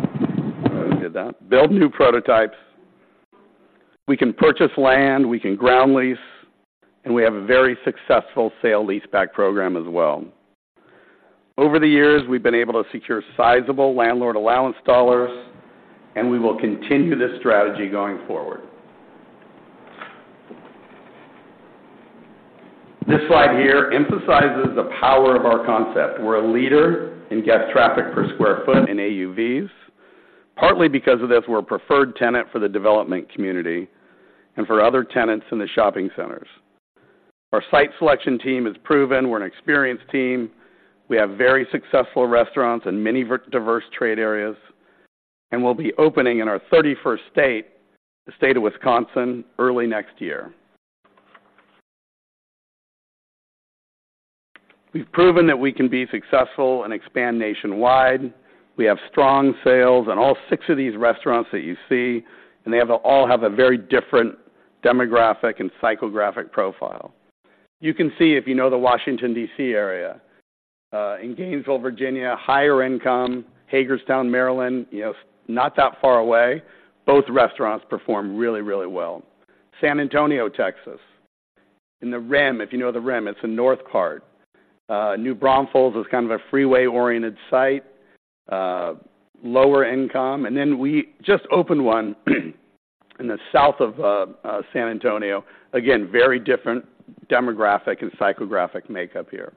that. We did that. Build new prototypes. We can purchase land, we can ground lease, and we have a very successful sale leaseback program as well. Over the years, we've been able to secure sizable landlord allowance dollars, and we will continue this strategy going forward. This slide here emphasizes the power of our concept. We're a leader in guest traffic per square foot in AUVs. Partly because of this, we're a preferred tenant for the development community and for other tenants in the shopping centers. Our site selection team is proven. We're an experienced team. We have very successful restaurants in many diverse trade areas, and we'll be opening in our 31st state, the state of Wisconsin, early next year. We've proven that we can be successful and expand nationwide. We have strong sales in all six of these restaurants that you see, and they have a, all have a very different demographic and psychographic profile. You can see if you know the Washington, D.C. area, in Gainesville, Virginia, higher income, Hagerstown, Maryland, you know, not that far away. Both restaurants perform really, really well. San Antonio, Texas, in The Rim, if you know The Rim, it's the north part. New Braunfels is kind of a freeway-oriented site, lower income. And then we just opened one in the south of San Antonio. Again, very different demographic and psychographic makeup here.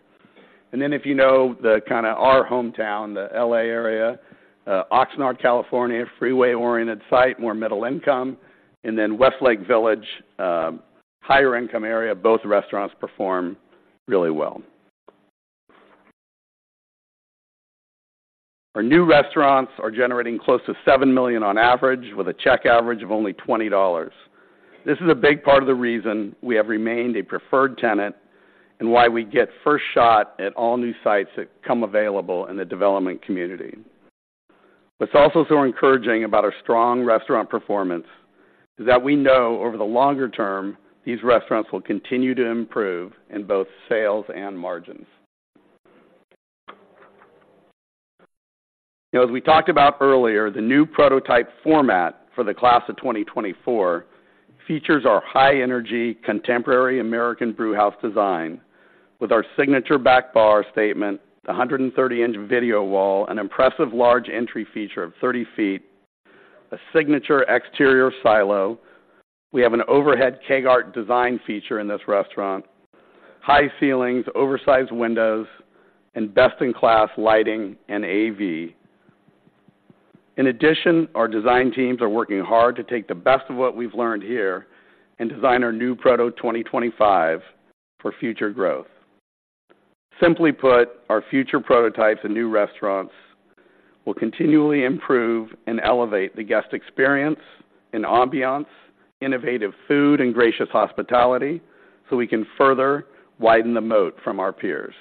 And then if you know the kind of our hometown, the L.A. area, Oxnard, California, freeway-oriented site, more middle income, and then Westlake Village, higher income area. Both restaurants perform really well. Our new restaurants are generating close to $7 million on average, with a check average of only $20. This is a big part of the reason we have remained a preferred tenant and why we get first shot at all new sites that come available in the development community. What's also so encouraging about our strong restaurant performance is that we know over the longer term, these restaurants will continue to improve in both sales and margins. You know, as we talked about earlier, the new prototype format for the class of 2024 features our high-energy, contemporary American brewhouse design with our signature back bar statement, a 130-inch video wall, an impressive large entry feature of 30 feet, a signature exterior silo. We have an overhead kegart design feature in this restaurant, high ceilings, oversized windows, and best-in-class lighting and AV. In addition, our design teams are working hard to take the best of what we've learned here and design our new Proto 2025 for future growth. Simply put, our future prototypes and new restaurants-... Will continually improve and elevate the guest experience and ambiance, innovative food, and gracious hospitality, so we can further widen the moat from our peers.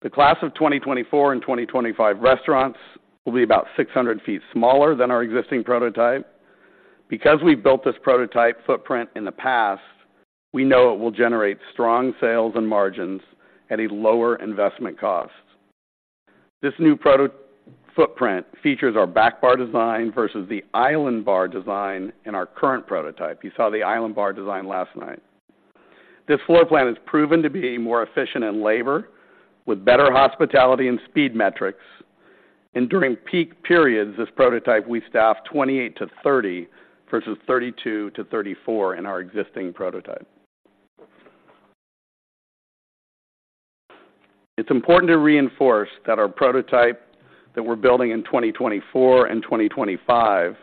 The class of 2024 and 2025 restaurants will be about 600 ft smaller than our existing prototype. Because we built this prototype footprint in the past, we know it will generate strong sales and margins at a lower investment cost. This new proto footprint features our back bar design versus the island bar design in our current prototype. You saw the island bar design last night. This floor plan is proven to be more efficient in labor, with better hospitality and speed metrics. During peak periods, this prototype, we staff 28-30 versus 32-34 in our existing prototype. It's important to reinforce that our prototype that we're building in 2024 and 2025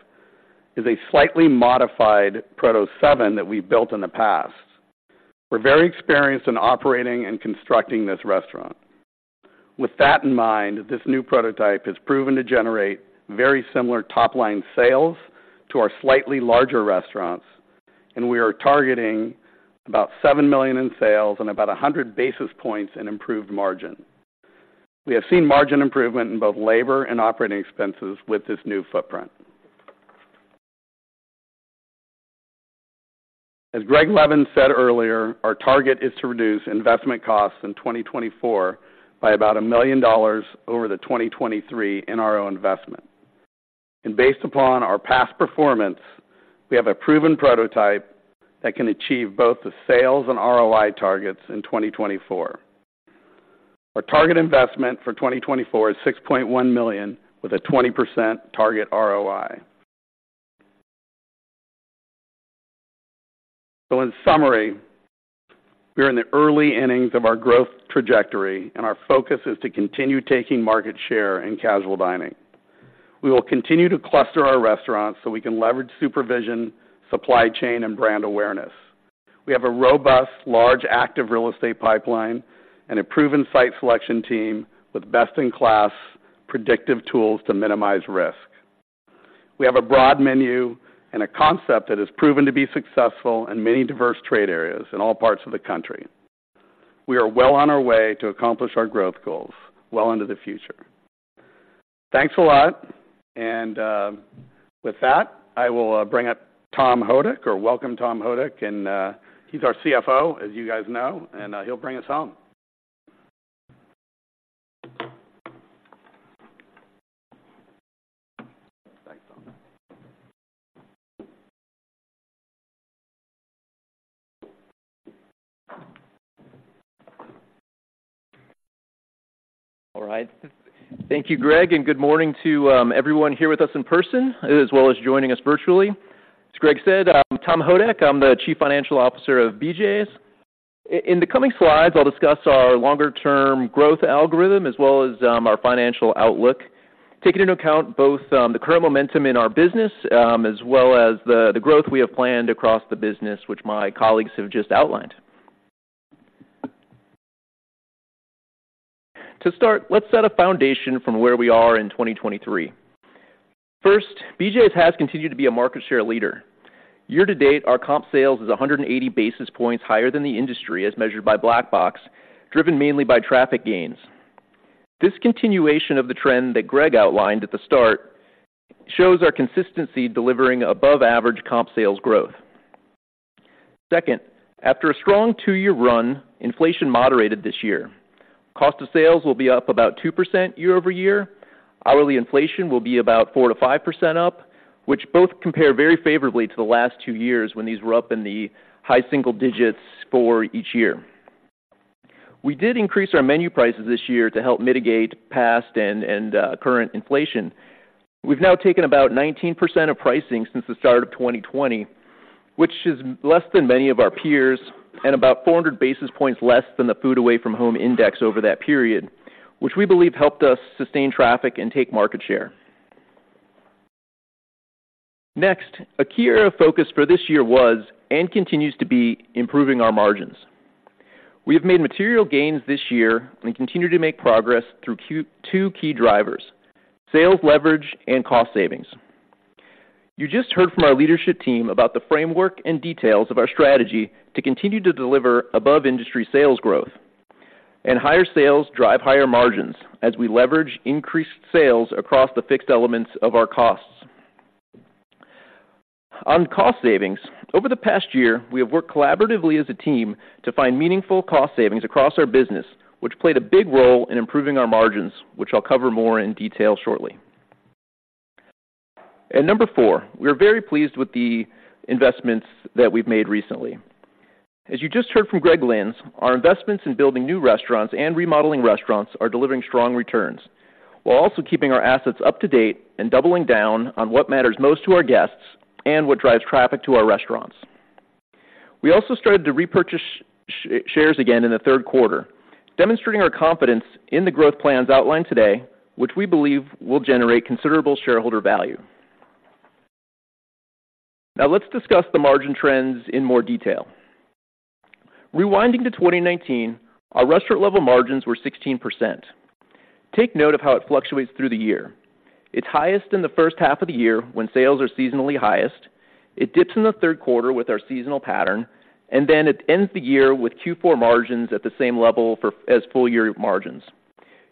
is a slightly modified Proto Seven that we've built in the past. We're very experienced in operating and constructing this restaurant. With that in mind, this new prototype has proven to generate very similar top-line sales to our slightly larger restaurants, and we are targeting about $7 million in sales and about 100 basis points in improved margin. We have seen margin improvement in both labor and operating expenses with this new footprint. As Greg Levin said earlier, our target is to reduce investment costs in 2024 by about $1 million over the 2023 in our own investment. Based upon our past performance, we have a proven prototype that can achieve both the sales and ROI targets in 2024. Our target investment for 2024 is $6.1 million, with a 20% target ROI. In summary, we are in the early innings of our growth trajectory, and our focus is to continue taking market share in casual dining. We will continue to cluster our restaurants so we can leverage supervision, supply chain, and brand awareness. We have a robust, large, active real estate pipeline and a proven site selection team with best-in-class predictive tools to minimize risk. We have a broad menu and a concept that has proven to be successful in many diverse trade areas in all parts of the country. We are well on our way to accomplish our growth goals well into the future. Thanks a lot, and, with that, I will bring up Tom Houdek, or welcome Tom Houdek, and, he's our CFO, as you guys know, and, he'll bring us home. Thanks, Tom. All right. Thank you, Greg, and good morning to everyone here with us in person, as well as joining us virtually. As Greg said, I'm Tom Houdek. I'm the Chief Financial Officer of BJ's. In the coming slides, I'll discuss our longer-term growth algorithm, as well as our financial outlook, taking into account both the current momentum in our business, as well as the growth we have planned across the business, which my colleagues have just outlined. To start, let's set a foundation from where we are in 2023. First, BJ's has continued to be a market share leader. Year to date, our comp sales is 180 basis points higher than the industry, as measured by Black Box, driven mainly by traffic gains. This continuation of the trend that Greg outlined at the start shows our consistency, delivering above-average comp sales growth. Second, after a strong 2-year run, inflation moderated this year. Cost of sales will be up about 2% year-over-year. Hourly inflation will be about 4%-5% up, which both compare very favorably to the last 2 years when these were up in the high single digits for each year. We did increase our menu prices this year to help mitigate past and current inflation. We've now taken about 19% of pricing since the start of 2020, which is less than many of our peers and about 400 basis points less than the food away from home index over that period, which we believe helped us sustain traffic and take market share. Next, a key area of focus for this year was, and continues to be, improving our margins. We have made material gains this year and continue to make progress through two key drivers: sales leverage and cost savings. You just heard from our leadership team about the framework and details of our strategy to continue to deliver above-industry sales growth. Higher sales drive higher margins as we leverage increased sales across the fixed elements of our costs. On cost savings, over the past year, we have worked collaboratively as a team to find meaningful cost savings across our business, which played a big role in improving our margins, which I'll cover more in detail shortly. Number four, we are very pleased with the investments that we've made recently. As you just heard from Greg Lynds, our investments in building new restaurants and remodeling restaurants are delivering strong returns, while also keeping our assets up to date and doubling down on what matters most to our guests and what drives traffic to our restaurants. We also started to repurchase shares again in the third quarter, demonstrating our confidence in the growth plans outlined today, which we believe will generate considerable shareholder value. Now let's discuss the margin trends in more detail. Rewinding to 2019, our restaurant level margins were 16%. Take note of how it fluctuates through the year. It's highest in the first half of the year, when sales are seasonally highest. It dips in the third quarter with our seasonal pattern, and then it ends the year with Q4 margins at the same level as full year margins.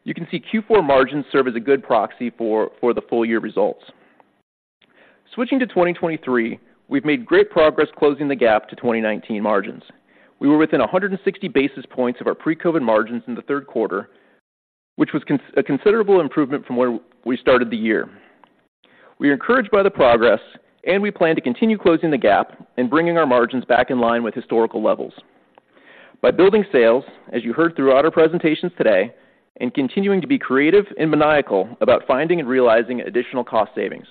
You can see Q4 margins serve as a good proxy for the full year results. Switching to 2023, we've made great progress closing the gap to 2019 margins. We were within 160 basis points of our pre-COVID margins in the third quarter, which was a considerable improvement from where we started the year. We are encouraged by the progress, and we plan to continue closing the gap and bringing our margins back in line with historical levels. By building sales, as you heard throughout our presentations today, and continuing to be creative and maniacal about finding and realizing additional cost savings.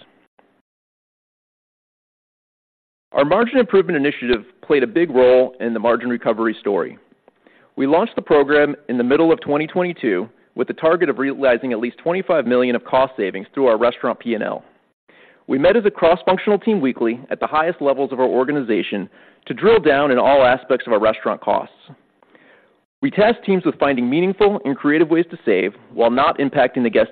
Our margin improvement initiative played a big role in the margin recovery story. We launched the program in the middle of 2022, with the target of realizing at least $25 million of cost savings through our restaurant P&L. We met as a cross-functional team weekly at the highest levels of our organization to drill down in all aspects of our restaurant costs. We tasked teams with finding meaningful and creative ways to save while not impacting the guest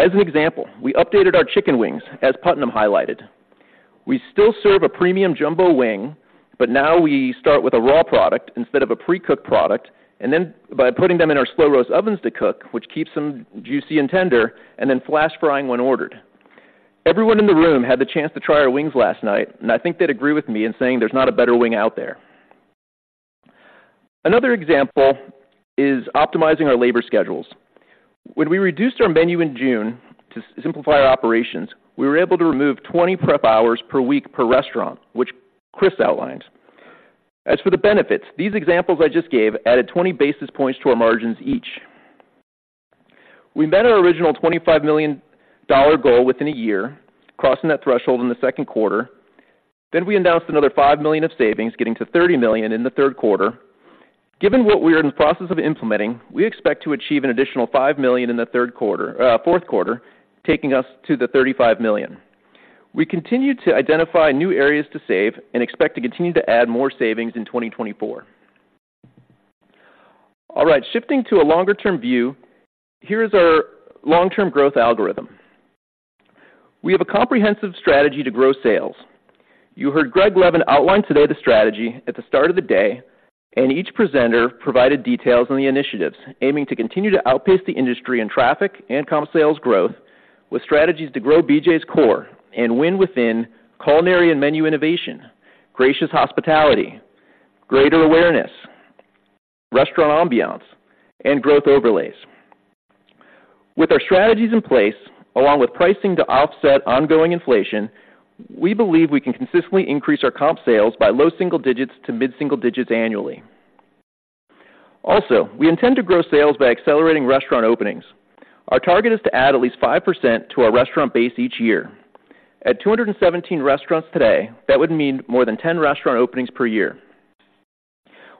expe rience. As an example, we updated our chicken wings, as Putnam highlighted. We still serve a premium jumbo wing, but now we start with a raw product instead of a pre-cooked product, and then by putting them in our slow roast ovens to cook, which keeps them juicy and tender, and then flash frying when ordered. Everyone in the room had the chance to try our wings last night, and I think they'd agree with me in saying there's not a better wing out there. Another example is optimizing our labor schedules. When we reduced our menu in June to simplify our operations, we were able to remove 20 prep hours per week per restaurant, which Chris outlined. As for the benefits, these examples I just gave added 20 basis points to our margins each. We met our original $25 million goal within a year, crossing that threshold in the second quarter. Then we announced another $5 million of savings, getting to $30 million in the third quarter. Given what we are in the process of implementing, we expect to achieve an additional $5 million in the third quarter, fourth quarter, taking us to the $35 million. We continue to identify new areas to save and expect to continue to add more savings in 2024. All right, shifting to a longer-term view, here is our long-term growth algorithm. We have a comprehensive strategy to grow sales. You heard Greg Levin outline today the strategy at the start of the day, and each presenter provided details on the initiatives, aiming to continue to outpace the industry in traffic and comp sales growth, with strategies to grow BJ's core and win within culinary and menu innovation, gracious hospitality, greater awareness, restaurant ambiance, and growth overlays. With our strategies in place, along with pricing to offset ongoing inflation, we believe we can consistently increase our comp sales by low single digits to mid-single digits annually. Also, we intend to grow sales by accelerating restaurant openings. Our target is to add at least 5% to our restaurant base each year. At 217 restaurants today, that would mean more than 10 restaurant openings per year.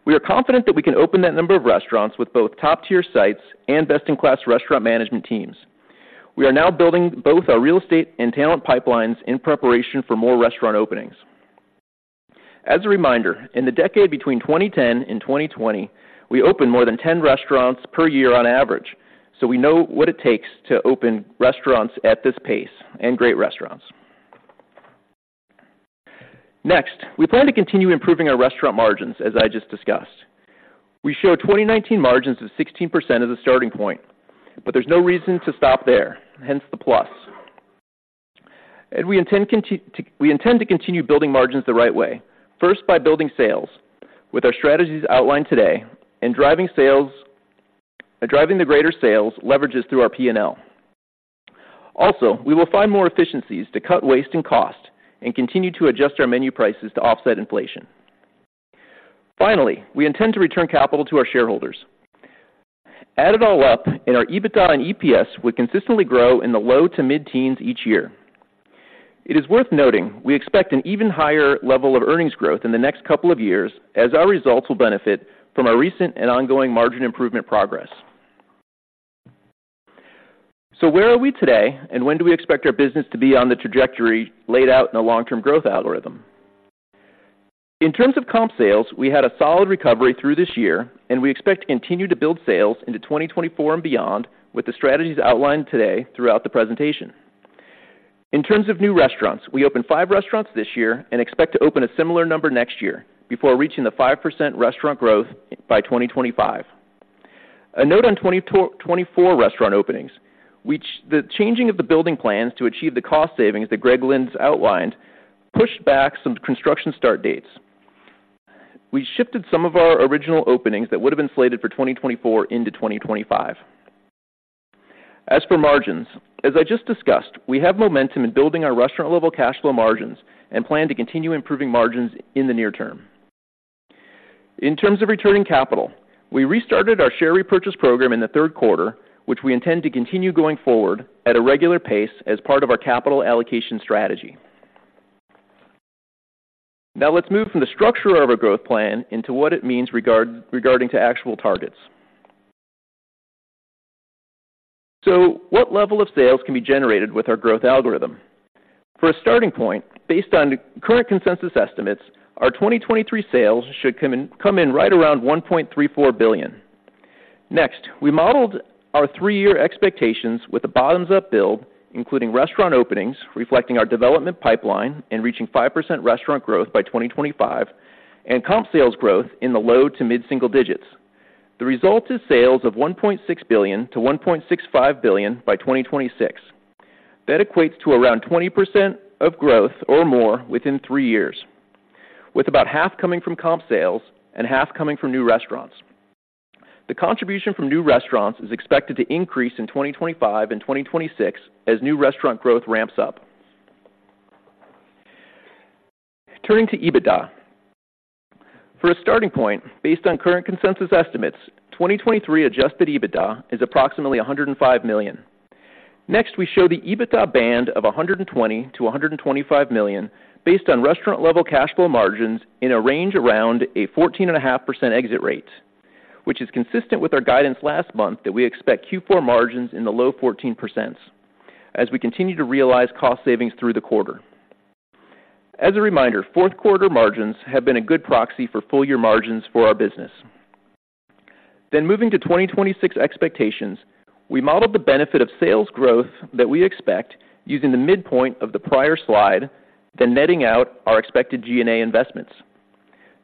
We are confident that we can open that number of restaurants with both top-tier sites and best-in-class restaurant management teams. We are now building both our real estate and talent pipelines in preparation for more restaurant openings. As a reminder, in the decade between 2010 and 2020, we opened more than 10 restaurants per year on average, so we know what it takes to open restaurants at this pace, and great restaurants. Next, we plan to continue improving our restaurant margins, as I just discussed. We show 2019 margins of 16% as a starting point, but there's no reason to stop there, hence the plus. And we intend to continue building margins the right way. First, by building sales with our strategies outlined today and driving the greater sales leverages through our P&L. Also, we will find more efficiencies to cut waste and cost and continue to adjust our menu prices to offset inflation. Finally, we intend to return capital to our shareholders. Add it all up, and our EBITDA and EPS will consistently grow in the low to mid-teens each year. It is worth noting we expect an even higher level of earnings growth in the next couple of years, as our results will benefit from our recent and ongoing margin improvement progress. So where are we today, and when do we expect our business to be on the trajectory laid out in the long-term growth algorithm? In terms of comp sales, we had a solid recovery through this year, and we expect to continue to build sales into 2024 and beyond, with the strategies outlined today throughout the presentation. In terms of new restaurants, we opened five restaurants this year and expect to open a similar number next year before reaching the 5% restaurant growth by 2025. A note on 2024 restaurant openings, which the changing of the building plans to achieve the cost savings that Greg Lynds outlined, pushed back some construction start dates. We shifted some of our original openings that would have been slated for 2024 into 2025. As for margins, as I just discussed, we have momentum in building our restaurant level cash flow margins and plan to continue improving margins in the near term. In terms of returning capital, we restarted our share repurchase program in the third quarter, which we intend to continue going forward at a regular pace as part of our capital allocation strategy. Now let's move from the structure of our growth plan into what it means regarding actual targets. So what level of sales can be generated with our growth algorithm? For a starting point, based on current consensus estimates, our 2023 sales should come in right around $1.34 billion. Next, we modeled our three-year expectations with a bottoms-up build, including restaurant openings, reflecting our development pipeline and reaching 5% restaurant growth by 2025, and comp sales growth in the low- to mid-single digits. The result is sales of $1.6 billion-$1.65 billion by 2026. That equates to around 20% of growth or more within three years, with about half coming from comp sales and half coming from new restaurants. The contribution from new restaurants is expected to increase in 2025 and 2026 as new restaurant growth ramps up. Turning to EBITDA. For a starting point, based on current consensus estimates, 2023 adjusted EBITDA is approximately $105 million. Next, we show the EBITDA band of $120 million-$125 million, based on restaurant-level cash flow margins in a range around a 14.5% exit rate, which is consistent with our guidance last month that we expect Q4 margins in the low 14% as we continue to realize cost savings through the quarter. As a reminder, fourth quarter margins have been a good proxy for full year margins for our business. Then moving to 2026 expectations, we modeled the benefit of sales growth that we expect using the midpoint of the prior slide, then netting out our expected G&A investments.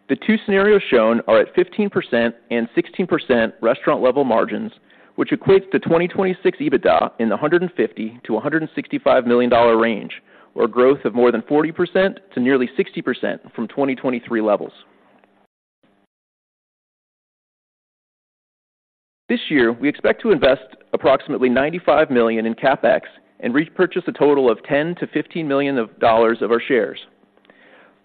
The two scenarios shown are at 15% and 16% restaurant-level margins, which equates to 2026 EBITDA in the $150 million-$165 million range, or a growth of more than 40% to nearly 60% from 2023 levels. This year, we expect to invest approximately $95 million in CapEx and repurchase a total of $10 million-$15 million of dollars of our shares.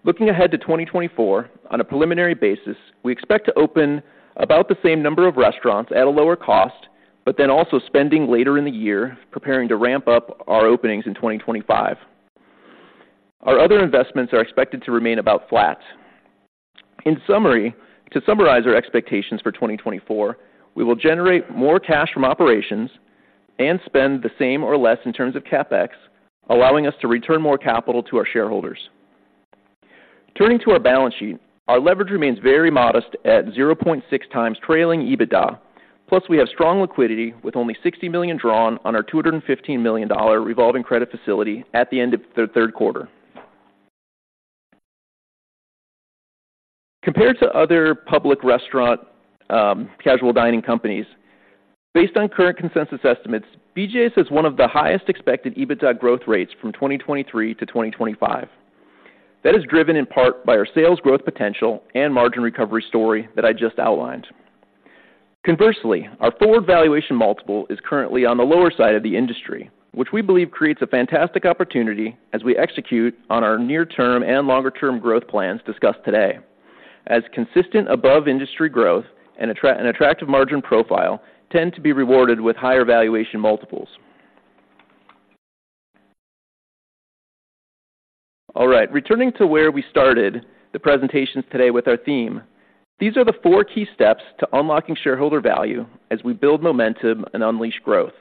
Looking ahead to 2024, on a preliminary basis, we expect to open about the same number of restaurants at a lower cost, but then also spending later in the year, preparing to ramp up our openings in 2025. Our other investments are expected to remain about flat. In summary, to summarize our expectations for 2024, we will generate more cash from operations and spend the same or less in terms of CapEx, allowing us to return more capital to our shareholders. Turning to our balance sheet, our leverage remains very modest at 0.6 times trailing EBITDA, plus we have strong liquidity, with only $60 million drawn on our $215 million revolving credit facility at the end of the third quarter. Compared to other public restaurant, casual dining companies, based on current consensus estimates, BJ's has one of the highest expected EBITDA growth rates from 2023 to 2025. That is driven in part by our sales growth potential and margin recovery story that I just outlined. Conversely, our forward valuation multiple is currently on the lower side of the industry, which we believe creates a fantastic opportunity as we execute on our near-term and longer-term growth plans discussed today. As consistent above-industry growth and an attractive margin profile tend to be rewarded with higher valuation multiples. All right, returning to where we started the presentations today with our theme, these are the four key steps to unlocking shareholder value as we build momentum and unleash growth.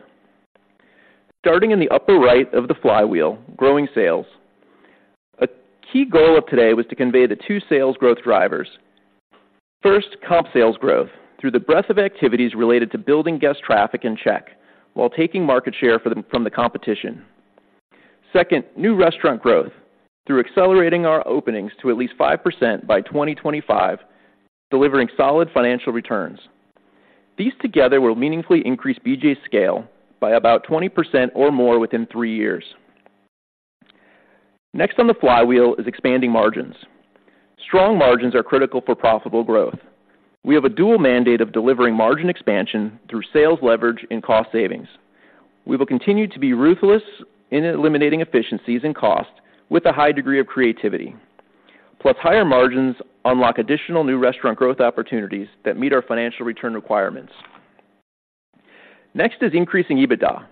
Starting in the upper right of the flywheel, growing sales. A key goal of today was to convey the two sales growth drivers. First, comp sales growth through the breadth of activities related to building guest traffic and check, while taking market share from the competition. Second, new restaurant growth through accelerating our openings to at least 5% by 2025, delivering solid financial returns. These together will meaningfully increase BJ's scale by about 20% or more within three years. Next on the flywheel is expanding margins. Strong margins are critical for profitable growth. We have a dual mandate of delivering margin expansion through sales leverage and cost savings. We will continue to be ruthless in eliminating efficiencies and costs with a high degree of creativity. Plus, higher margins unlock additional new restaurant growth opportunities that meet our financial return requirements. Next is increasing EBITDA.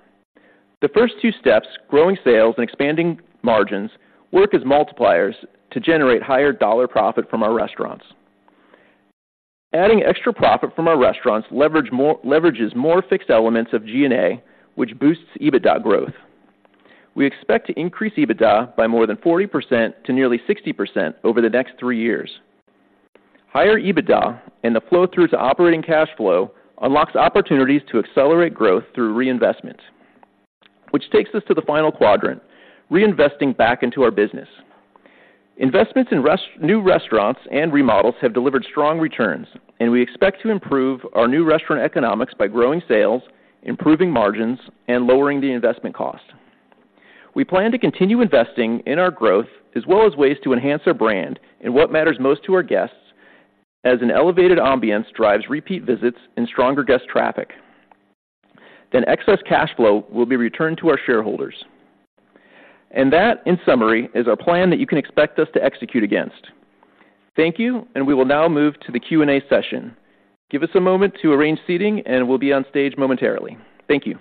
The first two steps, growing sales and expanding margins, work as multipliers to generate higher dollar profit from our restaurants. Adding extra profit from our restaurants leverages more fixed elements of G&A, which boosts EBITDA growth. We expect to increase EBITDA by more than 40% to nearly 60% over the next three years. Higher EBITDA and the flow through to operating cash flow unlocks opportunities to accelerate growth through reinvestment, which takes us to the final quadrant: reinvesting back into our business. Investments in new restaurants and remodels have delivered strong returns, and we expect to improve our new restaurant economics by growing sales, improving margins, and lowering the investment cost. We plan to continue investing in our growth as well as ways to enhance our brand and what matters most to our guests, as an elevated ambiance drives repeat visits and stronger guest traffic. Then excess cash flow will be returned to our shareholders. And that, in summary, is our plan that you can expect us to execute against. Thank you, and we will now move to the Q&A session. Give us a moment to arrange seating, and we'll be on stage momentarily. Thank you. ...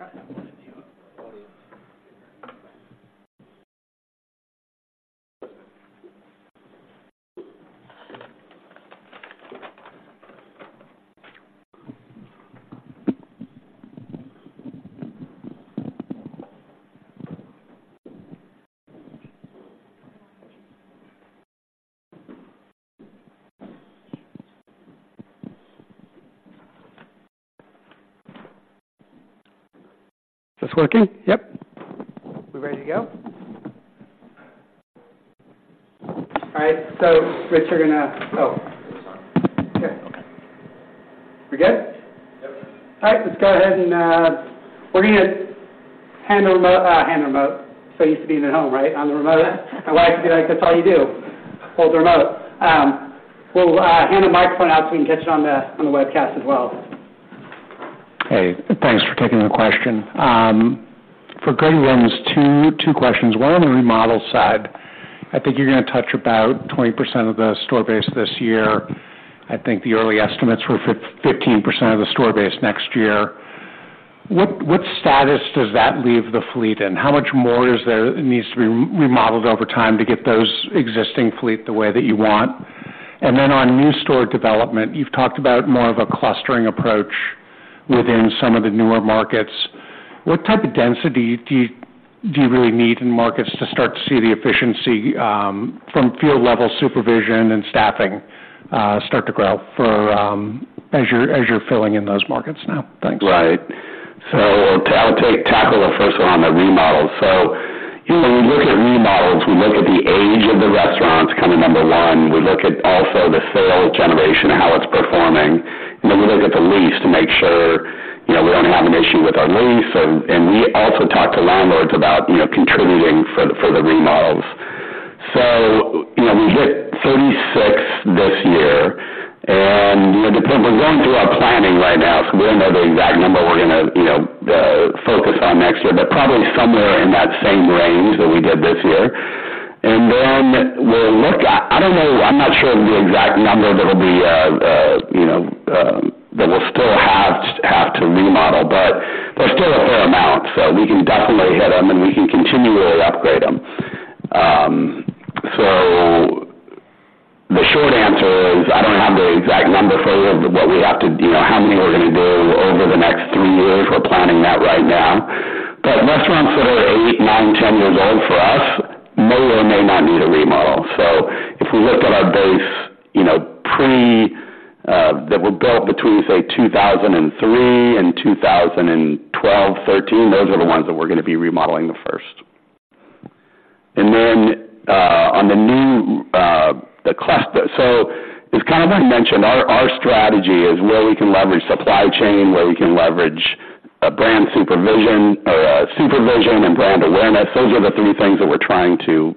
Is this working? Yep. We ready to go? All right, so Rich, you're gonna-- Oh. This one. Okay. We good? Yep. All right, let's go ahead and, we're gonna handle the hand remote. So used to being at home, right? On the remote. My wife would be like, "That's all you do, hold the remote." We'll hand the microphone out so we can catch it on the webcast as well. Hey, thanks for taking the question. For Greg Lynds, 2 questions. One on the remodel side. I think you're gonna touch about 20% of the store base this year. I think the early estimates were 15% of the store base next year. What status does that leave the fleet in? How much more is there, needs to be remodeled over time to get those existing fleet the way that you want? And then on new store development, you've talked about more of a clustering approach within some of the newer markets. What type of density do you really need in markets to start to see the efficiency from field level supervision and staffing start to grow for as you're filling in those markets now? Thanks. Right. So, I'll tackle the first one on the remodels. So, you know, when we look at remodels, we look at the age of the restaurants, kind of number one. We look at also the sales generation and how it's performing. And then we look at the lease to make sure, you know, we don't have an issue with our lease. So, and we also talk to landlords about, you know, contributing for the, for the remodels. So, you know, we hit 36 this year, and, you know, depends. We're going through our planning right now, so we don't know the exact number we're gonna, you know, focus on next year, but probably somewhere in that same range that we did this year. And then we'll look at... I don't know. I'm not sure of the exact number that'll be, you know, that we'll still have, have to remodel, but there's still a fair amount, so we can definitely hit them, and we can continually upgrade them. So the short answer is, I don't have the exact number for you of what we have to, you know, how many we're gonna do over the next three years. We're planning that right now. But restaurants that are 8, 9, 10 years old for us may or may not need a remodel. So if we looked at our base, you know, pre, that were built between, say, 2003 and 2012, 2013, those are the ones that we're gonna be remodeling the first. And then on the new. So it's kind of been mentioned. Our strategy is where we can leverage supply chain, where we can leverage brand supervision, or supervision and brand awareness. Those are the three things that we're trying to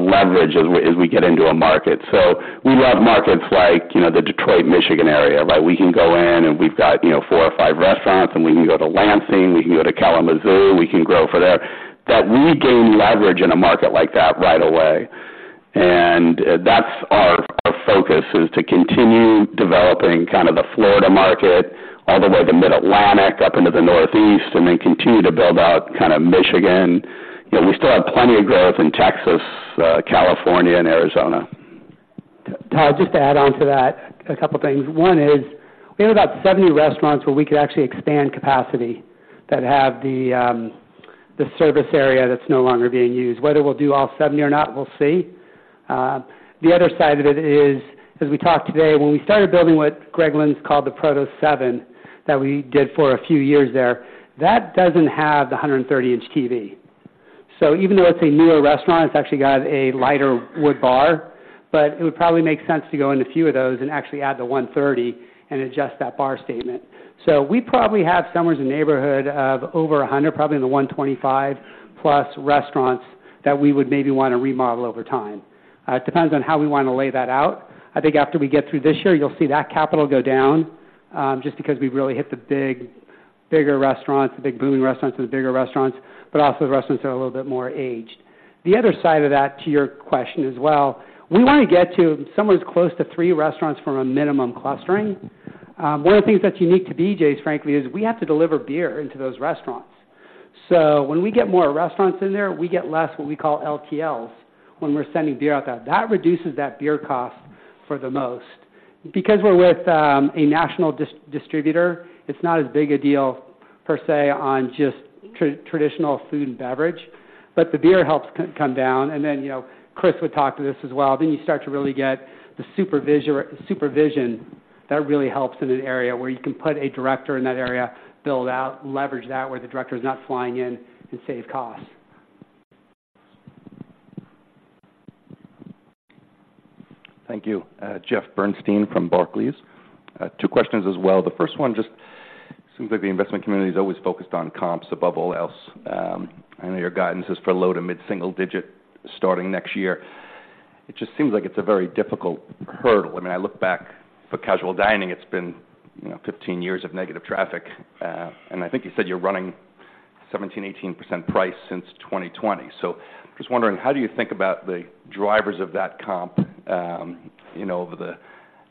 leverage as we get into a market. So we love markets like, you know, the Detroit, Michigan, area, right? We can go in, and we've got, you know, four or five restaurants, and we can go to Lansing, we can go to Kalamazoo, we can grow from there. That we gain leverage in a market like that right away. And that's our focus, is to continue developing kind of the Florida market, all the way to Mid-Atlantic, up into the Northeast, and then continue to build out kind of Michigan. You know, we still have plenty of growth in Texas, California, and Arizona. Todd, just to add on to that, a couple things. One is, we have about 70 restaurants where we could actually expand capacity, that have the, the service area that's no longer being used. Whether we'll do all 70 or not, we'll see. The other side of it is, as we talked today, when we started building what Greg Lynds called the Proto Seven, that we did for a few years there, that doesn't have the 130-inch TV. So even though it's a newer restaurant, it's actually got a lighter wood bar, but it would probably make sense to go into a few of those and actually add the 130 and adjust that bar statement. So we probably have somewhere in the neighborhood of over 100, probably in the 125+ restaurants, that we would maybe want to remodel over time. It depends on how we want to lay that out. I think after we get through this year, you'll see that capital go down, just because we've really hit the big, bigger restaurants, the big booming restaurants and the bigger restaurants, but also the restaurants that are a little bit more aged. The other side of that, to your question as well, we want to get to somewhere close to three restaurants from a minimum clustering. One of the things that's unique to BJ's, frankly, is we have to deliver beer into those restaurants. So when we get more restaurants in there, we get less, what we call LTLs, when we're sending beer out there. That reduces that beer cost for the most. Because we're with a national distributor, it's not as big a deal per se, on just traditional food and beverage, but the beer helps come down, and then, you know, Chris would talk to this as well. Then you start to really get the supervision. That really helps in an area where you can put a director in that area, build out, leverage that, where the director is not flying in, and save costs. Thank you. Jeff Bernstein from Barclays. Two questions as well. The first one just seems like the investment community is always focused on comps above all else. I know your guidance is for low- to mid-single-digit starting next year. It just seems like it's a very difficult hurdle. I mean, I look back for casual dining, it's been, you know, 15 years of negative traffic. And I think you said you're running 17%, 18% price since 2020. So just wondering, how do you think about the drivers of that comp, you know, over the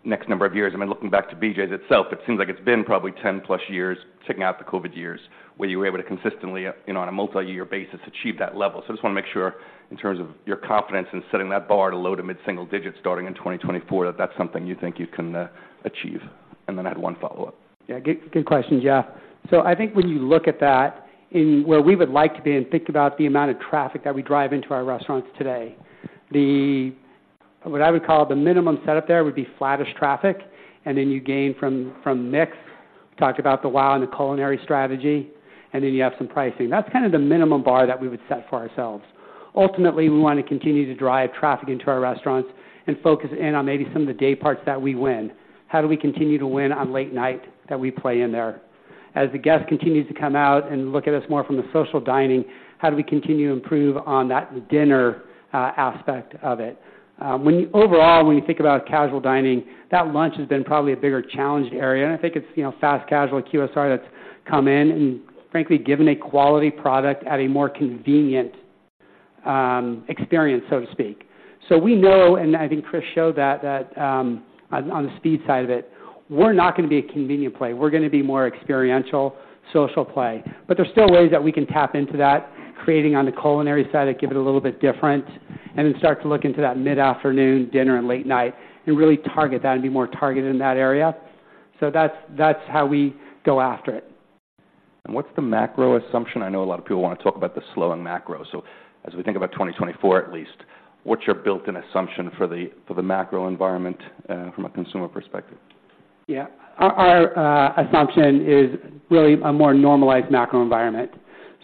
next number of years? I mean, looking back to BJ's itself, it seems like it's been probably 10+ years, taking out the COVID years, where you were able to consistently, you know, on a multi-year basis, achieve that level. So I just wanna make sure in terms of your confidence in setting that bar to low to mid-single digits starting in 2024, that that's something you think you can achieve. And then I have one follow-up. Yeah, good, good question, Jeff. So I think when you look at that, in where we would like to be and think about the amount of traffic that we drive into our restaurants today, the what I would call the minimum setup there would be flattish traffic, and then you gain from mix. Talked about the wow and the culinary strategy, and then you have some pricing. That's kind of the minimum bar that we would set for ourselves. Ultimately, we wanna continue to drive traffic into our restaurants and focus in on maybe some of the day parts that we win. How do we continue to win on late night that we play in there? As the guest continues to come out and look at us more from the social dining, how do we continue to improve on that dinner aspect of it? When you overall, when you think about casual dining, that lunch has been probably a bigger challenged area. I think it's, you know, fast casual and QSR that's come in and, frankly, given a quality product at a more convenient experience, so to speak. So we know, and I think Chris showed that, on the speed side of it, we're not gonna be a convenient play. We're gonna be more experiential, social play. But there's still ways that we can tap into that, creating on the culinary side and give it a little bit different, and then start to look into that mid-afternoon, dinner, and late night, and really target that and be more targeted in that area. So that's how we go after it. What's the macro assumption? I know a lot of people want to talk about the slowing macro. So as we think about 2024, at least, what's your built-in assumption for the, for the macro environment from a consumer perspective? Yeah. Our assumption is really a more normalized macro environment.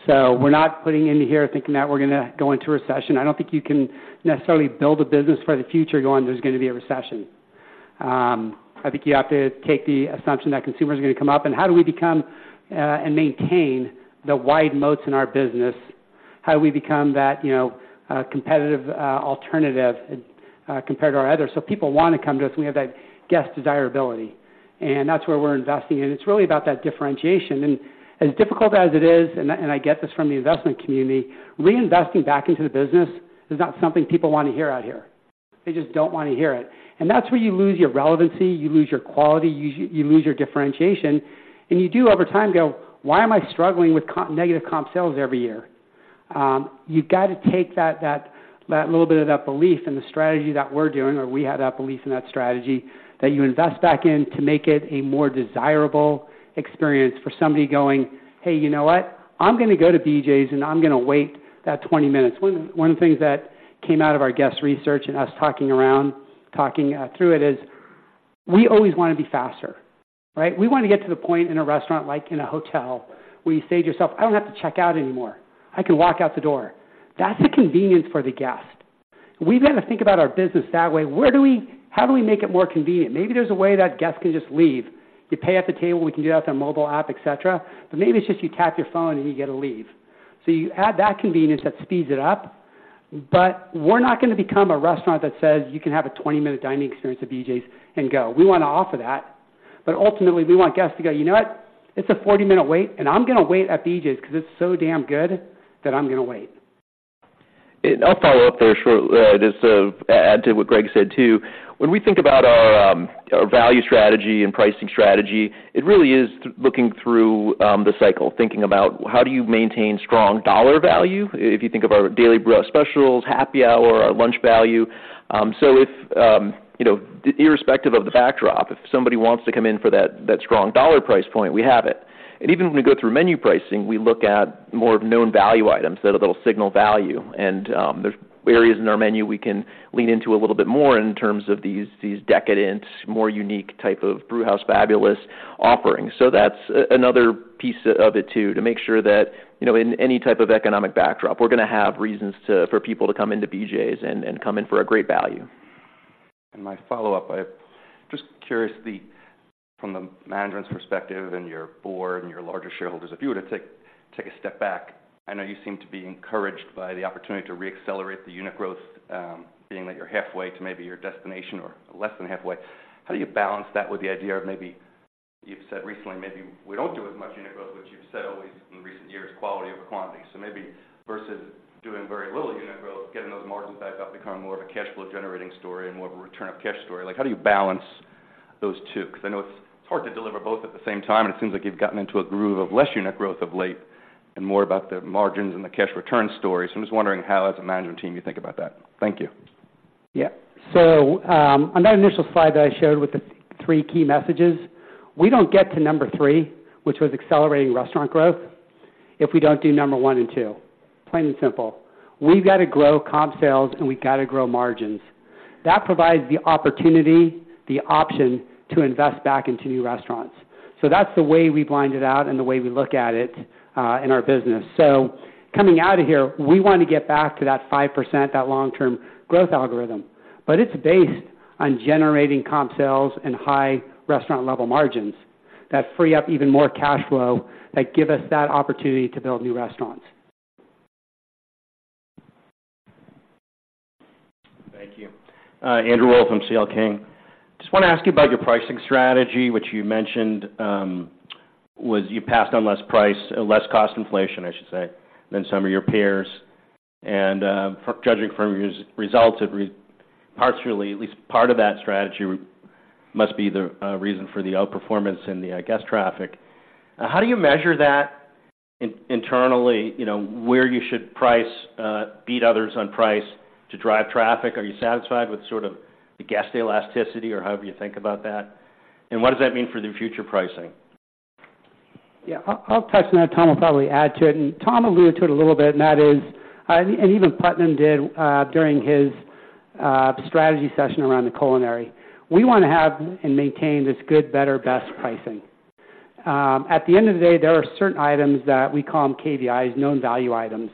So we're not putting into here thinking that we're gonna go into recession. I don't think you can necessarily build a business for the future going, "There's gonna be a recession." I think you have to take the assumption that consumers are gonna come up, and how do we become and maintain the wide moats in our business? How do we become that, you know, competitive alternative compared to our others? So people wanna come to us, and we have that guest desirability, and that's where we're investing. And it's really about that differentiation. And as difficult as it is, and I get this from the investment community, reinvesting back into the business is not something people want to hear out here. They just don't want to hear it. That's where you lose your relevancy, you lose your quality, you, you lose your differentiation, and you do, over time, go, "Why am I struggling with negative comp sales every year?" You've got to take that, that, that little bit of that belief and the strategy that we're doing, or we have that belief in that strategy, that you invest back in to make it a more desirable experience for somebody going, "Hey, you know what? I'm gonna go to BJ's, and I'm gonna wait that 20 minutes." One of the things that came out of our guest research and us talking around, talking through it, is we always wanna be faster, right? We wanna get to the point in a restaurant, like in a hotel, where you say to yourself, "I don't have to check out anymore. I can walk out the door." That's the convenience for the guest. We've got to think about our business that way. How do we make it more convenient? Maybe there's a way that guests can just leave. You pay at the table, we can do that with our mobile app, et cetera, but maybe it's just you tap your phone, and you get to leave. So you add that convenience, that speeds it up. But we're not gonna become a restaurant that says, you can have a 20-minute dining experience at BJ's and go. We wanna offer that, but ultimately, we want guests to go, "You know what? It's a 40-minute wait, and I'm gonna wait at BJ's because it's so damn good that I'm gonna wait. And I'll follow up there shortly. Just to add to what Greg said, too. When we think about our, our value strategy and pricing strategy, it really is looking through the cycle, thinking about how do you maintain strong dollar value? If you think of our daily brew specials, happy hour, our lunch value. So if, you know, irrespective of the backdrop, if somebody wants to come in for that, that strong dollar price point, we have it. And even when we go through menu pricing, we look at more of known value items that will signal value, and, there's areas in our menu we can lean into a little bit more in terms of these, these decadent, more unique type of Brewhouse Fabulous offerings. So that's another piece of it, too, to make sure that, you know, in any type of economic backdrop, we're gonna have reasons for people to come into BJ's and come in for a great value. My follow-up, just curious, from the management's perspective and your board and your larger shareholders, if you were to take a step back, I know you seem to be encouraged by the opportunity to re-accelerate the unit growth, being that you're halfway to maybe your destination or less than halfway. How do you balance that with the idea of maybe you've said recently, maybe we don't do as much unit growth, which you've said always in recent years, quality over quantity. So maybe versus doing very little unit growth, getting those margins back up, becoming more of a cash flow generating story and more of a return of cash story. Like, how do you balance those two? Because I know it's hard to deliver both at the same time, and it seems like you've gotten into a groove of less unit growth of late and more about the margins and the cash return story. So I'm just wondering how, as a management team, you think about that. Thank you. Yeah. So, on that initial slide that I showed with the three key messages, we don't get to number three, which was accelerating restaurant growth if we don't do number one and two, plain and simple. We've got to grow comp sales, and we've got to grow margins. That provides the opportunity, the option to invest back into new restaurants. So that's the way we plan it out and the way we look at it in our business. So coming out of here, we want to get back to that 5%, that long-term growth algorithm, but it's based on generating comp sales and high restaurant level margins that free up even more cash flow, that give us that opportunity to build new restaurants. Thank you. Andrew Wolf from CL King. Just want to ask you about your pricing strategy, which you mentioned, was you passed on less price, less cost inflation, I should say, than some of your peers. Judging from your results, it partially, at least part of that strategy, must be the reason for the outperformance and the guest traffic. How do you measure that internally? You know, where you should price, beat others on price to drive traffic. Are you satisfied with sort of the guest elasticity or however you think about that? And what does that mean for the future pricing? Yeah, I'll, I'll touch on that. Tom will probably add to it, and Tom alluded to it a little bit, and that is, and even Putnam did, during his strategy session around the culinary. We want to have and maintain this good, better, best pricing. At the end of the day, there are certain items that we call them KVIs, known value items.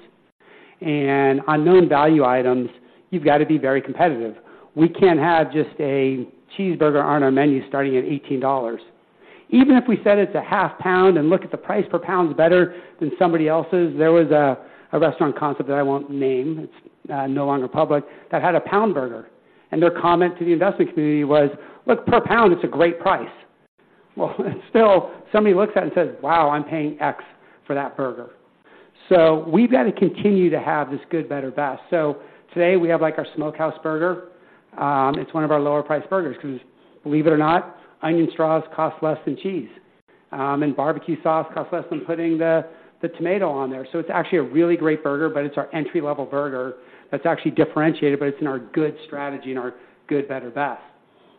And on known value items, you've got to be very competitive. We can't have just a cheeseburger on our menu starting at $18. Even if we said it's a half pound and look at the price per pound is better than somebody else's. There was a restaurant concept that I won't name, it's no longer public, that had a pound burger, and their comment to the investment community was: "Look, per pound, it's a great price." Well, still, somebody looks at it and says, "Wow, I'm paying X for that burger." So we've got to continue to have this good, better, best. So today we have, like, our Smokehouse Burger. It's one of our lower priced burgers because, believe it or not, onion straws cost less than cheese, and barbecue sauce costs less than putting the tomato on there. So it's actually a really great burger, but it's our entry-level burger that's actually differentiated, but it's in our good strategy and our good, better, best.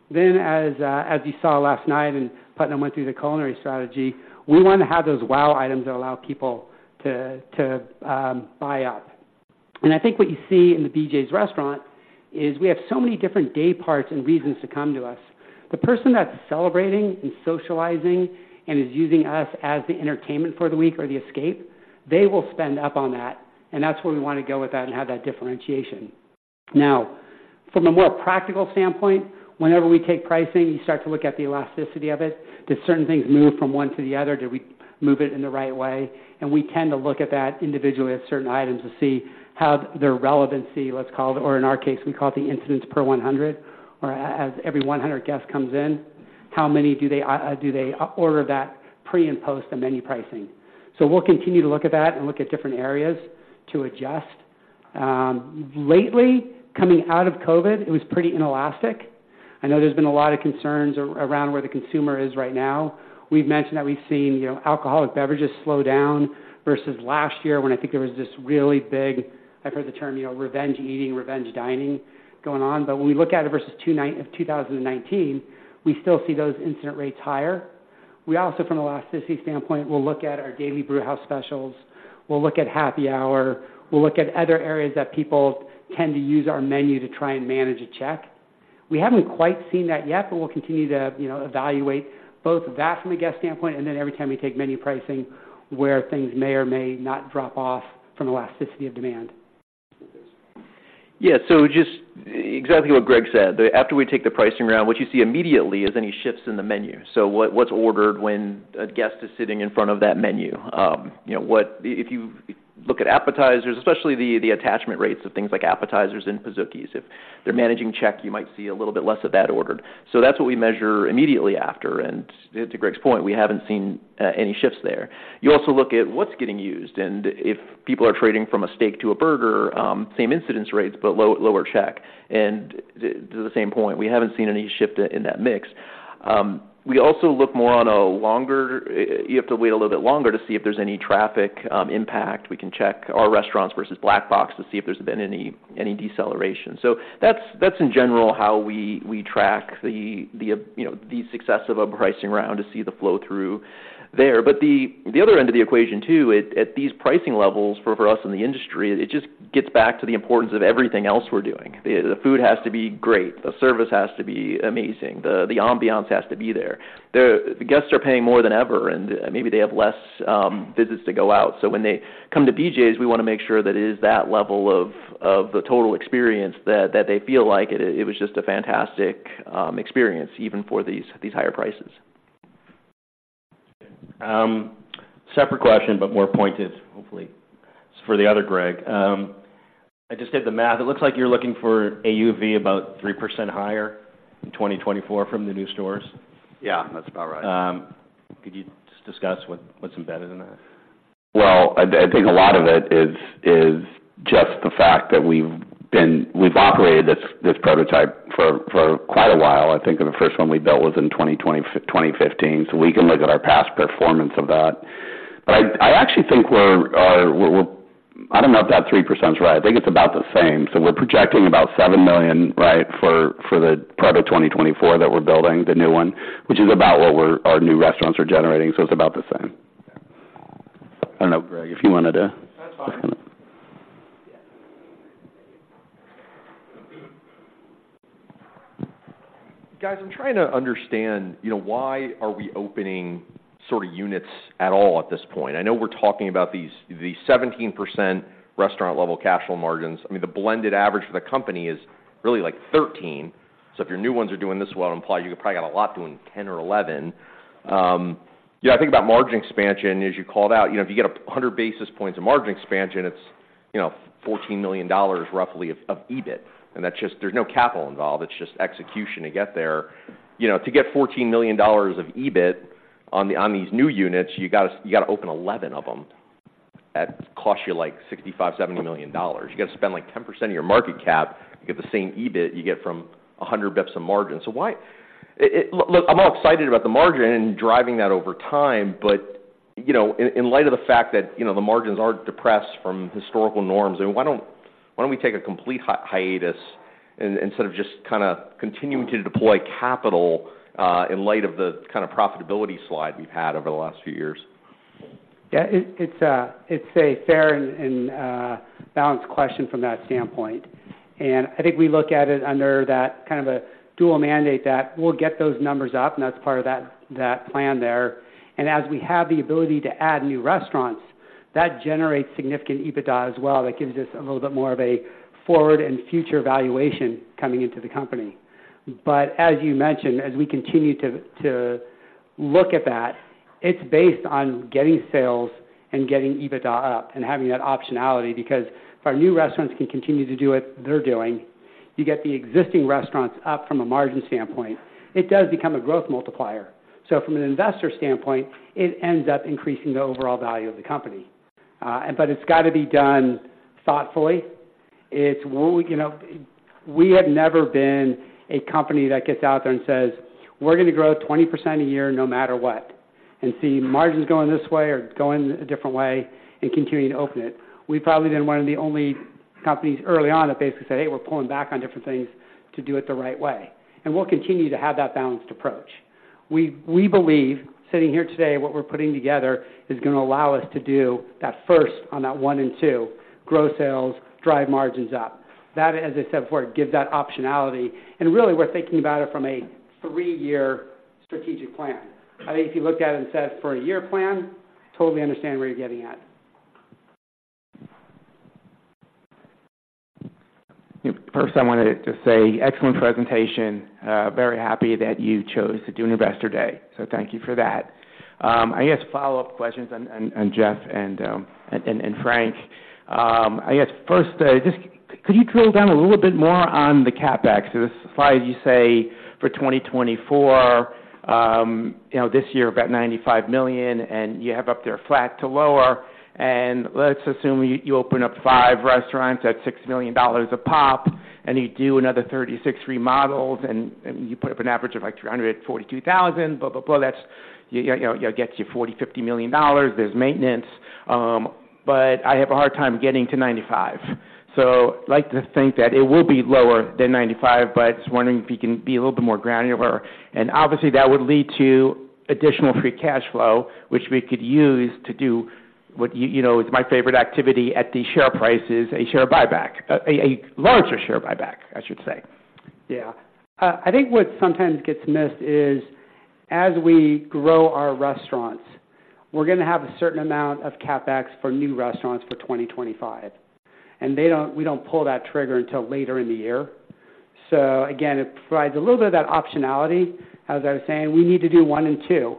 Then, as you saw last night and Putnam went through the culinary strategy, we want to have those wow items that allow people to buy up. And I think what you see in the BJ's restaurant is we have so many different day parts and reasons to come to us. The person that's celebrating and socializing and is using us as the entertainment for the week or the escape, they will spend up on that, and that's where we want to go with that and have that differentiation. Now, from a more practical standpoint, whenever we take pricing, you start to look at the elasticity of it. Do certain things move from one to the other? Do we move it in the right way? And we tend to look at that individually at certain items to see how their relevancy, let's call it, or in our case, we call it the incidents per 100, or as every 100 guests comes in, how many do they do they order that pre- and post-the menu pricing? So we'll continue to look at that and look at different areas to adjust. Lately, coming out of COVID, it was pretty inelastic. I know there's been a lot of concerns around where the consumer is right now. We've mentioned that we've seen, you know, alcoholic beverages slow down versus last year, when I think there was this really big... I've heard the term, you know, revenge eating, revenge dining going on. But when we look at it versus 2019, we still see those incident rates higher. We also, from an elasticity standpoint, will look at our daily brewhouse specials. We'll look at happy hour. We'll look at other areas that people tend to use our menu to try and manage a check. We haven't quite seen that yet, but we'll continue to, you know, evaluate both that from a guest standpoint, and then every time we take menu pricing, where things may or may not drop off from elasticity of demand. Yeah, so just exactly what Greg said. After we take the pricing round, what you see immediately is any shifts in the menu. So what's ordered when a guest is sitting in front of that menu? You know what? If you look at appetizers, especially the attachment rates of things like appetizers and Pizookies, if they're managing check, you might see a little bit less of that ordered. So that's what we measure immediately after, and to Greg's point, we haven't seen any shifts there. You also look at what's getting used, and if people are trading from a steak to a burger, same incidence rates, but lower check. And to the same point, we haven't seen any shift in that mix. We also look more on a longer, you have to wait a little bit longer to see if there's any traffic impact. We can check our restaurants versus Black Box to see if there's been any, any deceleration. So that's, that's in general how we, we track the, the, you know, the success of a pricing round to see the flow-through there. But the, the other end of the equation too, at, at these pricing levels for, for us in the industry, it just gets back to the importance of everything else we're doing. The, the food has to be great, the service has to be amazing, the, the ambiance has to be there. The, the guests are paying more than ever, and maybe they have less visits to go out. So when they come to BJ's, we want to make sure that it is that level of the total experience, that they feel like it was just a fantastic experience, even for these higher prices. Separate question, but more pointed, hopefully. It's for the other Greg. I just did the math. It looks like you're looking for AUV about 3% higher in 2024 from the new stores. Yeah, that's about right. Could you just discuss what, what's embedded in that? Well, I think a lot of it is just the fact that we've operated this prototype for quite a while. I think the first one we built was in 2015, so we can look at our past performance of that. But I actually think we're, we're-... I don't know if that 3% is right. I think it's about the same. So we're projecting about $7 million, right, for, for the part of 2024 that we're building, the new one, which is about what we're—our new restaurants are generating, so it's about the same. I don't know, Greg, if you wanted to- That's fine. Guys, I'm trying to understand, you know, why are we opening sort of units at all at this point? I know we're talking about these—the 17% restaurant level cash flow margins. I mean, the blended average for the company is really like 13. So if your new ones are doing this well, I imply you probably got a lot doing 10 or 11. Yeah, I think about margin expansion, as you called out, you know, if you get 100 basis points of margin expansion, it's, you know, $14 million roughly of EBIT. And that's just—there's no capital involved. It's just execution to get there. You know, to get $14 million of EBIT on the, on these new units, you gotta, you gotta open 11 of them at cost you, like, $65-$70 million. You got to spend, like, 10% of your market cap to get the same EBIT you get from a hundred bips of margin. So why— It, it— Look, I'm all excited about the margin and driving that over time, but, you know, in light of the fact that, you know, the margins are depressed from historical norms, then why don't we take a complete hiatus instead of just kind of continuing to deploy capital in light of the kind of profitability slide we've had over the last few years? Yeah, it's a fair and balanced question from that standpoint, and I think we look at it under that kind of a dual mandate, that we'll get those numbers up, and that's part of that plan there. And as we have the ability to add new restaurants, that generates significant EBITDA as well. That gives us a little bit more of a forward and future valuation coming into the company. But as you mentioned, as we continue to look at that, it's based on getting sales and getting EBITDA up and having that optionality, because if our new restaurants can continue to do what they're doing, you get the existing restaurants up from a margin standpoint, it does become a growth multiplier. So from an investor standpoint, it ends up increasing the overall value of the company. But it's got to be done thoughtfully. It's when we—you know, we have never been a company that gets out there and says, "We're going to grow 20% a year no matter what," and see margins going this way or going a different way and continuing to open it. We've probably been one of the only companies early on that basically said, "Hey, we're pulling back on different things to do it the right way." And we'll continue to have that balanced approach. We, we believe, sitting here today, what we're putting together is going to allow us to do that first on that one and two, grow sales, drive margins up. That, as I said before, gives that optionality. And really, we're thinking about it from a three-year strategic plan. I think if you looked at it and said, for a year plan, totally understand where you're getting at. First, I wanted to say excellent presentation. Very happy that you chose to do an Investor Day. So thank you for that. I guess follow-up questions on Jeff and Frank. I guess first, just could you drill down a little bit more on the CapEx? The slide you say for 2024, you know, this year about $95 million, and you have up there flat to lower. Let's assume you open up 5 restaurants at $6 million a pop, and you do another 36 remodels, and you put up an average of, like, $342,000, blah, blah, blah. That's, you know, gets you $40-$50 million. There's maintenance, but I have a hard time getting to $95 million. So I'd like to think that it will be lower than 95, but just wondering if you can be a little bit more granular. And obviously, that would lead to additional free cash flow, which we could use to do what, you know, is my favorite activity at the share prices, a share buyback. A larger share buyback, I should say. Yeah. I think what sometimes gets missed is, as we grow our restaurants, we're going to have a certain amount of CapEx for new restaurants for 2025, and we don't pull that trigger until later in the year. So again, it provides a little bit of that optionality. As I was saying, we need to do one and two,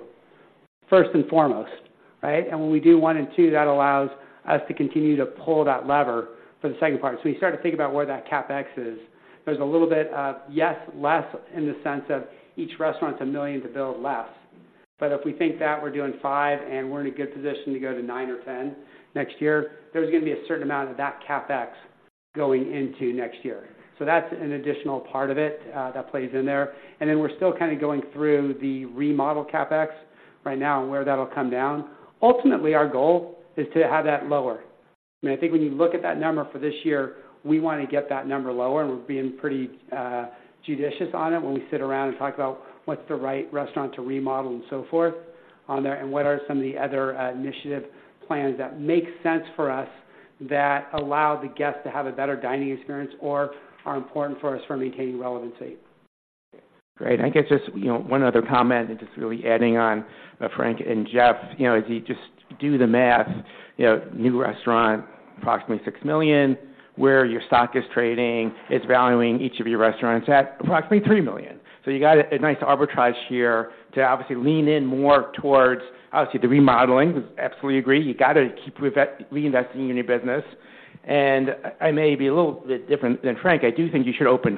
first and foremost, right? And when we do one and two, that allows us to continue to pull that lever for the second part. So we start to think about where that CapEx is. There's a little bit of, yes, less in the sense of each restaurant's $1 million to build less, but if we think that we're doing 5 and we're in a good position to go to 9 or 10 next year, there's going to be a certain amount of that CapEx going into next year. So that's an additional part of it, that plays in there. And then we're still kind of going through the remodel CapEx right now and where that'll come down. Ultimately, our goal is to have that lower. I mean, I think when you look at that number for this year, we want to get that number lower, and we're being pretty, judicious on it when we sit around and talk about what's the right restaurant to remodel and so forth on there, and what are some of the other, initiative plans that make sense for us that allow the guests to have a better dining experience or are important for us for maintaining relevancy. Great. I guess just, you know, one other comment and just really adding on Frank and Jeff. You know, if you just do the math, you know, new restaurant, approximately $6 million, where your stock is trading, it's valuing each of your restaurants at approximately $3 million. So you got a nice arbitrage here to obviously lean in more towards, obviously, the remodeling. Absolutely agree. You got to keep reinvesting in your business, and I may be a little bit different than Frank. I do think you should open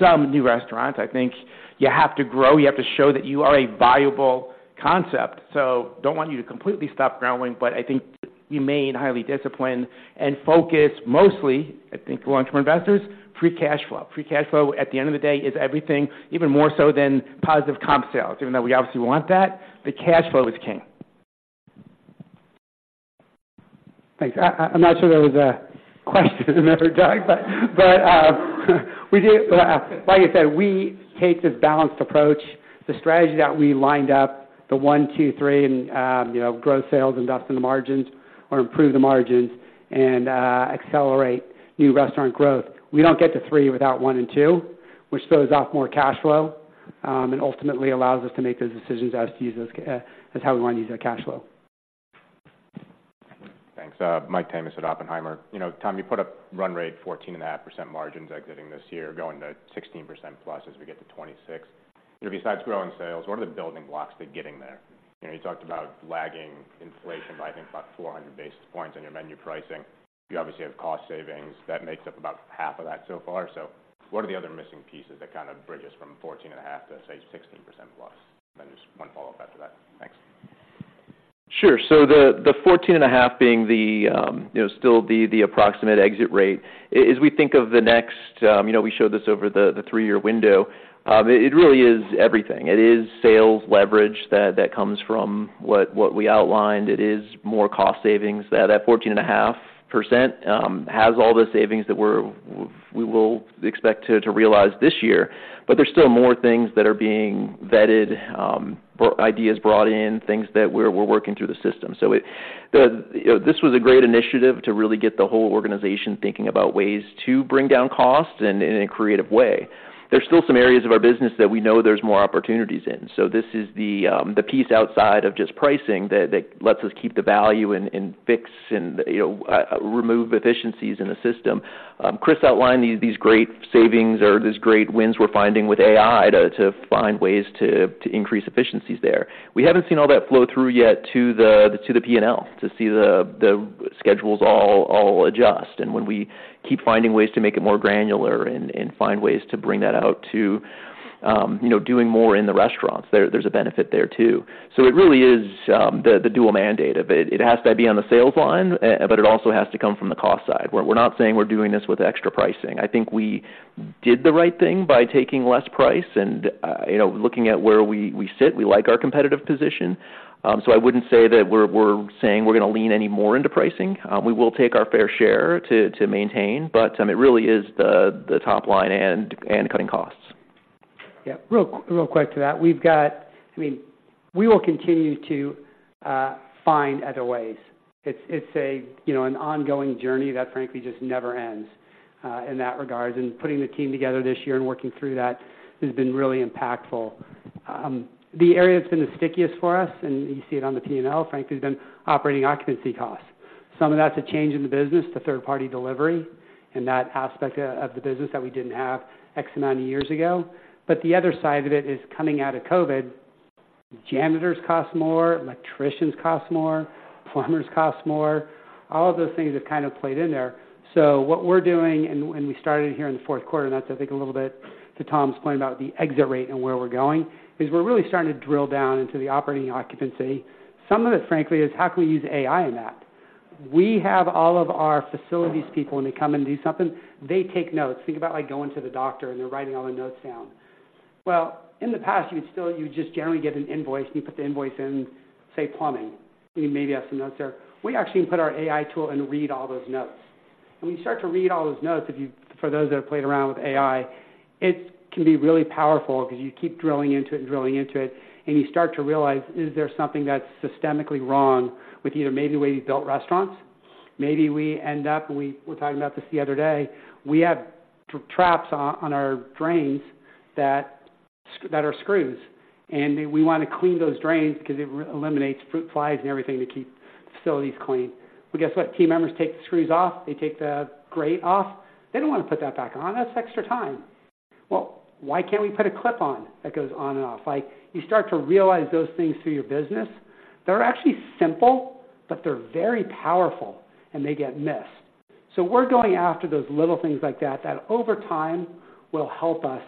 some new restaurants. I think you have to grow. You have to show that you are a viable concept. So don't want you to completely stop growing, but I think you may need highly disciplined and focus mostly, I think, long-term investors, free cash flow. Free cash flow, at the end of the day, is everything, even more so than positive comp sales. Even though we obviously want that, the cash flow is king.... Thanks. I'm not sure that was a question ever, Doug, but we do, like I said, we take this balanced approach. The strategy that we lined up, the one, two, three, and, you know, grow sales, invest in the margins or improve the margins and accelerate new restaurant growth. We don't get to three without one and two, which throws off more cash flow, and ultimately allows us to make those decisions as to use those, that's how we wanna use that cash flow. Thanks. Mike Tamas at Oppenheimer. You know, Tom, you put a run rate 14.5% margins exiting this year, going to 16%+ as we get to 2026. You know, besides growing sales, what are the building blocks to getting there? You know, you talked about lagging inflation by, I think, about 400 basis points on your menu pricing. You obviously have cost savings. That makes up about half of that so far. So what are the other missing pieces that kind of bridge us from 14.5 to, say, 16%+? Then just one follow-up after that. Thanks. Sure. So the 14.5 being the, you know, still the approximate exit rate. As we think of the next, you know, we showed this over the three-year window. It really is everything. It is sales leverage that comes from what we outlined. It is more cost savings. That 14.5% has all the savings that we will expect to realize this year, but there's still more things that are being vetted, or ideas brought in, things that we're working through the system. So it, the, you know, this was a great initiative to really get the whole organization thinking about ways to bring down costs in a creative way. There's still some areas of our business that we know there's more opportunities in. So this is the piece outside of just pricing that lets us keep the value and fix and, you know, remove efficiencies in the system. Chris outlined these great savings or these great wins we're finding with AI to find ways to increase efficiencies there. We haven't seen all that flow through yet to the P&L, to see the schedules all adjust. And when we keep finding ways to make it more granular and find ways to bring that out to, you know, doing more in the restaurants, there's a benefit there too. So it really is the dual mandate of it. It has to be on the sales line, but it also has to come from the cost side, where we're not saying we're doing this with extra pricing. I think we did the right thing by taking less price and, you know, looking at where we, we sit, we like our competitive position. So I wouldn't say that we're, we're saying we're gonna lean any more into pricing. We will take our fair share to, to maintain, but, it really is the, the top line and, and cutting costs. Yeah. Real, real quick to that. We've got—I mean, we will continue to find other ways. It's, it's a, you know, an ongoing journey that frankly just never ends in that regard. And putting the team together this year and working through that has been really impactful. The area that's been the stickiest for us, and you see it on the P&L, frankly, has been operating occupancy costs. Some of that's a change in the business to third-party delivery and that aspect of the business that we didn't have X amount of years ago. But the other side of it is coming out of COVID, janitors cost more, electricians cost more, plumbers cost more. All of those things have kind of played in there. So what we're doing, and, and we started here in the fourth quarter, and that's, I think, a little bit to Tom's point about the exit rate and where we're going, is we're really starting to drill down into the operating occupancy. Some of it, frankly, is how can we use AI in that? We have all of our facilities people, when they come in and do something, they take notes. Think about, like, going to the doctor, and they're writing all the notes down. Well, in the past, you would still, you just generally get an invoice, and you put the invoice in, say, plumbing, and you maybe have some notes there. We actually put our AI tool and read all those notes. When you start to read all those notes, if you for those that have played around with AI, it can be really powerful because you keep drilling into it and drilling into it, and you start to realize, is there something that's systemically wrong with either maybe the way we built restaurants? Maybe we end up. We were talking about this the other day. We have traps on our drains that are screws, and we want to clean those drains because it eliminates fruit flies and everything to keep facilities clean. Well, guess what? Team members take the screws off. They take the grate off. They don't want to put that back on. That's extra time. Well, why can't we put a clip on that goes on and off? Like, you start to realize those things through your business that are actually simple, but they're very powerful, and they get missed. So we're going after those little things like that, that over time, will help us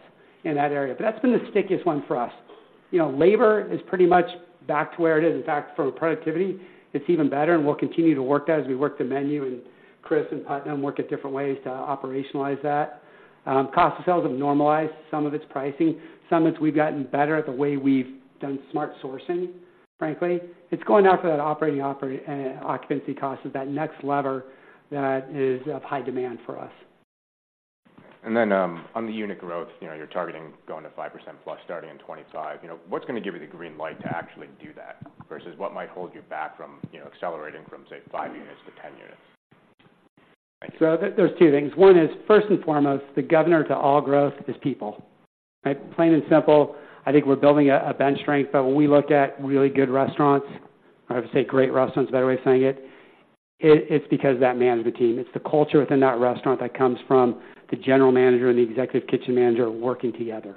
in that area. But that's been the stickiest one for us. You know, labor is pretty much back to where it is. In fact, from a productivity, it's even better, and we'll continue to work that as we work the menu, and Chris and Putnam work at different ways to operationalize that. Cost of sales have normalized. Some of it's pricing, some of it's we've gotten better at the way we've done smart sourcing, frankly. It's going after that operating occupancy cost is that next lever that is of high demand for us. Then, on the unit growth, you know, you're targeting going to 5%+, starting in 2025. You know, what's gonna give you the green light to actually do that versus what might hold you back from, you know, accelerating from, say, 5 units to 10 units? So, there are two things. One is, first and foremost, the governor to all growth is people, right? Plain and simple. I think we're building a bench strength, but when we look at really good restaurants, or I would say great restaurants, a better way of saying it, it's because of that management team. It's the culture within that restaurant that comes from the general manager and the executive kitchen manager working together.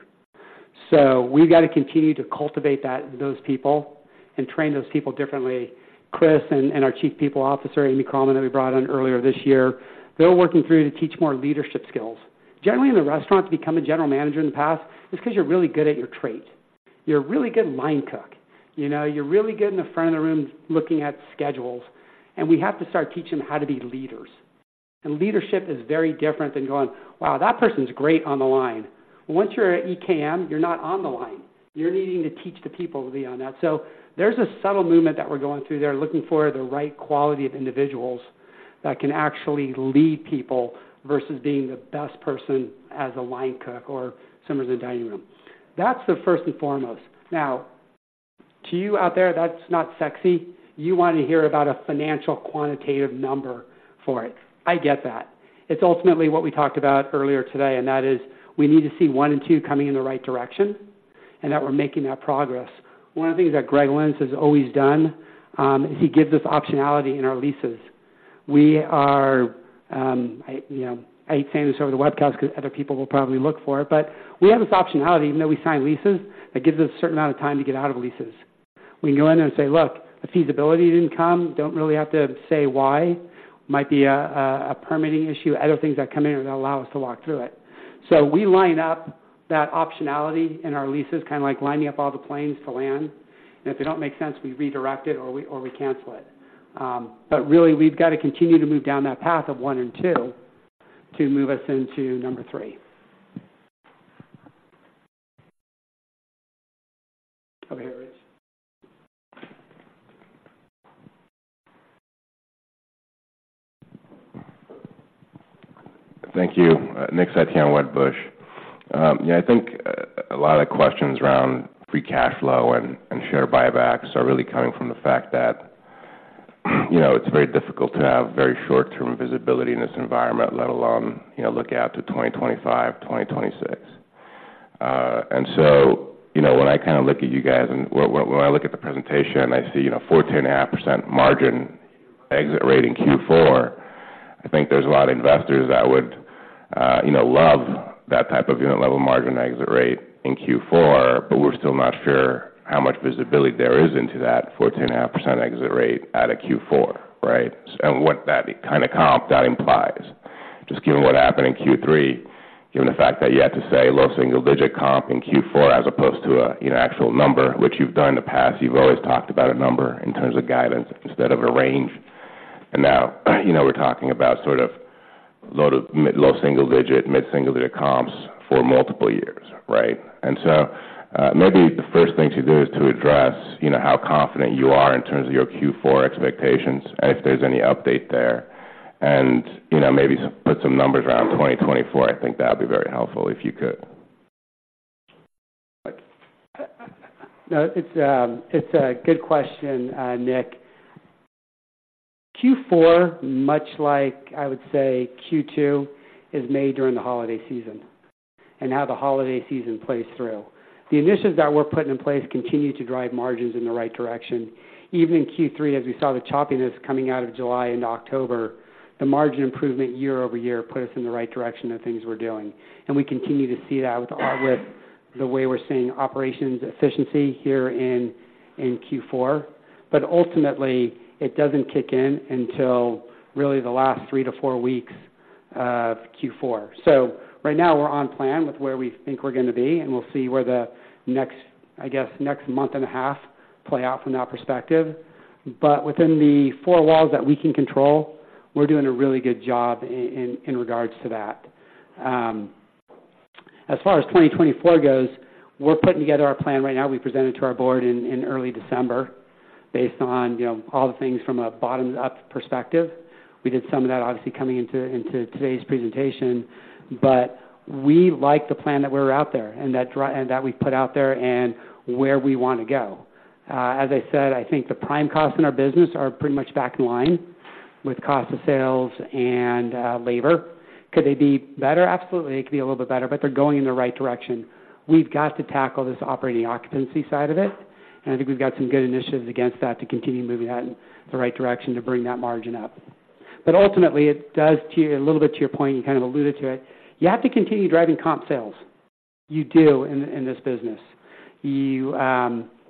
So we've got to continue to cultivate those people, and train those people differently. Chris and our Chief People Officer, Amy Krommenhoek, that we brought on earlier this year, they're working through to teach more leadership skills. Generally, in the restaurants, to become a general manager in the past, it's because you're really good at your trait. You're a really good line cook. You know, you're really good in the front of the room looking at schedules, and we have to start teaching them how to be leaders.... Leadership is very different than going, "Wow, that person's great on the line!" Once you're at EKM, you're not on the line. You're needing to teach the people to be on that. So there's a subtle movement that we're going through there, looking for the right quality of individuals that can actually lead people versus being the best person as a line cook or someone in the dining room. That's the first and foremost. Now, to you out there, that's not sexy. You want to hear about a financial quantitative number for it. I get that. It's ultimately what we talked about earlier today, and that is we need to see one and two coming in the right direction, and that we're making that progress. One of the things that Greg Lynds has always done is he gives us optionality in our leases. We are, I, you know, I hate saying this over the webcast because other people will probably look for it, but we have this optionality, even though we sign leases, that gives us a certain amount of time to get out of leases. We can go in there and say, "Look, the feasibility didn't come." Don't really have to say why. Might be a permitting issue, other things that come in that allow us to walk through it. So we line up that optionality in our leases, kind of like lining up all the planes to land, and if they don't make sense, we redirect it or we cancel it. But really, we've got to continue to move down that path of one and two to move us into number three. Over here, please. Thank you. Nick Setyan, Wedbush. Yeah, I think a lot of questions around free cash flow and share buybacks are really coming from the fact that, you know, it's very difficult to have very short-term visibility in this environment, let alone, you know, look out to 2025, 2026. And so, you know, when I kind of look at you guys and when I look at the presentation, I see, you know, 14.5% margin exit rate in Q4. I think there's a lot of investors that would, you know, love that type of unit level margin exit rate in Q4, but we're still not sure how much visibility there is into that 14.5% exit rate out of Q4, right? What that kind of comp that implies, just given what happened in Q3, given the fact that you had to say low single-digit comp in Q4 as opposed to a, you know, actual number, which you've done in the past. You've always talked about a number in terms of guidance instead of a range. And now, you know, we're talking about sort of load of mid-low single-digit, mid single-digit comps for multiple years, right? And so, maybe the first thing to do is to address, you know, how confident you are in terms of your Q4 expectations, and if there's any update there, and, you know, maybe put some numbers around 2024. I think that'd be very helpful if you could. No, it's a, it's a good question, Nick. Q4, much like I would say Q2, is made during the holiday season and how the holiday season plays through. The initiatives that we're putting in place continue to drive margins in the right direction. Even in Q3, as we saw the choppiness coming out of July into October, the margin improvement year-over-year put us in the right direction of the things we're doing. And we continue to see that with all the, the way we're seeing operations efficiency here in, in Q4. But ultimately, it doesn't kick in until really the last three to four weeks of Q4. So right now, we're on plan with where we think we're gonna be, and we'll see where the next, I guess, next month and a half play out from that perspective. But within the four walls that we can control, we're doing a really good job in regards to that. As far as 2024 goes, we're putting together our plan right now. We presented to our board in early December based on, you know, all the things from a bottom up perspective. We did some of that, obviously, coming into today's presentation, but we like the plan that we're out there and that we've put out there and where we want to go. As I said, I think the prime costs in our business are pretty much back in line with cost of sales and labor. Could they be better? Absolutely. They could be a little bit better, but they're going in the right direction. We've got to tackle this operating occupancy side of it, and I think we've got some good initiatives against that to continue moving that in the right direction to bring that margin up. But ultimately, it does to your... A little bit to your point, you kind of alluded to it. You have to continue driving comp sales. You do in this business. You,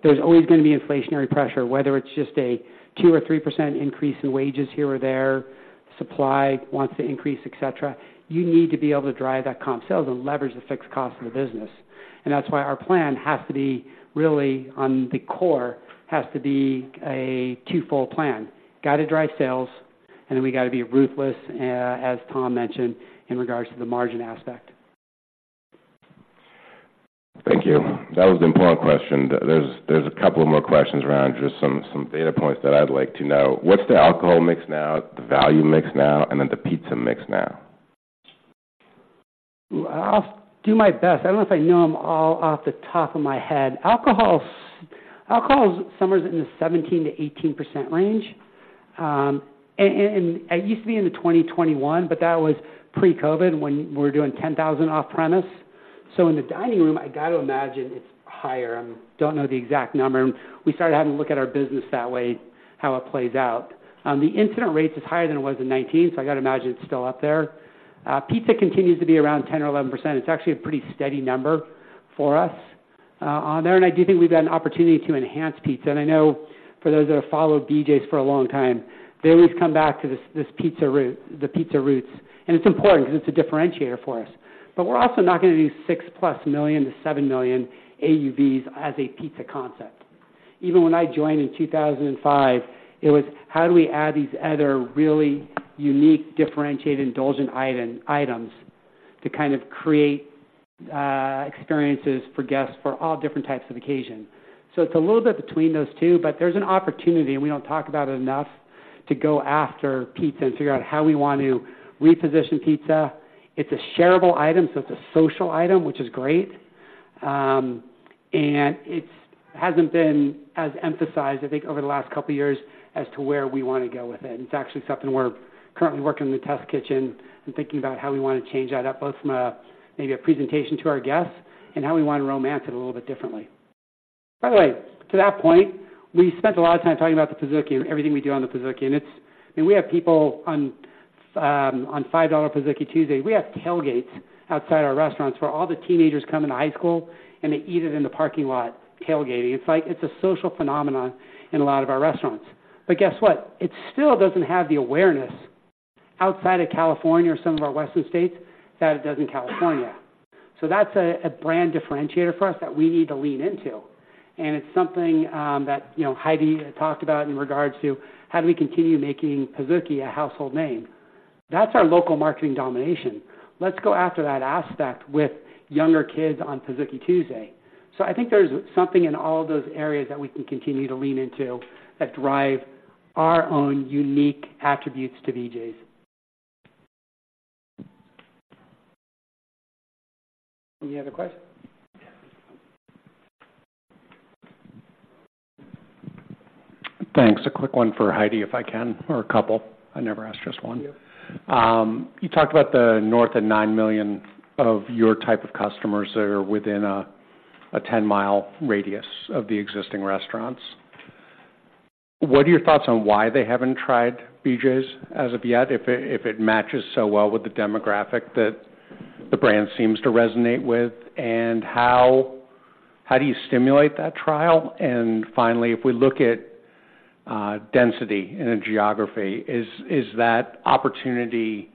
there's always going to be inflationary pressure, whether it's just a 2%-3% increase in wages here or there, supply wants to increase, et cetera. You need to be able to drive that comp sales and leverage the fixed cost of the business. And that's why our plan has to be really, on the core, has to be a twofold plan. Got to drive sales, and then we got to be ruthless, as Tom mentioned, in regards to the margin aspect. Thank you. That was an important question. There's a couple of more questions around, just some data points that I'd like to know. What's the alcohol mix now, the value mix now, and then the pizza mix now? I'll do my best. I don't know if I know them all off the top of my head. Alcohol is somewhere in the 17%-18% range. And it used to be in the 20-21, but that was pre-COVID, when we were doing 10,000 off-premise. So in the dining room, I got to imagine it's higher. I don't know the exact number. We started having to look at our business that way, how it plays out. The incident rates is higher than it was in 2019, so I got to imagine it's still up there. Pizza continues to be around 10 or 11%. It's actually a pretty steady number for us, on there, and I do think we've got an opportunity to enhance pizza. I know for those that have followed BJ's for a long time, they always come back to this, this pizza roots. It's important because it's a differentiator for us. But we're also not going to do $6+ million-$7 million AUVs as a pizza concept... even when I joined in 2005, it was how do we add these other really unique, differentiated, indulgent items to kind of create experiences for guests for all different types of occasions? So it's a little bit between those two, but there's an opportunity, and we don't talk about it enough, to go after pizza and figure out how we want to reposition pizza. It's a shareable item, so it's a social item, which is great. And it's hasn't been as emphasized, I think, over the last couple of years as to where we want to go with it. It's actually something we're currently working in the test kitchen and thinking about how we want to change that up, both from a, maybe a presentation to our guests and how we want to romance it a little bit differently. By the way, to that point, we spent a lot of time talking about the Pizookie and everything we do on the Pizookie, and it's we have people on, on $5 Pizookie Tuesday. We have tailgates outside our restaurants where all the teenagers come into high school and they eat it in the parking lot, tailgating. It's like it's a social phenomenon in a lot of our restaurants. But guess what? It still doesn't have the awareness outside of California or some of our western states that it does in California. So that's a brand differentiator for us that we need to lean into, and it's something that, you know, Heidi talked about in regards to how do we continue making Pizookie a household name. That's our local marketing domination. Let's go after that aspect with younger kids on Pizookie Tuesday. So I think there's something in all of those areas that we can continue to lean into that drive our own unique attributes to BJ's. Any other questions? Thanks. A quick one for Heidi, if I can, or a couple. I never ask just one. Yeah. You talked about the north of 9 million of your type of customers that are within a 10-mile radius of the existing restaurants. What are your thoughts on why they haven't tried BJ's as of yet, if it matches so well with the demographic that the brand seems to resonate with, and how do you stimulate that trial? And finally, if we look at density in a geography, is that opportunity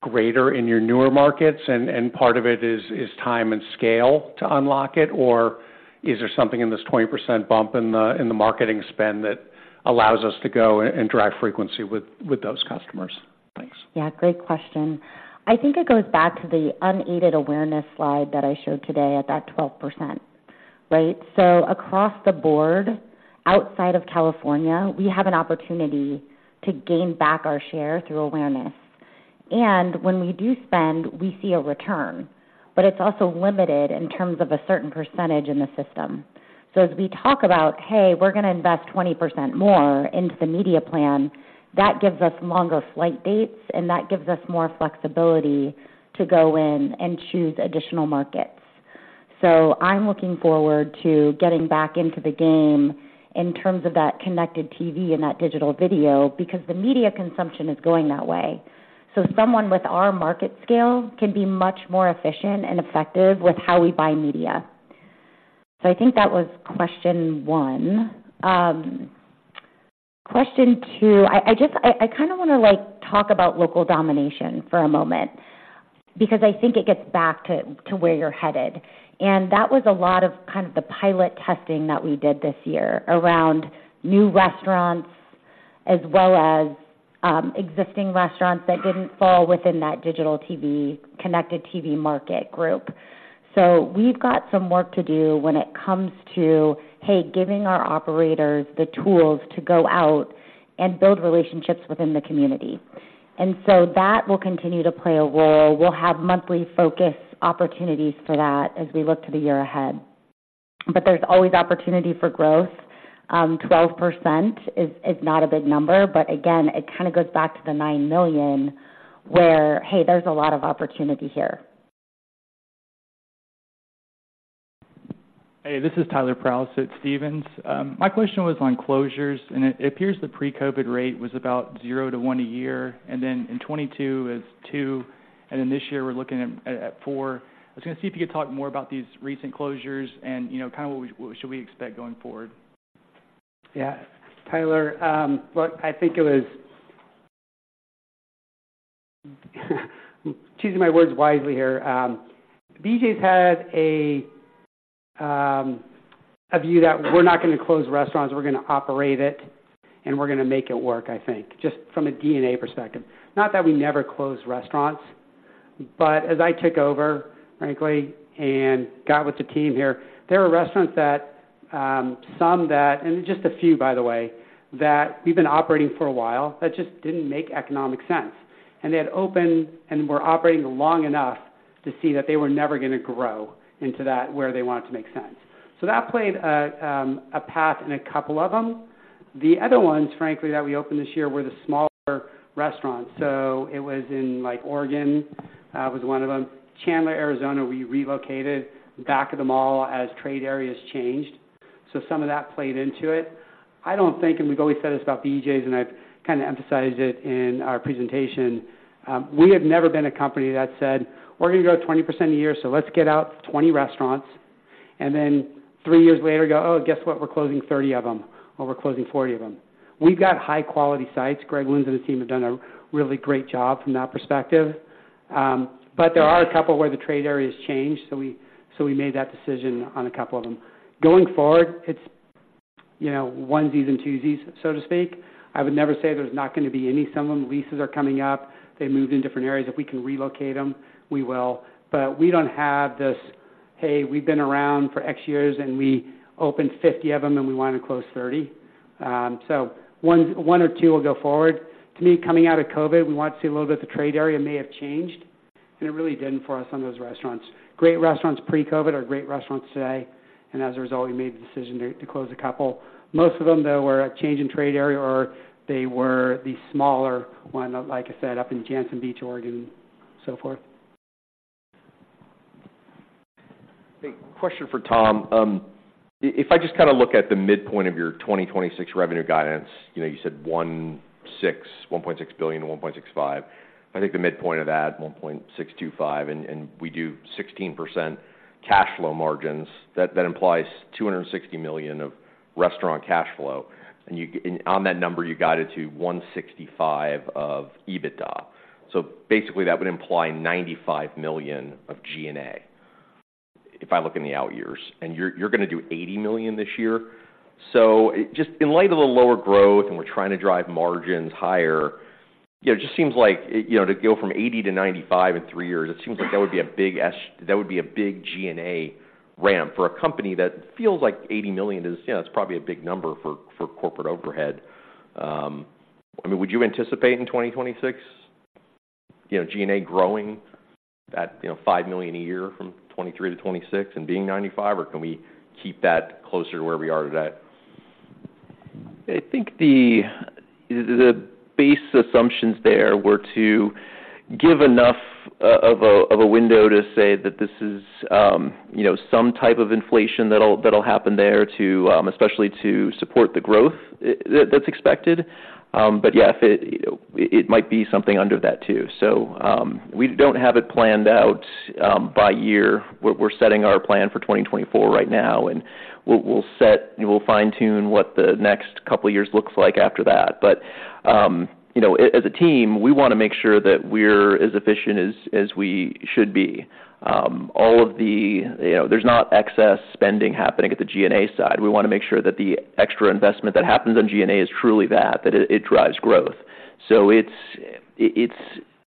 greater in your newer markets, and part of it is time and scale to unlock it? Or is there something in this 20% bump in the marketing spend that allows us to go and drive frequency with those customers? Thanks. Yeah, great question. I think it goes back to the unaided awareness slide that I showed today at that 12%, right? So across the board, outside of California, we have an opportunity to gain back our share through awareness. And when we do spend, we see a return, but it's also limited in terms of a certain percentage in the system. So as we talk about, hey, we're gonna invest 20% more into the media plan, that gives us longer flight dates, and that gives us more flexibility to go in and choose additional markets. So I'm looking forward to getting back into the game in terms of that connected TV and that digital video, because the media consumption is going that way. So someone with our market scale can be much more efficient and effective with how we buy media. So I think that was question one. Question two, I just kind of want to, like, talk about local domination for a moment, because I think it gets back to where you're headed. And that was a lot of kind of the pilot testing that we did this year around new restaurants, as well as existing restaurants that didn't fall within that digital TV, Connected TV market group. So we've got some work to do when it comes to, hey, giving our operators the tools to go out and build relationships within the community. And so that will continue to play a role. We'll have monthly focus opportunities for that as we look to the year ahead. But there's always opportunity for growth. 12% is not a big number, but again, it kind of goes back to the 9 million where, hey, there's a lot of opportunity here. Hey, this is Tyler Proulx at Stephens. My question was on closures, and it appears the pre-COVID rate was about zero to one a year, and then in 2022, it's two, and then this year we're looking at four. I was gonna see if you could talk more about these recent closures and, you know, kind of what we—what should we expect going forward. Yeah, Tyler, look, I think it was... Choosing my words wisely here. BJ's had a view that we're not gonna close restaurants, we're gonna operate it, and we're gonna make it work, I think, just from a DNA perspective. Not that we never close restaurants, but as I took over, frankly, and got with the team here, there were restaurants that, some that, and just a few, by the way, that we've been operating for a while, that just didn't make economic sense. They had opened and were operating long enough to see that they were never gonna grow into that where they wanted to make sense. So that played a part in a couple of them. The other ones, frankly, that we opened this year were the smaller restaurants. So it was in, like, Oregon, was one of them. Chandler, Arizona, we relocated back to the mall as trade areas changed. So some of that played into it. I don't think, and we've always said this about BJ's, and I've kind of emphasized it in our presentation, we have never been a company that said: We're gonna grow 20% a year, so let's get out 20 restaurants, and then three years later go, "Oh, guess what? We're closing 30 of them, or we're closing 40 of them." We've got high quality sites. Greg Lynds and his team have done a really great job from that perspective. But there are a couple where the trade area has changed, so we, so we made that decision on a couple of them. Going forward, it's, you know, onesies and twosies, so to speak. I would never say there's not gonna be any of them. Leases are coming up. They moved in different areas. If we can relocate them, we will. But we don't have this, "Hey, we've been around for X years, and we opened 50 of them, and we want to close 30." So one or two will go forward. To me, coming out of COVID, we want to see a little bit of the trade area may have changed, and it really didn't for us, some of those restaurants. Great restaurants pre-COVID are great restaurants today, and as a result, we made the decision to close a couple. Most of them, though, were a change in trade area, or they were the smaller one, like I said, up in Jantzen Beach, Oregon, so forth. Hey, question for Tom. If I just kind of look at the midpoint of your 2026 revenue guidance, you know, you said $1.6 billion-$1.65 billion. I think the midpoint of that, 1.625, and we do 16% cash flow margins, that implies $260 million of restaurant cash flow. And on that number, you guide it to $165 million of EBITDA. So basically, that would imply $95 million of G&A, if I look in the out years, and you're gonna do $80 million this year. So just in light of the lower growth, and we're trying to drive margins higher, it just seems like, you know, to go from $80 million to $95 million in three years, it seems like that would be a big SG&A ramp for a company that feels like $80 million is, you know, it's probably a big number for, for corporate overhead. I mean, would you anticipate in 2026, you know, SG&A growing at, you know, $5 million a year from 2023 to 2026 and being 95, or can we keep that closer to where we are today? I think the base assumptions there were to give enough of a window to say that this is, you know, some type of inflation that'll happen there to especially to support the growth that's expected. But yeah, it might be something under that too. So we don't have it planned out by year. We're setting our plan for 2024 right now, and we'll fine-tune what the next couple of years looks like after that. But you know, as a team, we want to make sure that we're as efficient as we should be. You know, there's not excess spending happening at the G&A side. We want to make sure that the extra investment that happens on G&A is truly that, that it drives growth. So it's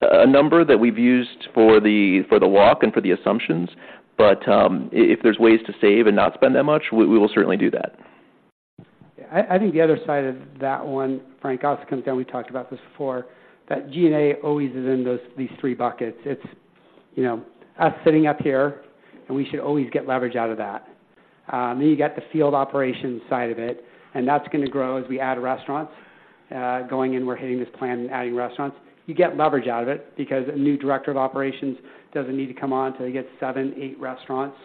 a number that we've used for the walk and for the assumptions, but if there's ways to save and not spend that much, we will certainly do that. I think the other side of that one, Frank, also comes down, we talked about this before, that GNA always is in those three buckets. It's, you know, us sitting up here, and we should always get leverage out of that. Then you get the field operations side of it, and that's going to grow as we add restaurants. Going in, we're hitting this plan and adding restaurants. You get leverage out of it because a new director of operations doesn't need to come on till you get 7, 8 restaurants,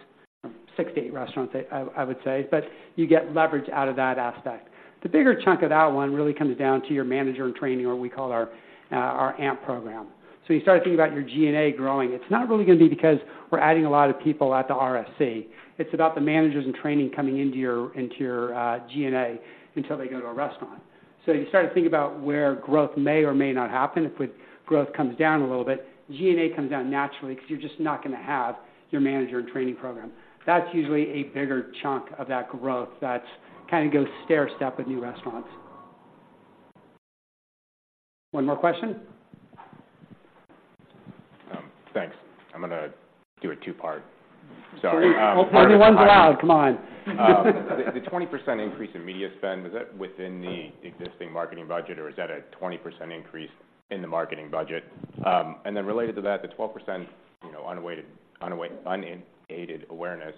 6-8 restaurants, I would say, but you get leverage out of that aspect. The bigger chunk of that one really comes down to your manager in training, or we call our AMP program. So you start thinking about your GNA growing. It's not really going to be because we're adding a lot of people at the RSC. It's about the managers in training coming into your, into your, G&A until they go to a restaurant. So you start to think about where growth may or may not happen. If growth comes down a little bit, G&A comes down naturally because you're just not gonna have your manager in training program. That's usually a bigger chunk of that growth that's kind of go stairstep with new restaurants. One more question? Thanks. I'm gonna do a two-part. Sorry. Only one's allowed. Come on. The 20% increase in media spend, is that within the existing marketing budget, or is that a 20% increase in the marketing budget? And then related to that, the 12%, you know, unaided awareness,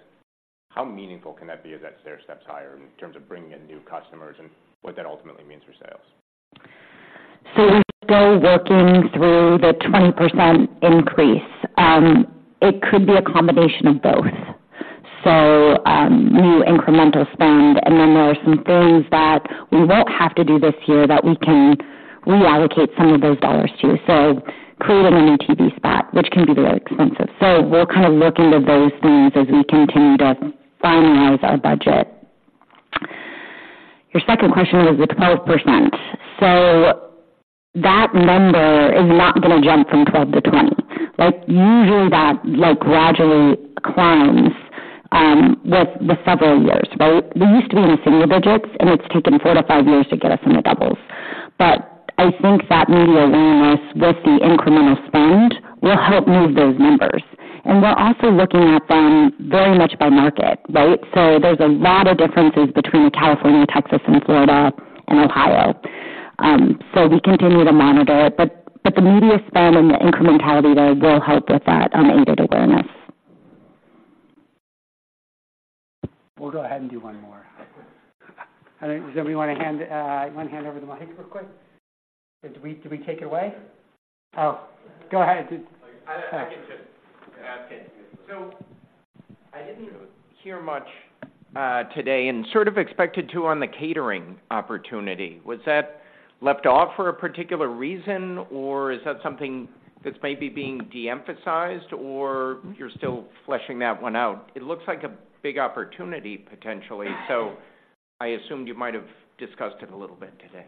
how meaningful can that be as that stairsteps higher in terms of bringing in new customers and what that ultimately means for sales? So we're still working through the 20% increase. It could be a combination of both. So, new incremental spend, and then there are some things that we won't have to do this year that we can reallocate some of those dollars to. So creating a new TV spot, which can be very expensive. So we'll look into those things as we continue to finalize our budget. Your second question was the 12%. So that number is not gonna jump from 12% to 20%. Like, usually, that gradually climbs, with the several years, right? We used to be in the single digits, and it's taken 4-5 years to get us in the doubles. But I think that media awareness, with the incremental spend, will help move those numbers. And we're also looking at them very much by market, right? So there's a lot of differences between California, Texas, and Florida, and Ohio. So we continue to monitor it, but the media spend and the incrementality there will help with that unaided awareness. We'll go ahead and do one more. Does anybody want to hand over the mic real quick? Do we take it away? Oh, go ahead. I can do it. Okay. So I didn't hear much today and sort of expected to on the catering opportunity. Was that left off for a particular reason, or is that something that's maybe being de-emphasized, or you're still fleshing that one out? It looks like a big opportunity, potentially, so I assumed you might have discussed it a little bit today.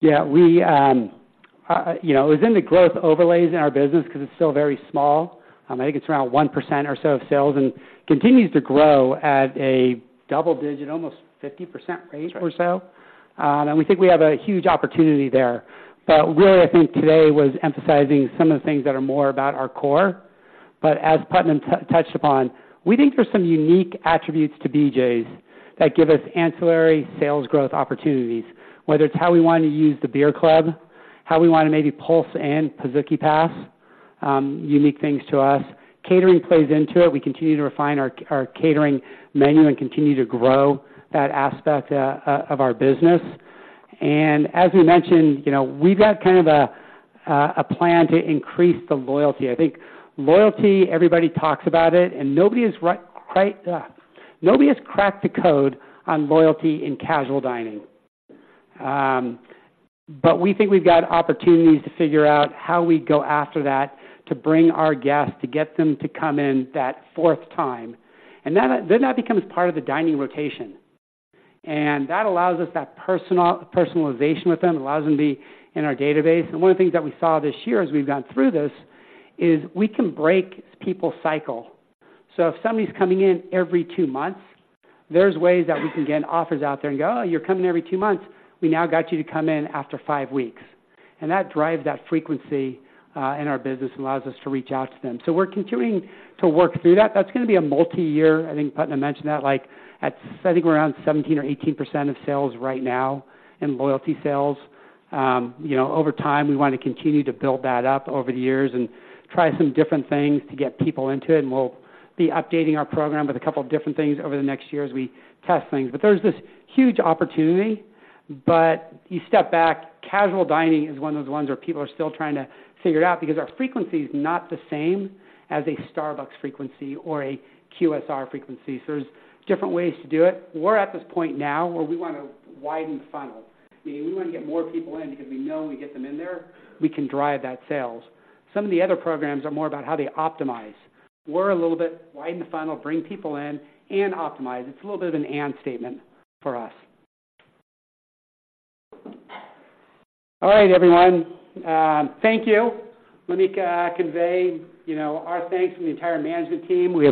Yeah, we, you know, it was in the growth overlays in our business because it's still very small. I think it's around 1% or so of sales and continues to grow at a double-digit, almost 50% rate or so. And we think we have a huge opportunity there. But really, I think today was emphasizing some of the things that are more about our core. But as Putnam touched upon, we think there are some unique attributes to BJ's that give us ancillary sales growth opportunities, whether it's how we want to use the Beer Club, how we want to maybe pulse and Pizookie Pass, unique things to us. Catering plays into it. We continue to refine our catering menu and continue to grow that aspect of our business. And as we mentioned, you know, we've got kind of a plan to increase the loyalty. I think loyalty, everybody talks about it, and nobody has right, quite, nobody has cracked the code on loyalty in casual dining. But we think we've got opportunities to figure out how we go after that, to bring our guests, to get them to come in that fourth time, and then that becomes part of the dining rotation. And that allows us that personal--personalization with them, allows them to be in our database. And one of the things that we saw this year, as we've gone through this, is we can break people's cycle. So if somebody's coming in every two months, there's ways that we can get offers out there and go, "Oh, you're coming every two months. We now got you to come in after five weeks." And that drives that frequency in our business and allows us to reach out to them. So we're continuing to work through that. That's going to be a multi-year. I think Putnam mentioned that, like, at, I think we're around 17% or 18% of sales right now in loyalty sales. You know, over time, we want to continue to build that up over the years and try some different things to get people into it. And we'll be updating our program with a couple of different things over the next year as we test things. But there's this huge opportunity, but you step back, casual dining is one of those ones where people are still trying to figure it out because our frequency is not the same as a Starbucks frequency or a QSR frequency. So there's different ways to do it. We're at this point now where we want to widen the funnel. We want to get more people in because we know we get them in there, we can drive that sales. Some of the other programs are more about how they optimize. We're a little bit widen the funnel, bring people in and optimize. It's a little bit of an and statement for us. All right, everyone, thank you. Let me convey, you know, our thanks from the entire management team. We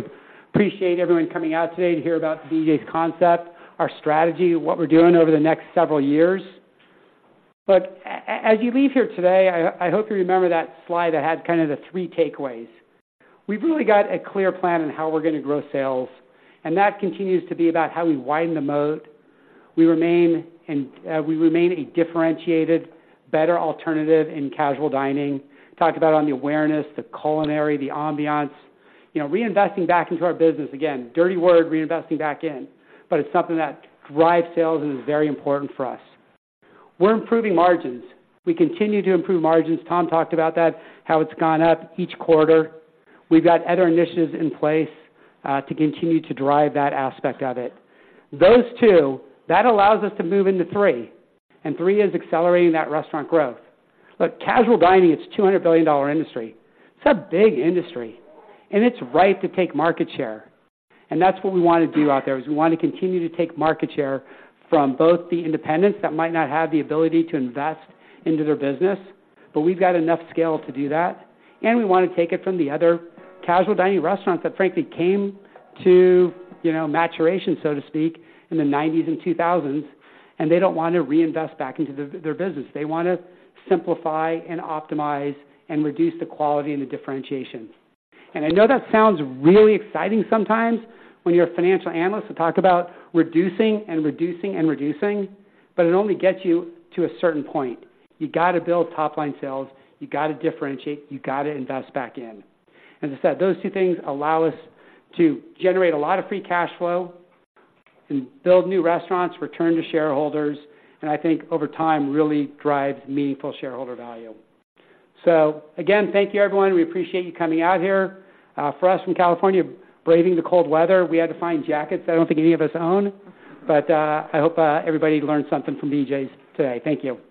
appreciate everyone coming out today to hear about the BJ's concept, our strategy, what we're doing over the next several years. But as you leave here today, I hope you remember that slide that had kind of the three takeaways. We've really got a clear plan on how we're going to grow sales, and that continues to be about how we widen the moat. We remain and, we remain a differentiated, better alternative in casual dining. Talked about on the awareness, the culinary, the ambiance, you know, reinvesting back into our business. Again, dirty word, reinvesting back in, but it's something that drives sales and is very important for us. We're improving margins. We continue to improve margins. Tom talked about that, how it's gone up each quarter. We've got other initiatives in place to continue to drive that aspect of it. Those two, that allows us to move into three, and three is accelerating that restaurant growth. But casual dining, it's a $200 billion industry. It's a big industry, and it's right to take market share. That's what we want to do out there, is we want to continue to take market share from both the independents that might not have the ability to invest into their business, but we've got enough scale to do that. And we want to take it from the other casual dining restaurants that, frankly, came to, you know, maturation, so to speak, in the 1990s and 2000s, and they don't want to reinvest back into their business. They want to simplify and optimize and reduce the quality and the differentiation. And I know that sounds really exciting sometimes when you're a financial analyst to talk about reducing and reducing and reducing, but it only gets you to a certain point. You got to build top-line sales, you got to differentiate, you got to invest back in. As I said, those two things allow us to generate a lot of free cash flow and build new restaurants, return to shareholders, and I think over time, really drives meaningful shareholder value. Again, thank you, everyone. We appreciate you coming out here for us from California, braving the cold weather. We had to find jackets I don't think any of us own, but I hope everybody learned something from BJ's today. Thank you.